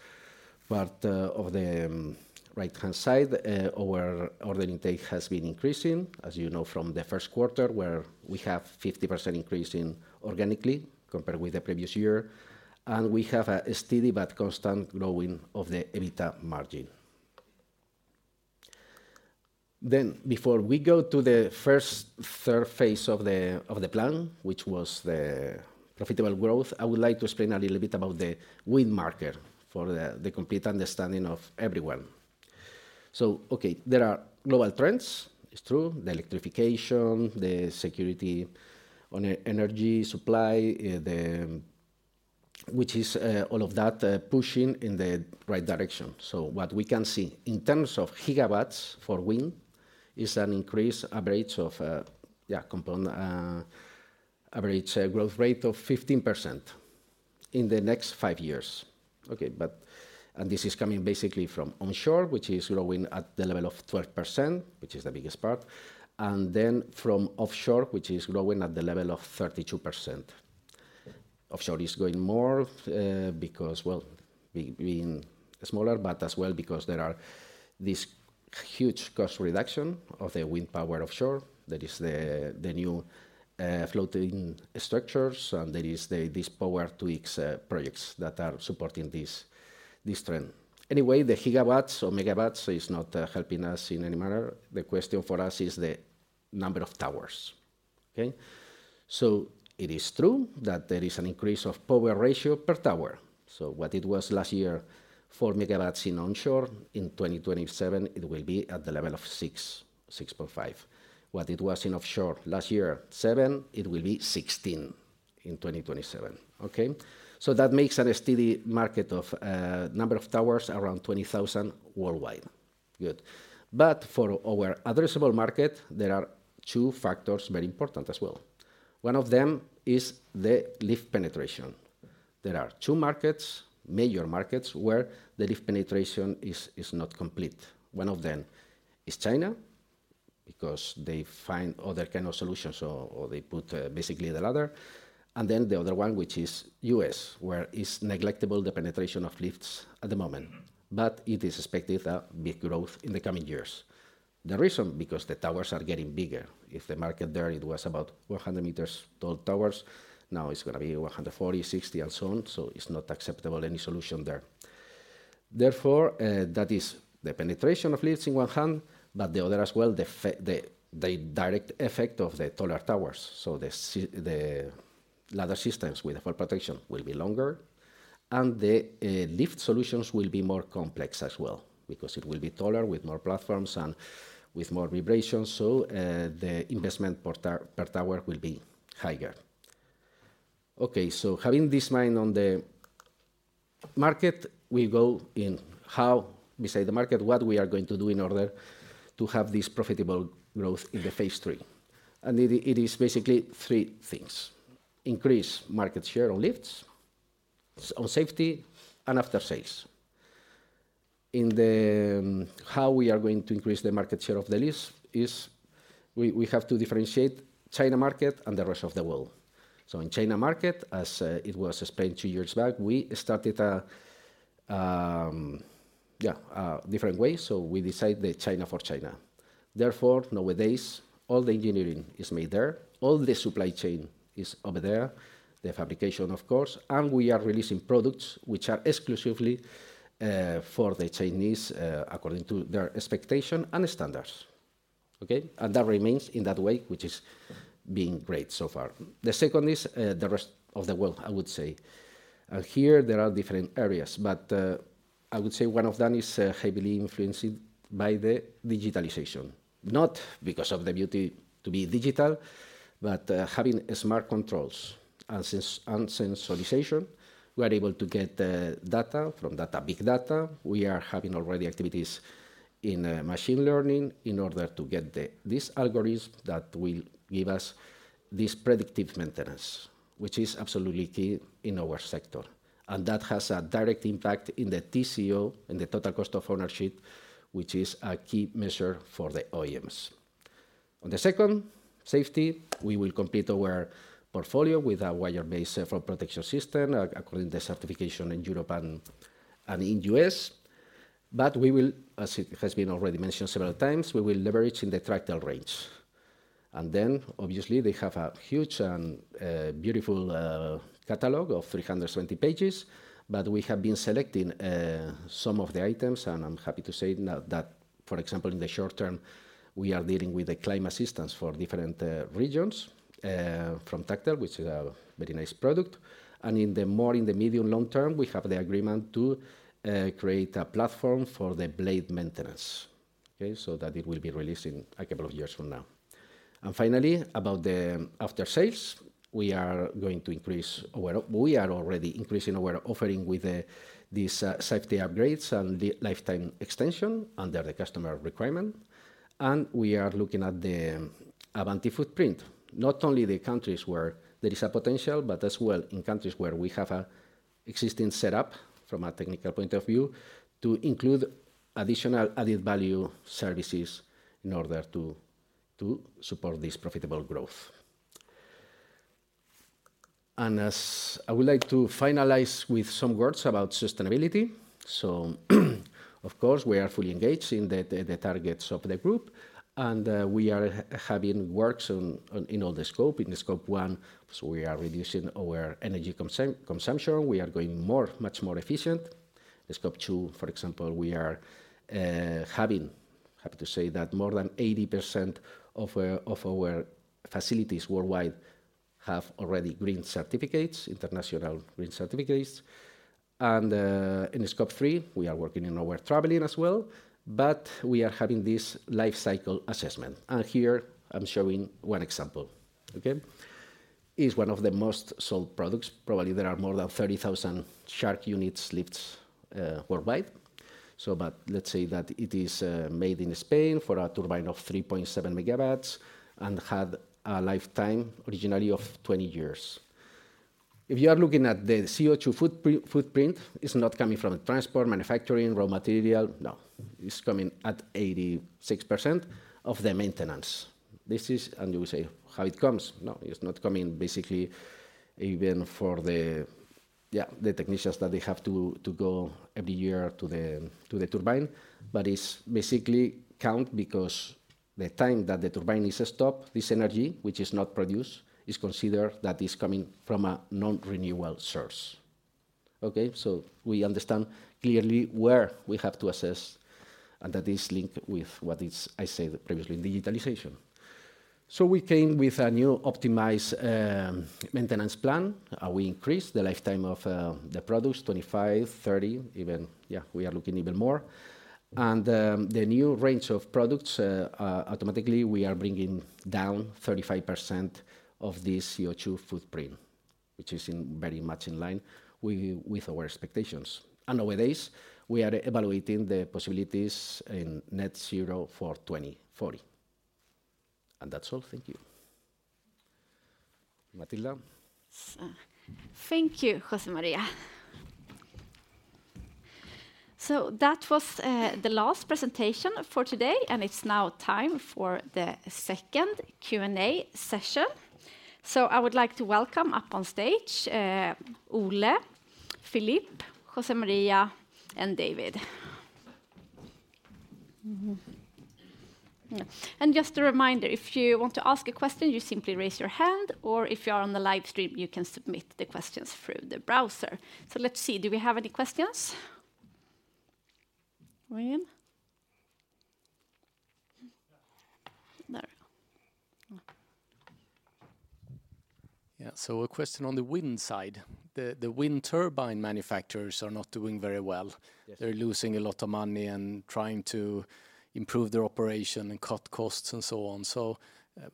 [SPEAKER 12] part of the right-hand side, our order intake has been increasing, as you know, from the Q1, where we have 50% increase in organically compared with the previous year, and we have a steady but constant growing of the EBITDA margin. Before we go to the first, third phase of the plan, which was the profitable growth, I would like to explain a little bit about the wind market for the complete understanding of everyone. Okay, there are global trends. It's true, the electrification, the security on e-energy supply, which is all of that pushing in the right direction. What we can see in terms of gigawatts for wind is an increased average of, yeah, component average growth rate of 15% in the next five years. This is coming basically from onshore, which is growing at the level of 12%, which is the biggest part, and then from offshore, which is growing at the level of 32%. Offshore is growing more because, well, being smaller, but as well because there are this huge cost reduction of the wind power offshore. There is the new floating structures, and there is the, this power tweaks projects that are supporting this trend. The gigawatts or megawatts is not helping us in any manner. The question for us is the number of towers. Okay? It is true that there is an increase of power ratio per tower. What it was last year, 4 megawatts in onshore, in 2027, it will be at the level of 6.5x. What it was in offshore last year, seven, it will be 16 in 2027. Okay? That makes a steady market of number of towers, around 20,000 worldwide. Good. For our addressable market, there are two factors very important as well. One of them is the lift penetration. There are two markets, major markets, where the lift penetration is not complete. One of them is China, because they find other kind of solutions or they put basically the ladder. The other one, which is U.S., where it's negligible the penetration of lifts at the moment, but it is expected a big growth in the coming years. The reason, because the towers are getting bigger. If the market there, it was about 100 meters tall towers, now it's gonna be 140, 60, and so on, so it's not acceptable, any solution there. Therefore, that is the penetration of lifts in one hand, but the other as well, the direct effect of the taller towers. The ladder systems with the fall protection will be longer, and the lift solutions will be more complex as well, because it will be taller, with more platforms and with more vibrations. The investment per tower will be higher. Okay, having this mind on the market, we go in how we see the market, what we are going to do in order to have this profitable growth in the Phase III. It is basically three things: increase market share on lifts, on safety, and after sales. In the how we are going to increase the market share of the lifts is we have to differentiate China market and the rest of the world. In China market, as it was explained two years back, we started a different way, so we decide the China for China. Therefore, nowadays, all the engineering is made there, all the supply chain is over there, the fabrication, of course, and we are releasing products which are exclusively for the Chinese, according to their expectation and standards. Okay? That remains in that way, which is being great so far. The second is the rest of the world, I would say. Here, there are different areas, but I would say one of them is heavily influenced by the digitalization. Not because of the beauty to be digital, but having smart controls and sensorization, we are able to get data, from data, big data. We are having already activities in machine learning in order to get this algorithms that will give us this predictive maintenance, which is absolutely key in our sector. That has a direct impact in the TCO, in the total cost of ownership, which is a key measure for the OEMs. On the second, safety, we will complete our portfolio with a wire-based fall protection system, according to the certification in Europe and in U.S. We will, as it has been already mentioned several times, we will leverage in the Tractel range. Obviously, they have a huge and beautiful catalog of 370 pages, but we have been selecting some of the items, and I'm happy to say now that, for example, in the short term, we are dealing with the climb assistance for different regions from Tractel, which is a very nice product. In the more, in the medium long term, we have the agreement to create a platform for the blade maintenance, okay? It will be released in two years from now. Finally, about the after-sales, we are already increasing our offering with these safety upgrades and the lifetime extension under the customer requirement. We are looking at the Avanti footprint, not only the countries where there is a potential, but as well in countries where we have an existing setup from a technical point of view, to include additional added-value services in order to support this profitable growth. As I would like to finalize with some words about sustainability. Of course, we are fully engaged in the targets of the group, and we are having works on in all the scope. In the Scope 1, we are reducing our energy consumption. We are going more, much more efficient. The Scope 2, for example, we are happy to say that more than 80% of our facilities worldwide have already green certificates, international green certificates. In the Scope 3, we are working in our traveling as well, but we are having this life cycle assessment. Here, I'm showing one example. Okay? It's one of the most sold products. Probably, there are more than 30,000 Shark units lifts worldwide. But let's say that it is made in Spain for a turbine of 3.7 MW and had a lifetime, originally, of 20 years. If you are looking at the CO₂ footprint, it's not coming from transport, manufacturing, raw material. No, it's coming at 86% of the maintenance. This is... You will say, "How it comes?" No, it's not coming basically, even for the technicians that they have to go every year to the turbine. It's basically count because the time that the turbine is stopped, this energy, which is not produced, is considered that it's coming from a non-renewal source. Okay? We understand clearly where we have to assess, and that is linked with what is I said previously, digitalization. We came with a new optimized maintenance plan. We increased the lifetime of the products, 25-30 years, even. We are looking even more. The new range of products, automatically, we are bringing down 35% of the CO₂ footprint, which is in very much in line with our expectations. Nowadays, we are evaluating the possibilities in net zero for 2040. That's all. Thank you. Mathilda?
[SPEAKER 1] Thank you, José Maria. That was the last presentation for today, and it's now time for the second Q&A session. I would like to welcome up on stage, Ole, Philippe, José Maria, and David. Just a reminder, if you want to ask a question, you simply raise your hand, or if you are on the live stream, you can submit the questions through the browser. Let's see. Do we have any questions? Wayne? There we go.
[SPEAKER 7] Yeah. A question on the wind side. The wind turbine manufacturers are not doing very well.
[SPEAKER 12] Yes.
[SPEAKER 7] They're losing a lot of money and trying to improve their operation and cut costs and so on.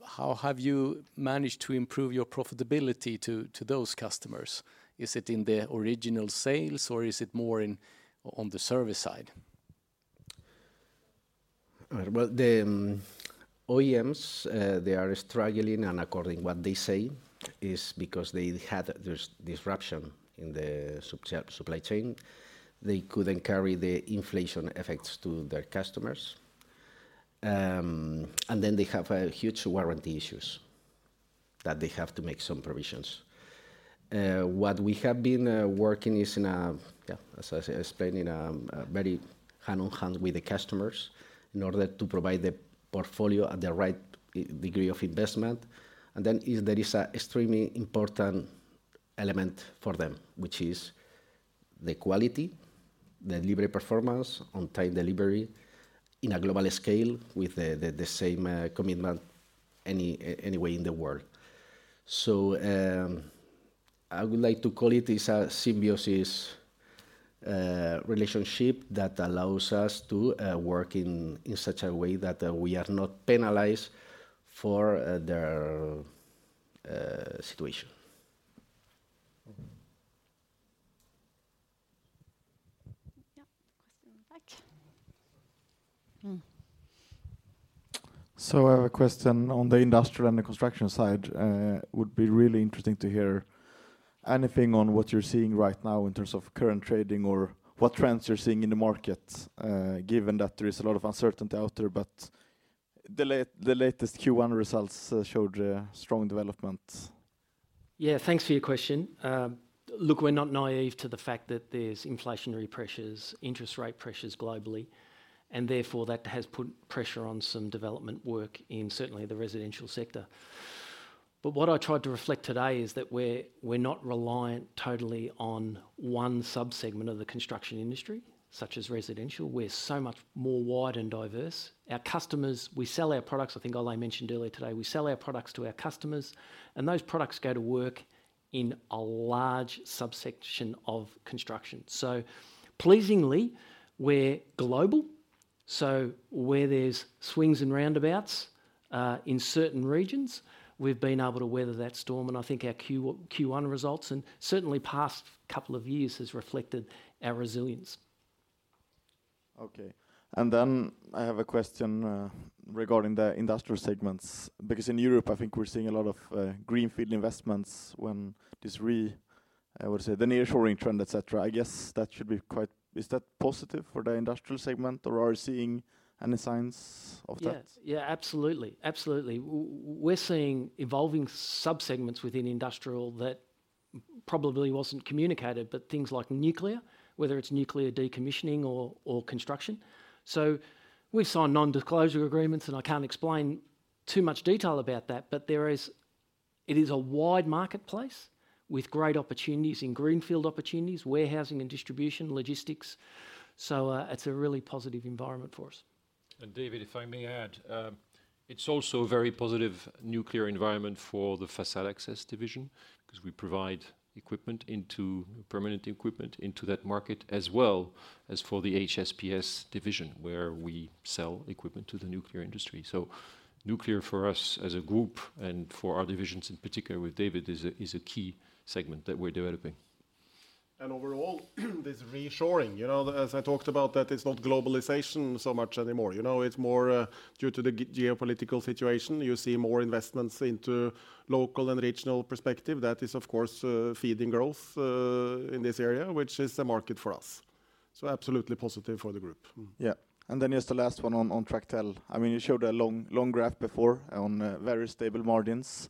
[SPEAKER 7] How have you managed to improve your profitability to those customers? Is it in the original sales, or is it more in, on the service side?
[SPEAKER 12] All right. Well, the OEMs, they are struggling, and according what they say, is because they had this disruption in the supply chain. They couldn't carry the inflation effects to their customers. They have a huge warranty issues that they have to make some provisions. What we have been working is in a, as I explained, in a very hand on hand with the customers in order to provide the portfolio at the right degree of investment. There is a extremely important element for them, which is the quality, the delivery performance, on-time delivery in a global scale with the same commitment any way in the world.I would like to call it's a symbiosis relationship that allows us to work in such a way that we are not penalized for their situation.
[SPEAKER 1] question in the back.
[SPEAKER 10] I have a question on the industrial and the construction side. would be really interesting to hear anything on what you're seeing right now in terms of current trading or what trends you're seeing in the market, given that there is a lot of uncertainty out there. The latest Q1 results, showed a strong development.
[SPEAKER 6] Yeah, thanks for your question. Look, we're not naive to the fact that there's inflationary pressures, interest rate pressures globally, therefore, that has put pressure on some development work in certainly the residential sector. What I tried to reflect today is that we're not reliant totally on one sub-segment of the construction industry, such as residential. We're so much more wide and diverse. Our customers, we sell our products. I think Ole mentioned earlier today, we sell our products to our customers, and those products go to work in a large subsection of construction. Pleasingly, we're global. Where there's swings and roundabouts in certain regions, we've been able to weather that storm, and I think our Q1 results and certainly past couple of years has reflected our resilience.
[SPEAKER 10] Okay. Then I have a question regarding the industrial segments, because in Europe, I think we're seeing a lot of greenfield investments when this I would say, the nearshoring trend, et cetera. I guess that should be quite... Is that positive for the industrial segment, or are you seeing any signs of that?
[SPEAKER 6] Yeah, yeah, absolutely. Absolutely. We're seeing evolving subsegments within industrial that probably wasn't communicated, but things like nuclear, whether it's nuclear decommissioning or construction. We've signed non-disclosure agreements, and I can't explain too much detail about that, but it is a wide marketplace with great opportunities in greenfield opportunities, warehousing and distribution, logistics. It's a really positive environment for us.
[SPEAKER 5] David, if I may add, it's also a very positive nuclear environment for the Facade Access Division because we provide permanent equipment into that market, as well as for the HSPS division, where we sell equipment to the nuclear industry. Nuclear, for us as a group and for our divisions in particular with David, is a key segment that we're developing.
[SPEAKER 2] Overall, this reshoring, you know, as I talked about, that it's not globalization so much anymore. You know, it's more due to the geopolitical situation. You see more investments into local and regional perspective. That is, of course, feeding growth in this area, which is a market for us. Absolutely positive for the group.
[SPEAKER 10] Then just the last one on Tractel. I mean, you showed a long, long graph before on very stable margins,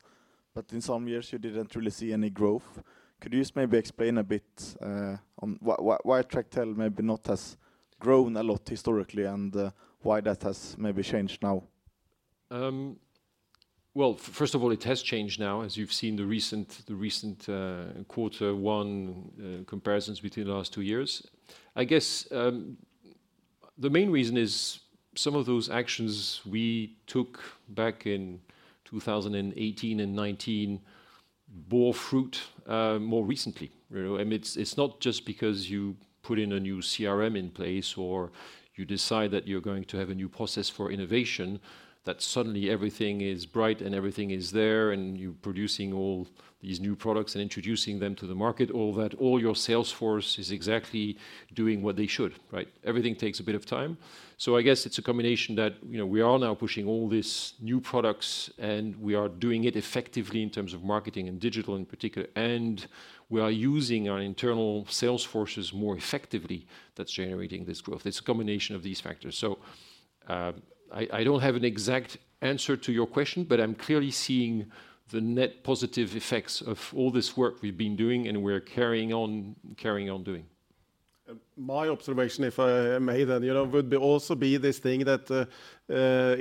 [SPEAKER 10] but in some years you didn't really see any growth. Could you just maybe explain a bit on why Tractel maybe not has grown a lot historically and why that has maybe changed now?
[SPEAKER 5] Well, first of all, it has changed now, as you've seen the recent, the recent quarter one comparisons between the last two years. I guess, the main reason is some of those actions we took back in 2018 and 2019 bore fruit more recently. You know, I mean, it's not just because you put in a new CRM in place or you decide that you're going to have a new process for innovation, that suddenly everything is bright and everything is there, and you're producing all these new products and introducing them to the market, or that all your sales force is exactly doing what they should, right? Everything takes a bit of time. I guess it's a combination that, you know, we are now pushing all these new products, we are doing it effectively in terms of marketing and digital in particular. We are using our internal sales forces more effectively. That's generating this growth. It's a combination of these factors. I don't have an exact answer to your question, but I'm clearly seeing the net positive effects of all this work we've been doing, and we're carrying on doing.
[SPEAKER 2] My observation, if I may then, you know,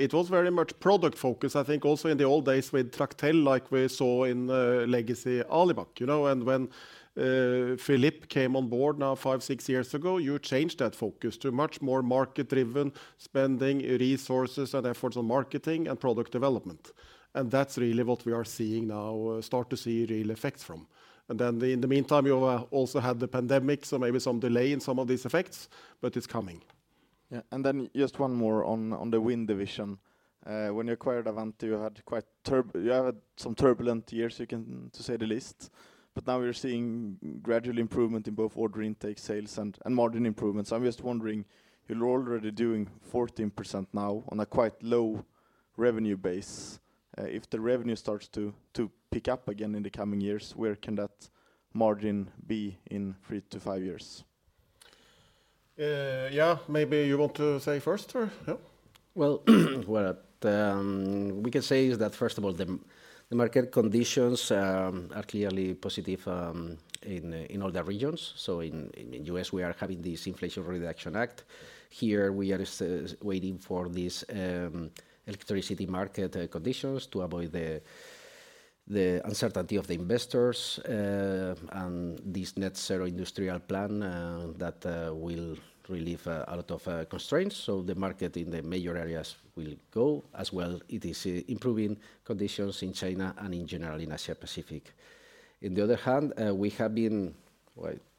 [SPEAKER 2] it was very much product focused. I think also in the old days with Tractel, like we saw in the legacy Alimak, you know, and when Philippe came on board now five and six years ago, you changed that focus to much more market-driven, spending resources and efforts on marketing and product development. That's really what we are seeing now start to see real effects from. In the meantime, you also had the pandemic, so maybe some delay in some of these effects, but it's coming.
[SPEAKER 10] Yeah, just one more on the Wind Division. When you acquired Avanti, you had some turbulent years, you can, to say the least. Now we're seeing gradual improvement in both order intake, sales, and margin improvements. I'm just wondering, you're already doing 14% now on a quite low revenue base. If the revenue starts to pick up again in the coming years, where can that margin be in three to five years?
[SPEAKER 2] Yeah, maybe you want to say first, or yeah?
[SPEAKER 12] Well, what we can say is that, first of all, the market conditions are clearly positive in all the regions. In the U.S., we are having this Inflation Reduction Act. Here, we are waiting for this electricity market conditions to avoid the uncertainty of the investors, and this Net Zero Industrial Plan that will relieve a lot of constraints. The market in the major areas will go as well. It is improving conditions in China and in general in Asia-Pacific region. In the other hand, we have been...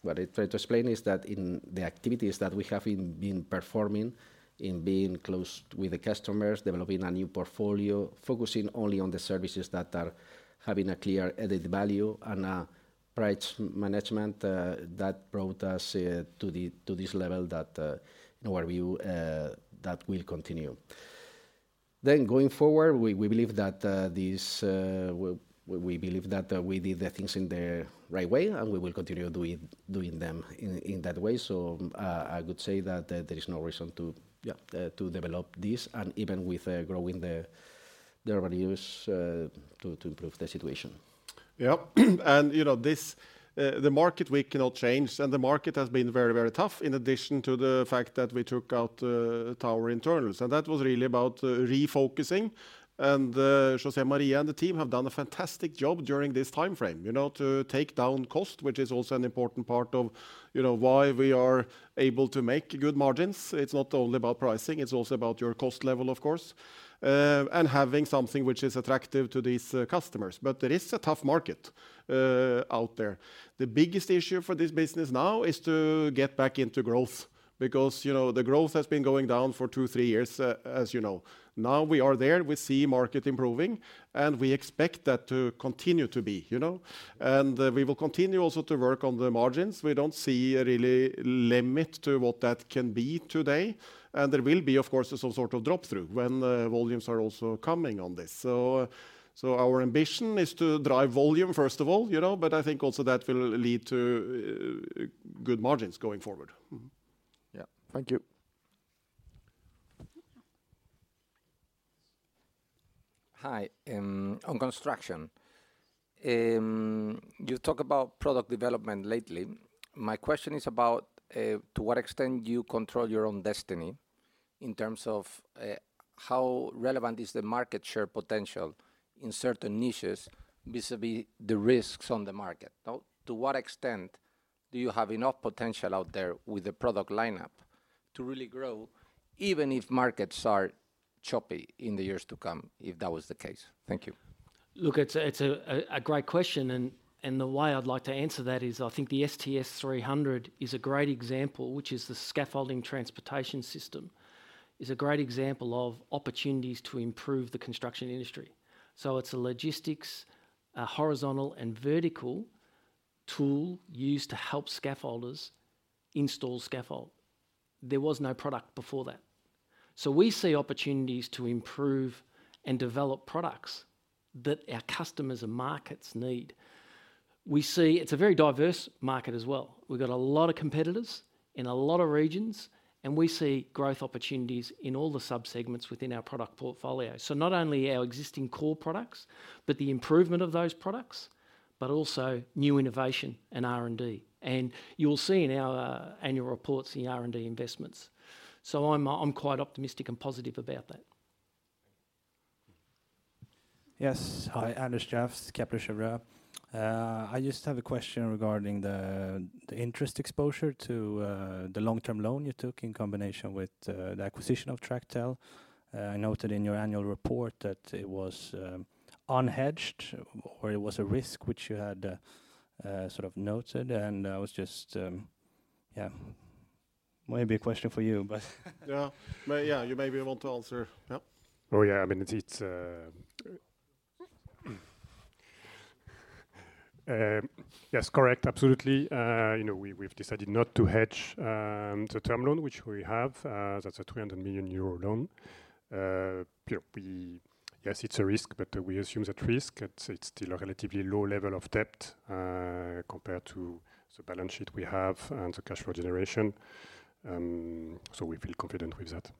[SPEAKER 12] What I tried to explain is that in the activities that we have been performing, in being close with the customers, developing a new portfolio, focusing only on the services that are having a clear added value and price management, that brought us to this level that in our view, that will continue. Going forward, we believe that this, we believe that we did the things in the right way, and we will continue doing them in that way. I could say that there is no reason to, yeah, to develop this and even with growing the revenues, to improve the situation.
[SPEAKER 2] Yep. You know, this, the market we cannot change, the market has been very, very tough, in addition to the fact that we took out, tower internals. That was really about, refocusing. José Maria and the team have done a fantastic job during this time frame, you know, to take down cost, which is also an important part of, you know, why we are able to make good margins. It's not only about pricing, it's also about your cost level, of course, and having something which is attractive to these, customers. There is a tough market, out there. The biggest issue for this business now is to get back into growth because, you know, the growth has been going down for two to three years, as you know. Now we are there. We see market improving, and we expect that to continue to be, you know. We will continue also to work on the margins. We don't see a really limit to what that can be today. There will be, of course, some sort of drop-through when the volumes are also coming on this. Our ambition is to drive volume, first of all, you know, but I think also that will lead to good margins going forward. Mm-hmm.
[SPEAKER 7] Yeah. Thank you. Hi. On construction, you talk about product development lately. My question is about to what extent do you control your own destiny in terms of how relevant is the market share potential in certain niches vis-à-vis the risks on the market? To what extent do you have enough potential out there with the product lineup to really grow, even if markets are choppy in the years to come, if that was the case? Thank you.
[SPEAKER 6] Look, it's a great question, and the way I'd like to answer that is, I think the STS 300 is a great example, which is the scaffolding transportation system. Is a great example of opportunities to improve the construction industry. It's a logistics, a horizontal and vertical tool used to help scaffolders install scaffold. There was no product before that. We see opportunities to improve and develop products that our customers and markets need. We see. It's a very diverse market as well. We've got a lot of competitors in a lot of regions, and we see growth opportunities in all the subsegments within our product portfolio. Not only our existing core products, but the improvement of those products, but also new innovation and R&D. You will see in our annual reports, the R&D investments. I'm quite optimistic and positive about that.
[SPEAKER 7] Yes. Hi, Anders Järvstad, Carnegie. I just have a question regarding the interest exposure to the long-term loan you took in combination with the acquisition of Tractel. I noted in your annual report that it was unhedged or it was a risk which you had sort of noted. Yeah, maybe a question for you.
[SPEAKER 2] Yeah. Yeah, you may be able to answer. Yep.
[SPEAKER 7] Yeah. I mean, it's yes, correct. Absolutely. You know, we've decided not to hedge the term loan, which we have. That's a 300 million euro loan. Yeah, yes, it's a risk, but we assume that risk. It's still a relatively low level of debt, compared to the balance sheet we have and the cash flow generation. We feel confident with that.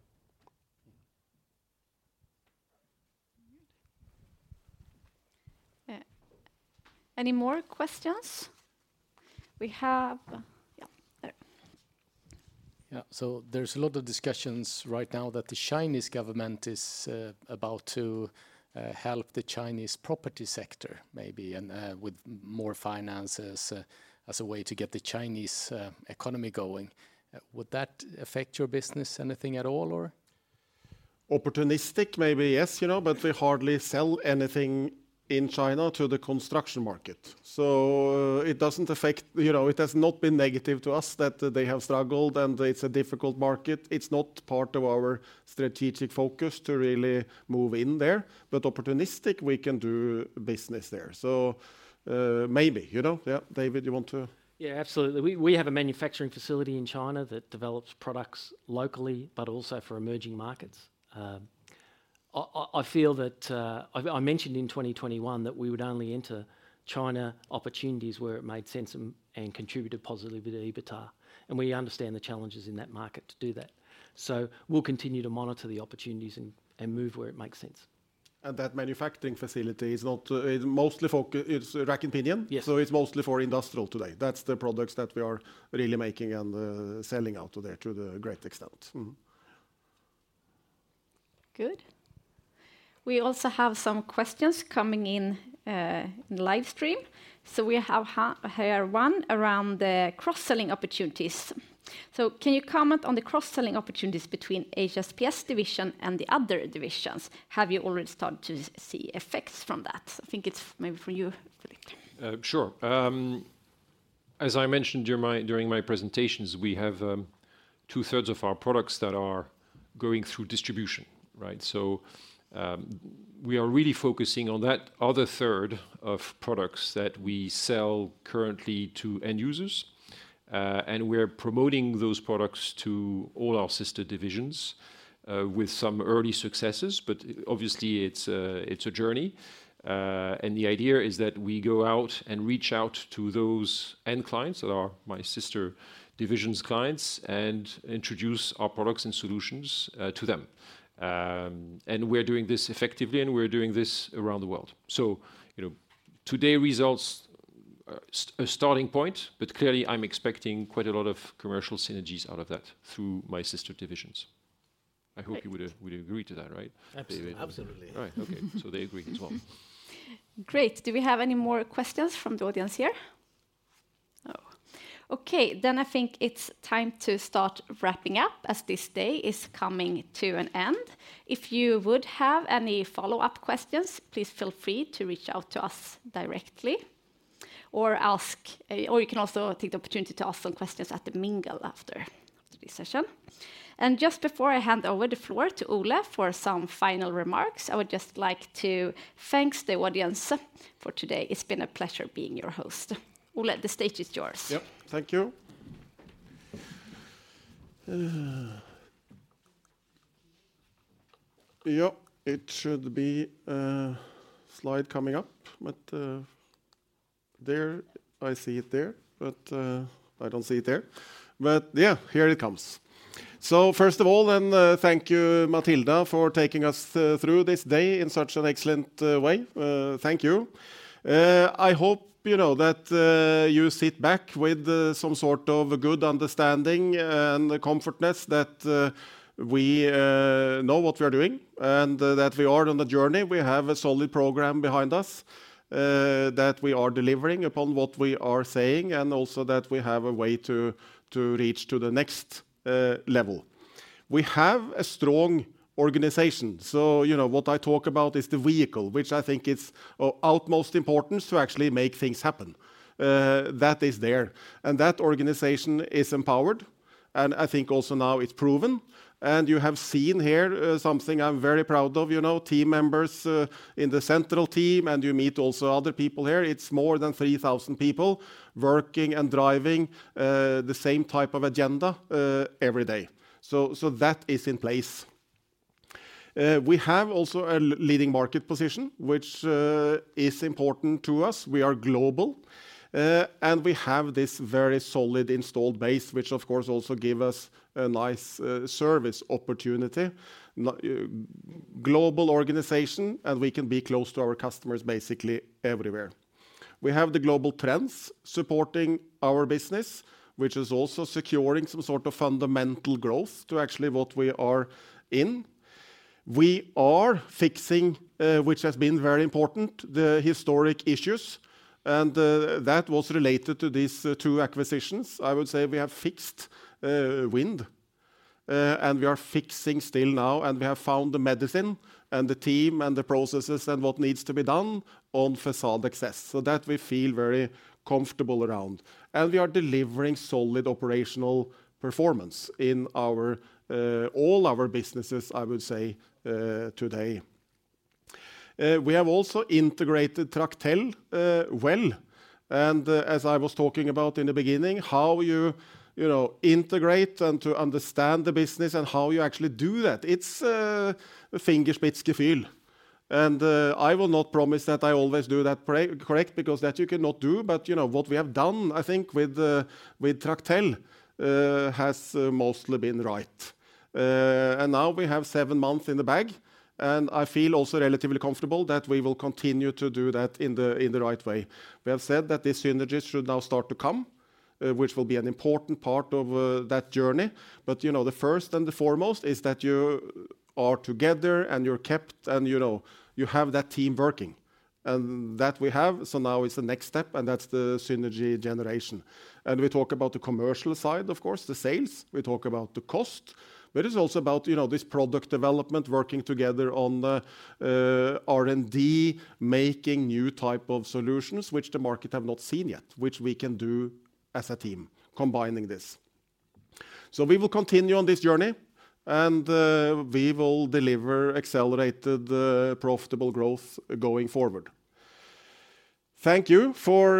[SPEAKER 1] Any more questions? Yeah, there.
[SPEAKER 7] Yeah. There's a lot of discussions right now that the Chinese government is about to help the Chinese property sector, maybe, and with more finances as a way to get the Chinese economy going. Would that affect your business anything at all, or?
[SPEAKER 2] Opportunistic, maybe yes, you know. We hardly sell anything in China to the construction market. It doesn't affect... You know, it has not been negative to us that they have struggled. It's a difficult market. It's not part of our strategic focus to really move in there. Opportunistic, we can do business there. Maybe, you know? Yeah. David, you want to?
[SPEAKER 6] Yeah, absolutely. We have a manufacturing facility in China that develops products locally, but also for emerging markets. I feel that I mentioned in 2021 that we would only enter China opportunities where it made sense and contributed positively to EBITDA, and we understand the challenges in that market to do that. We'll continue to monitor the opportunities and move where it makes sense.
[SPEAKER 2] That manufacturing facility is not, It's rack-and-pinion?
[SPEAKER 6] Yes.
[SPEAKER 2] It's mostly for industrial today. That's the products that we are really making and selling out of there to the great extent.
[SPEAKER 1] Good. We also have some questions coming in in the live stream. We have hear one around the cross-selling opportunities. Can you comment on the cross-selling opportunities between HSPS division and the other divisions? Have you already started to see effects from that? I think it's maybe for you, Philippe.
[SPEAKER 7] Sure. As I mentioned during my presentations, we have two-thirds of our products that are going through distribution, right? We are really focusing on that other third of products that we sell currently to end users, and we're promoting those products to all our sister divisions, with some early successes, but obviously, it's a journey. The idea is that we go out and reach out to those end clients that are my sister divisions clients and introduce our products and solutions to them. We're doing this effectively, and we're doing this around the world. You know, today, results......
[SPEAKER 5] a starting point, but clearly I'm expecting quite a lot of commercial synergies out of that through my sister divisions. I hope you would agree to that, right?
[SPEAKER 6] Absolutely. Absolutely.
[SPEAKER 5] Right. Okay. They agree as well.
[SPEAKER 1] Great. Do we have any more questions from the audience here? No. Okay, I think it's time to start wrapping up, as this day is coming to an end. If you would have any follow-up questions, please feel free to reach out to us directly or ask, or you can also take the opportunity to ask some questions at the mingle after this session. Just before I hand over the floor to Ole for some final remarks, I would just like to thanks the audience for today. It's been a pleasure being your host. Ole, the stage is yours.
[SPEAKER 2] Yep. Thank you. Yep, it should be a slide coming up, but there, I see it there, but I don't see it there. Yeah, here it comes. First of all, thank you, Mathilda, for taking us through this day in such an excellent way. Thank you. I hope you know that you sit back with some sort of good understanding and the comfortness that we know what we are doing, and that we are on a journey. We have a solid program behind us, that we are delivering upon what we are saying, and also that we have a way to reach to the next level. We have a strong organization, so, you know, what I talk about is the vehicle, which I think is, of utmost importance to actually make things happen. That is there, and that organization is empowered, and I think also now it's proven, and you have seen here, something I'm very proud of, you know, team members, in the central team, and you meet also other people here. It's more than 3,000 people working and driving the same type of agenda every day. That is in place. We have also a leading market position, which is important to us. We are global, and we have this very solid installed base, which of course also give us a nice service opportunity. Global organization, and we can be close to our customers basically everywhere. We have the global trends supporting our business, which is also securing some sort of fundamental growth to actually what we are in. We are fixing, which has been very important, the historic issues, and that was related to these two acquisitions. I would say we have fixed wind, and we are fixing still now, and we have found the medicine and the team and the processes and what needs to be done on Facade Access Division, so that we feel very comfortable around. We are delivering solid operational performance in our all our businesses, I would say, today. We have also integrated Tractel well, and as I was talking about in the beginning, how you know, integrate and to understand the business and how you actually do that, it's Fingerspitzengefühl. I will not promise that I always do that correct, because that you cannot do, but, you know, what we have done, I think, with Tractel has mostly been right. Now we have seven months in the bag, and I feel also relatively comfortable that we will continue to do that in the right way. We have said that these synergies should now start to come, which will be an important part of that journey. You know, the first and the foremost is that you are together and you're kept, and, you know, you have that team working, and that we have. Now is the next step, and that's the synergy generation. We talk about the commercial side, of course, the sales. We talk about the cost, but it's also about, you know, this product development, working together on the R&D, making new type of solutions, which the market have not seen yet, which we can do as a team, combining this. We will continue on this journey, and we will deliver accelerated profitable growth going forward. Thank you for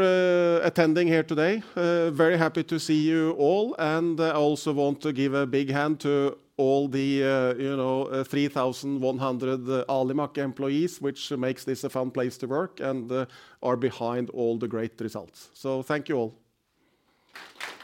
[SPEAKER 2] attending here today. Very happy to see you all, and I also want to give a big hand to all the, you know, 3,100 employees at Alimak Group which makes this a fun place to work, and are behind all the great results. Thank you all.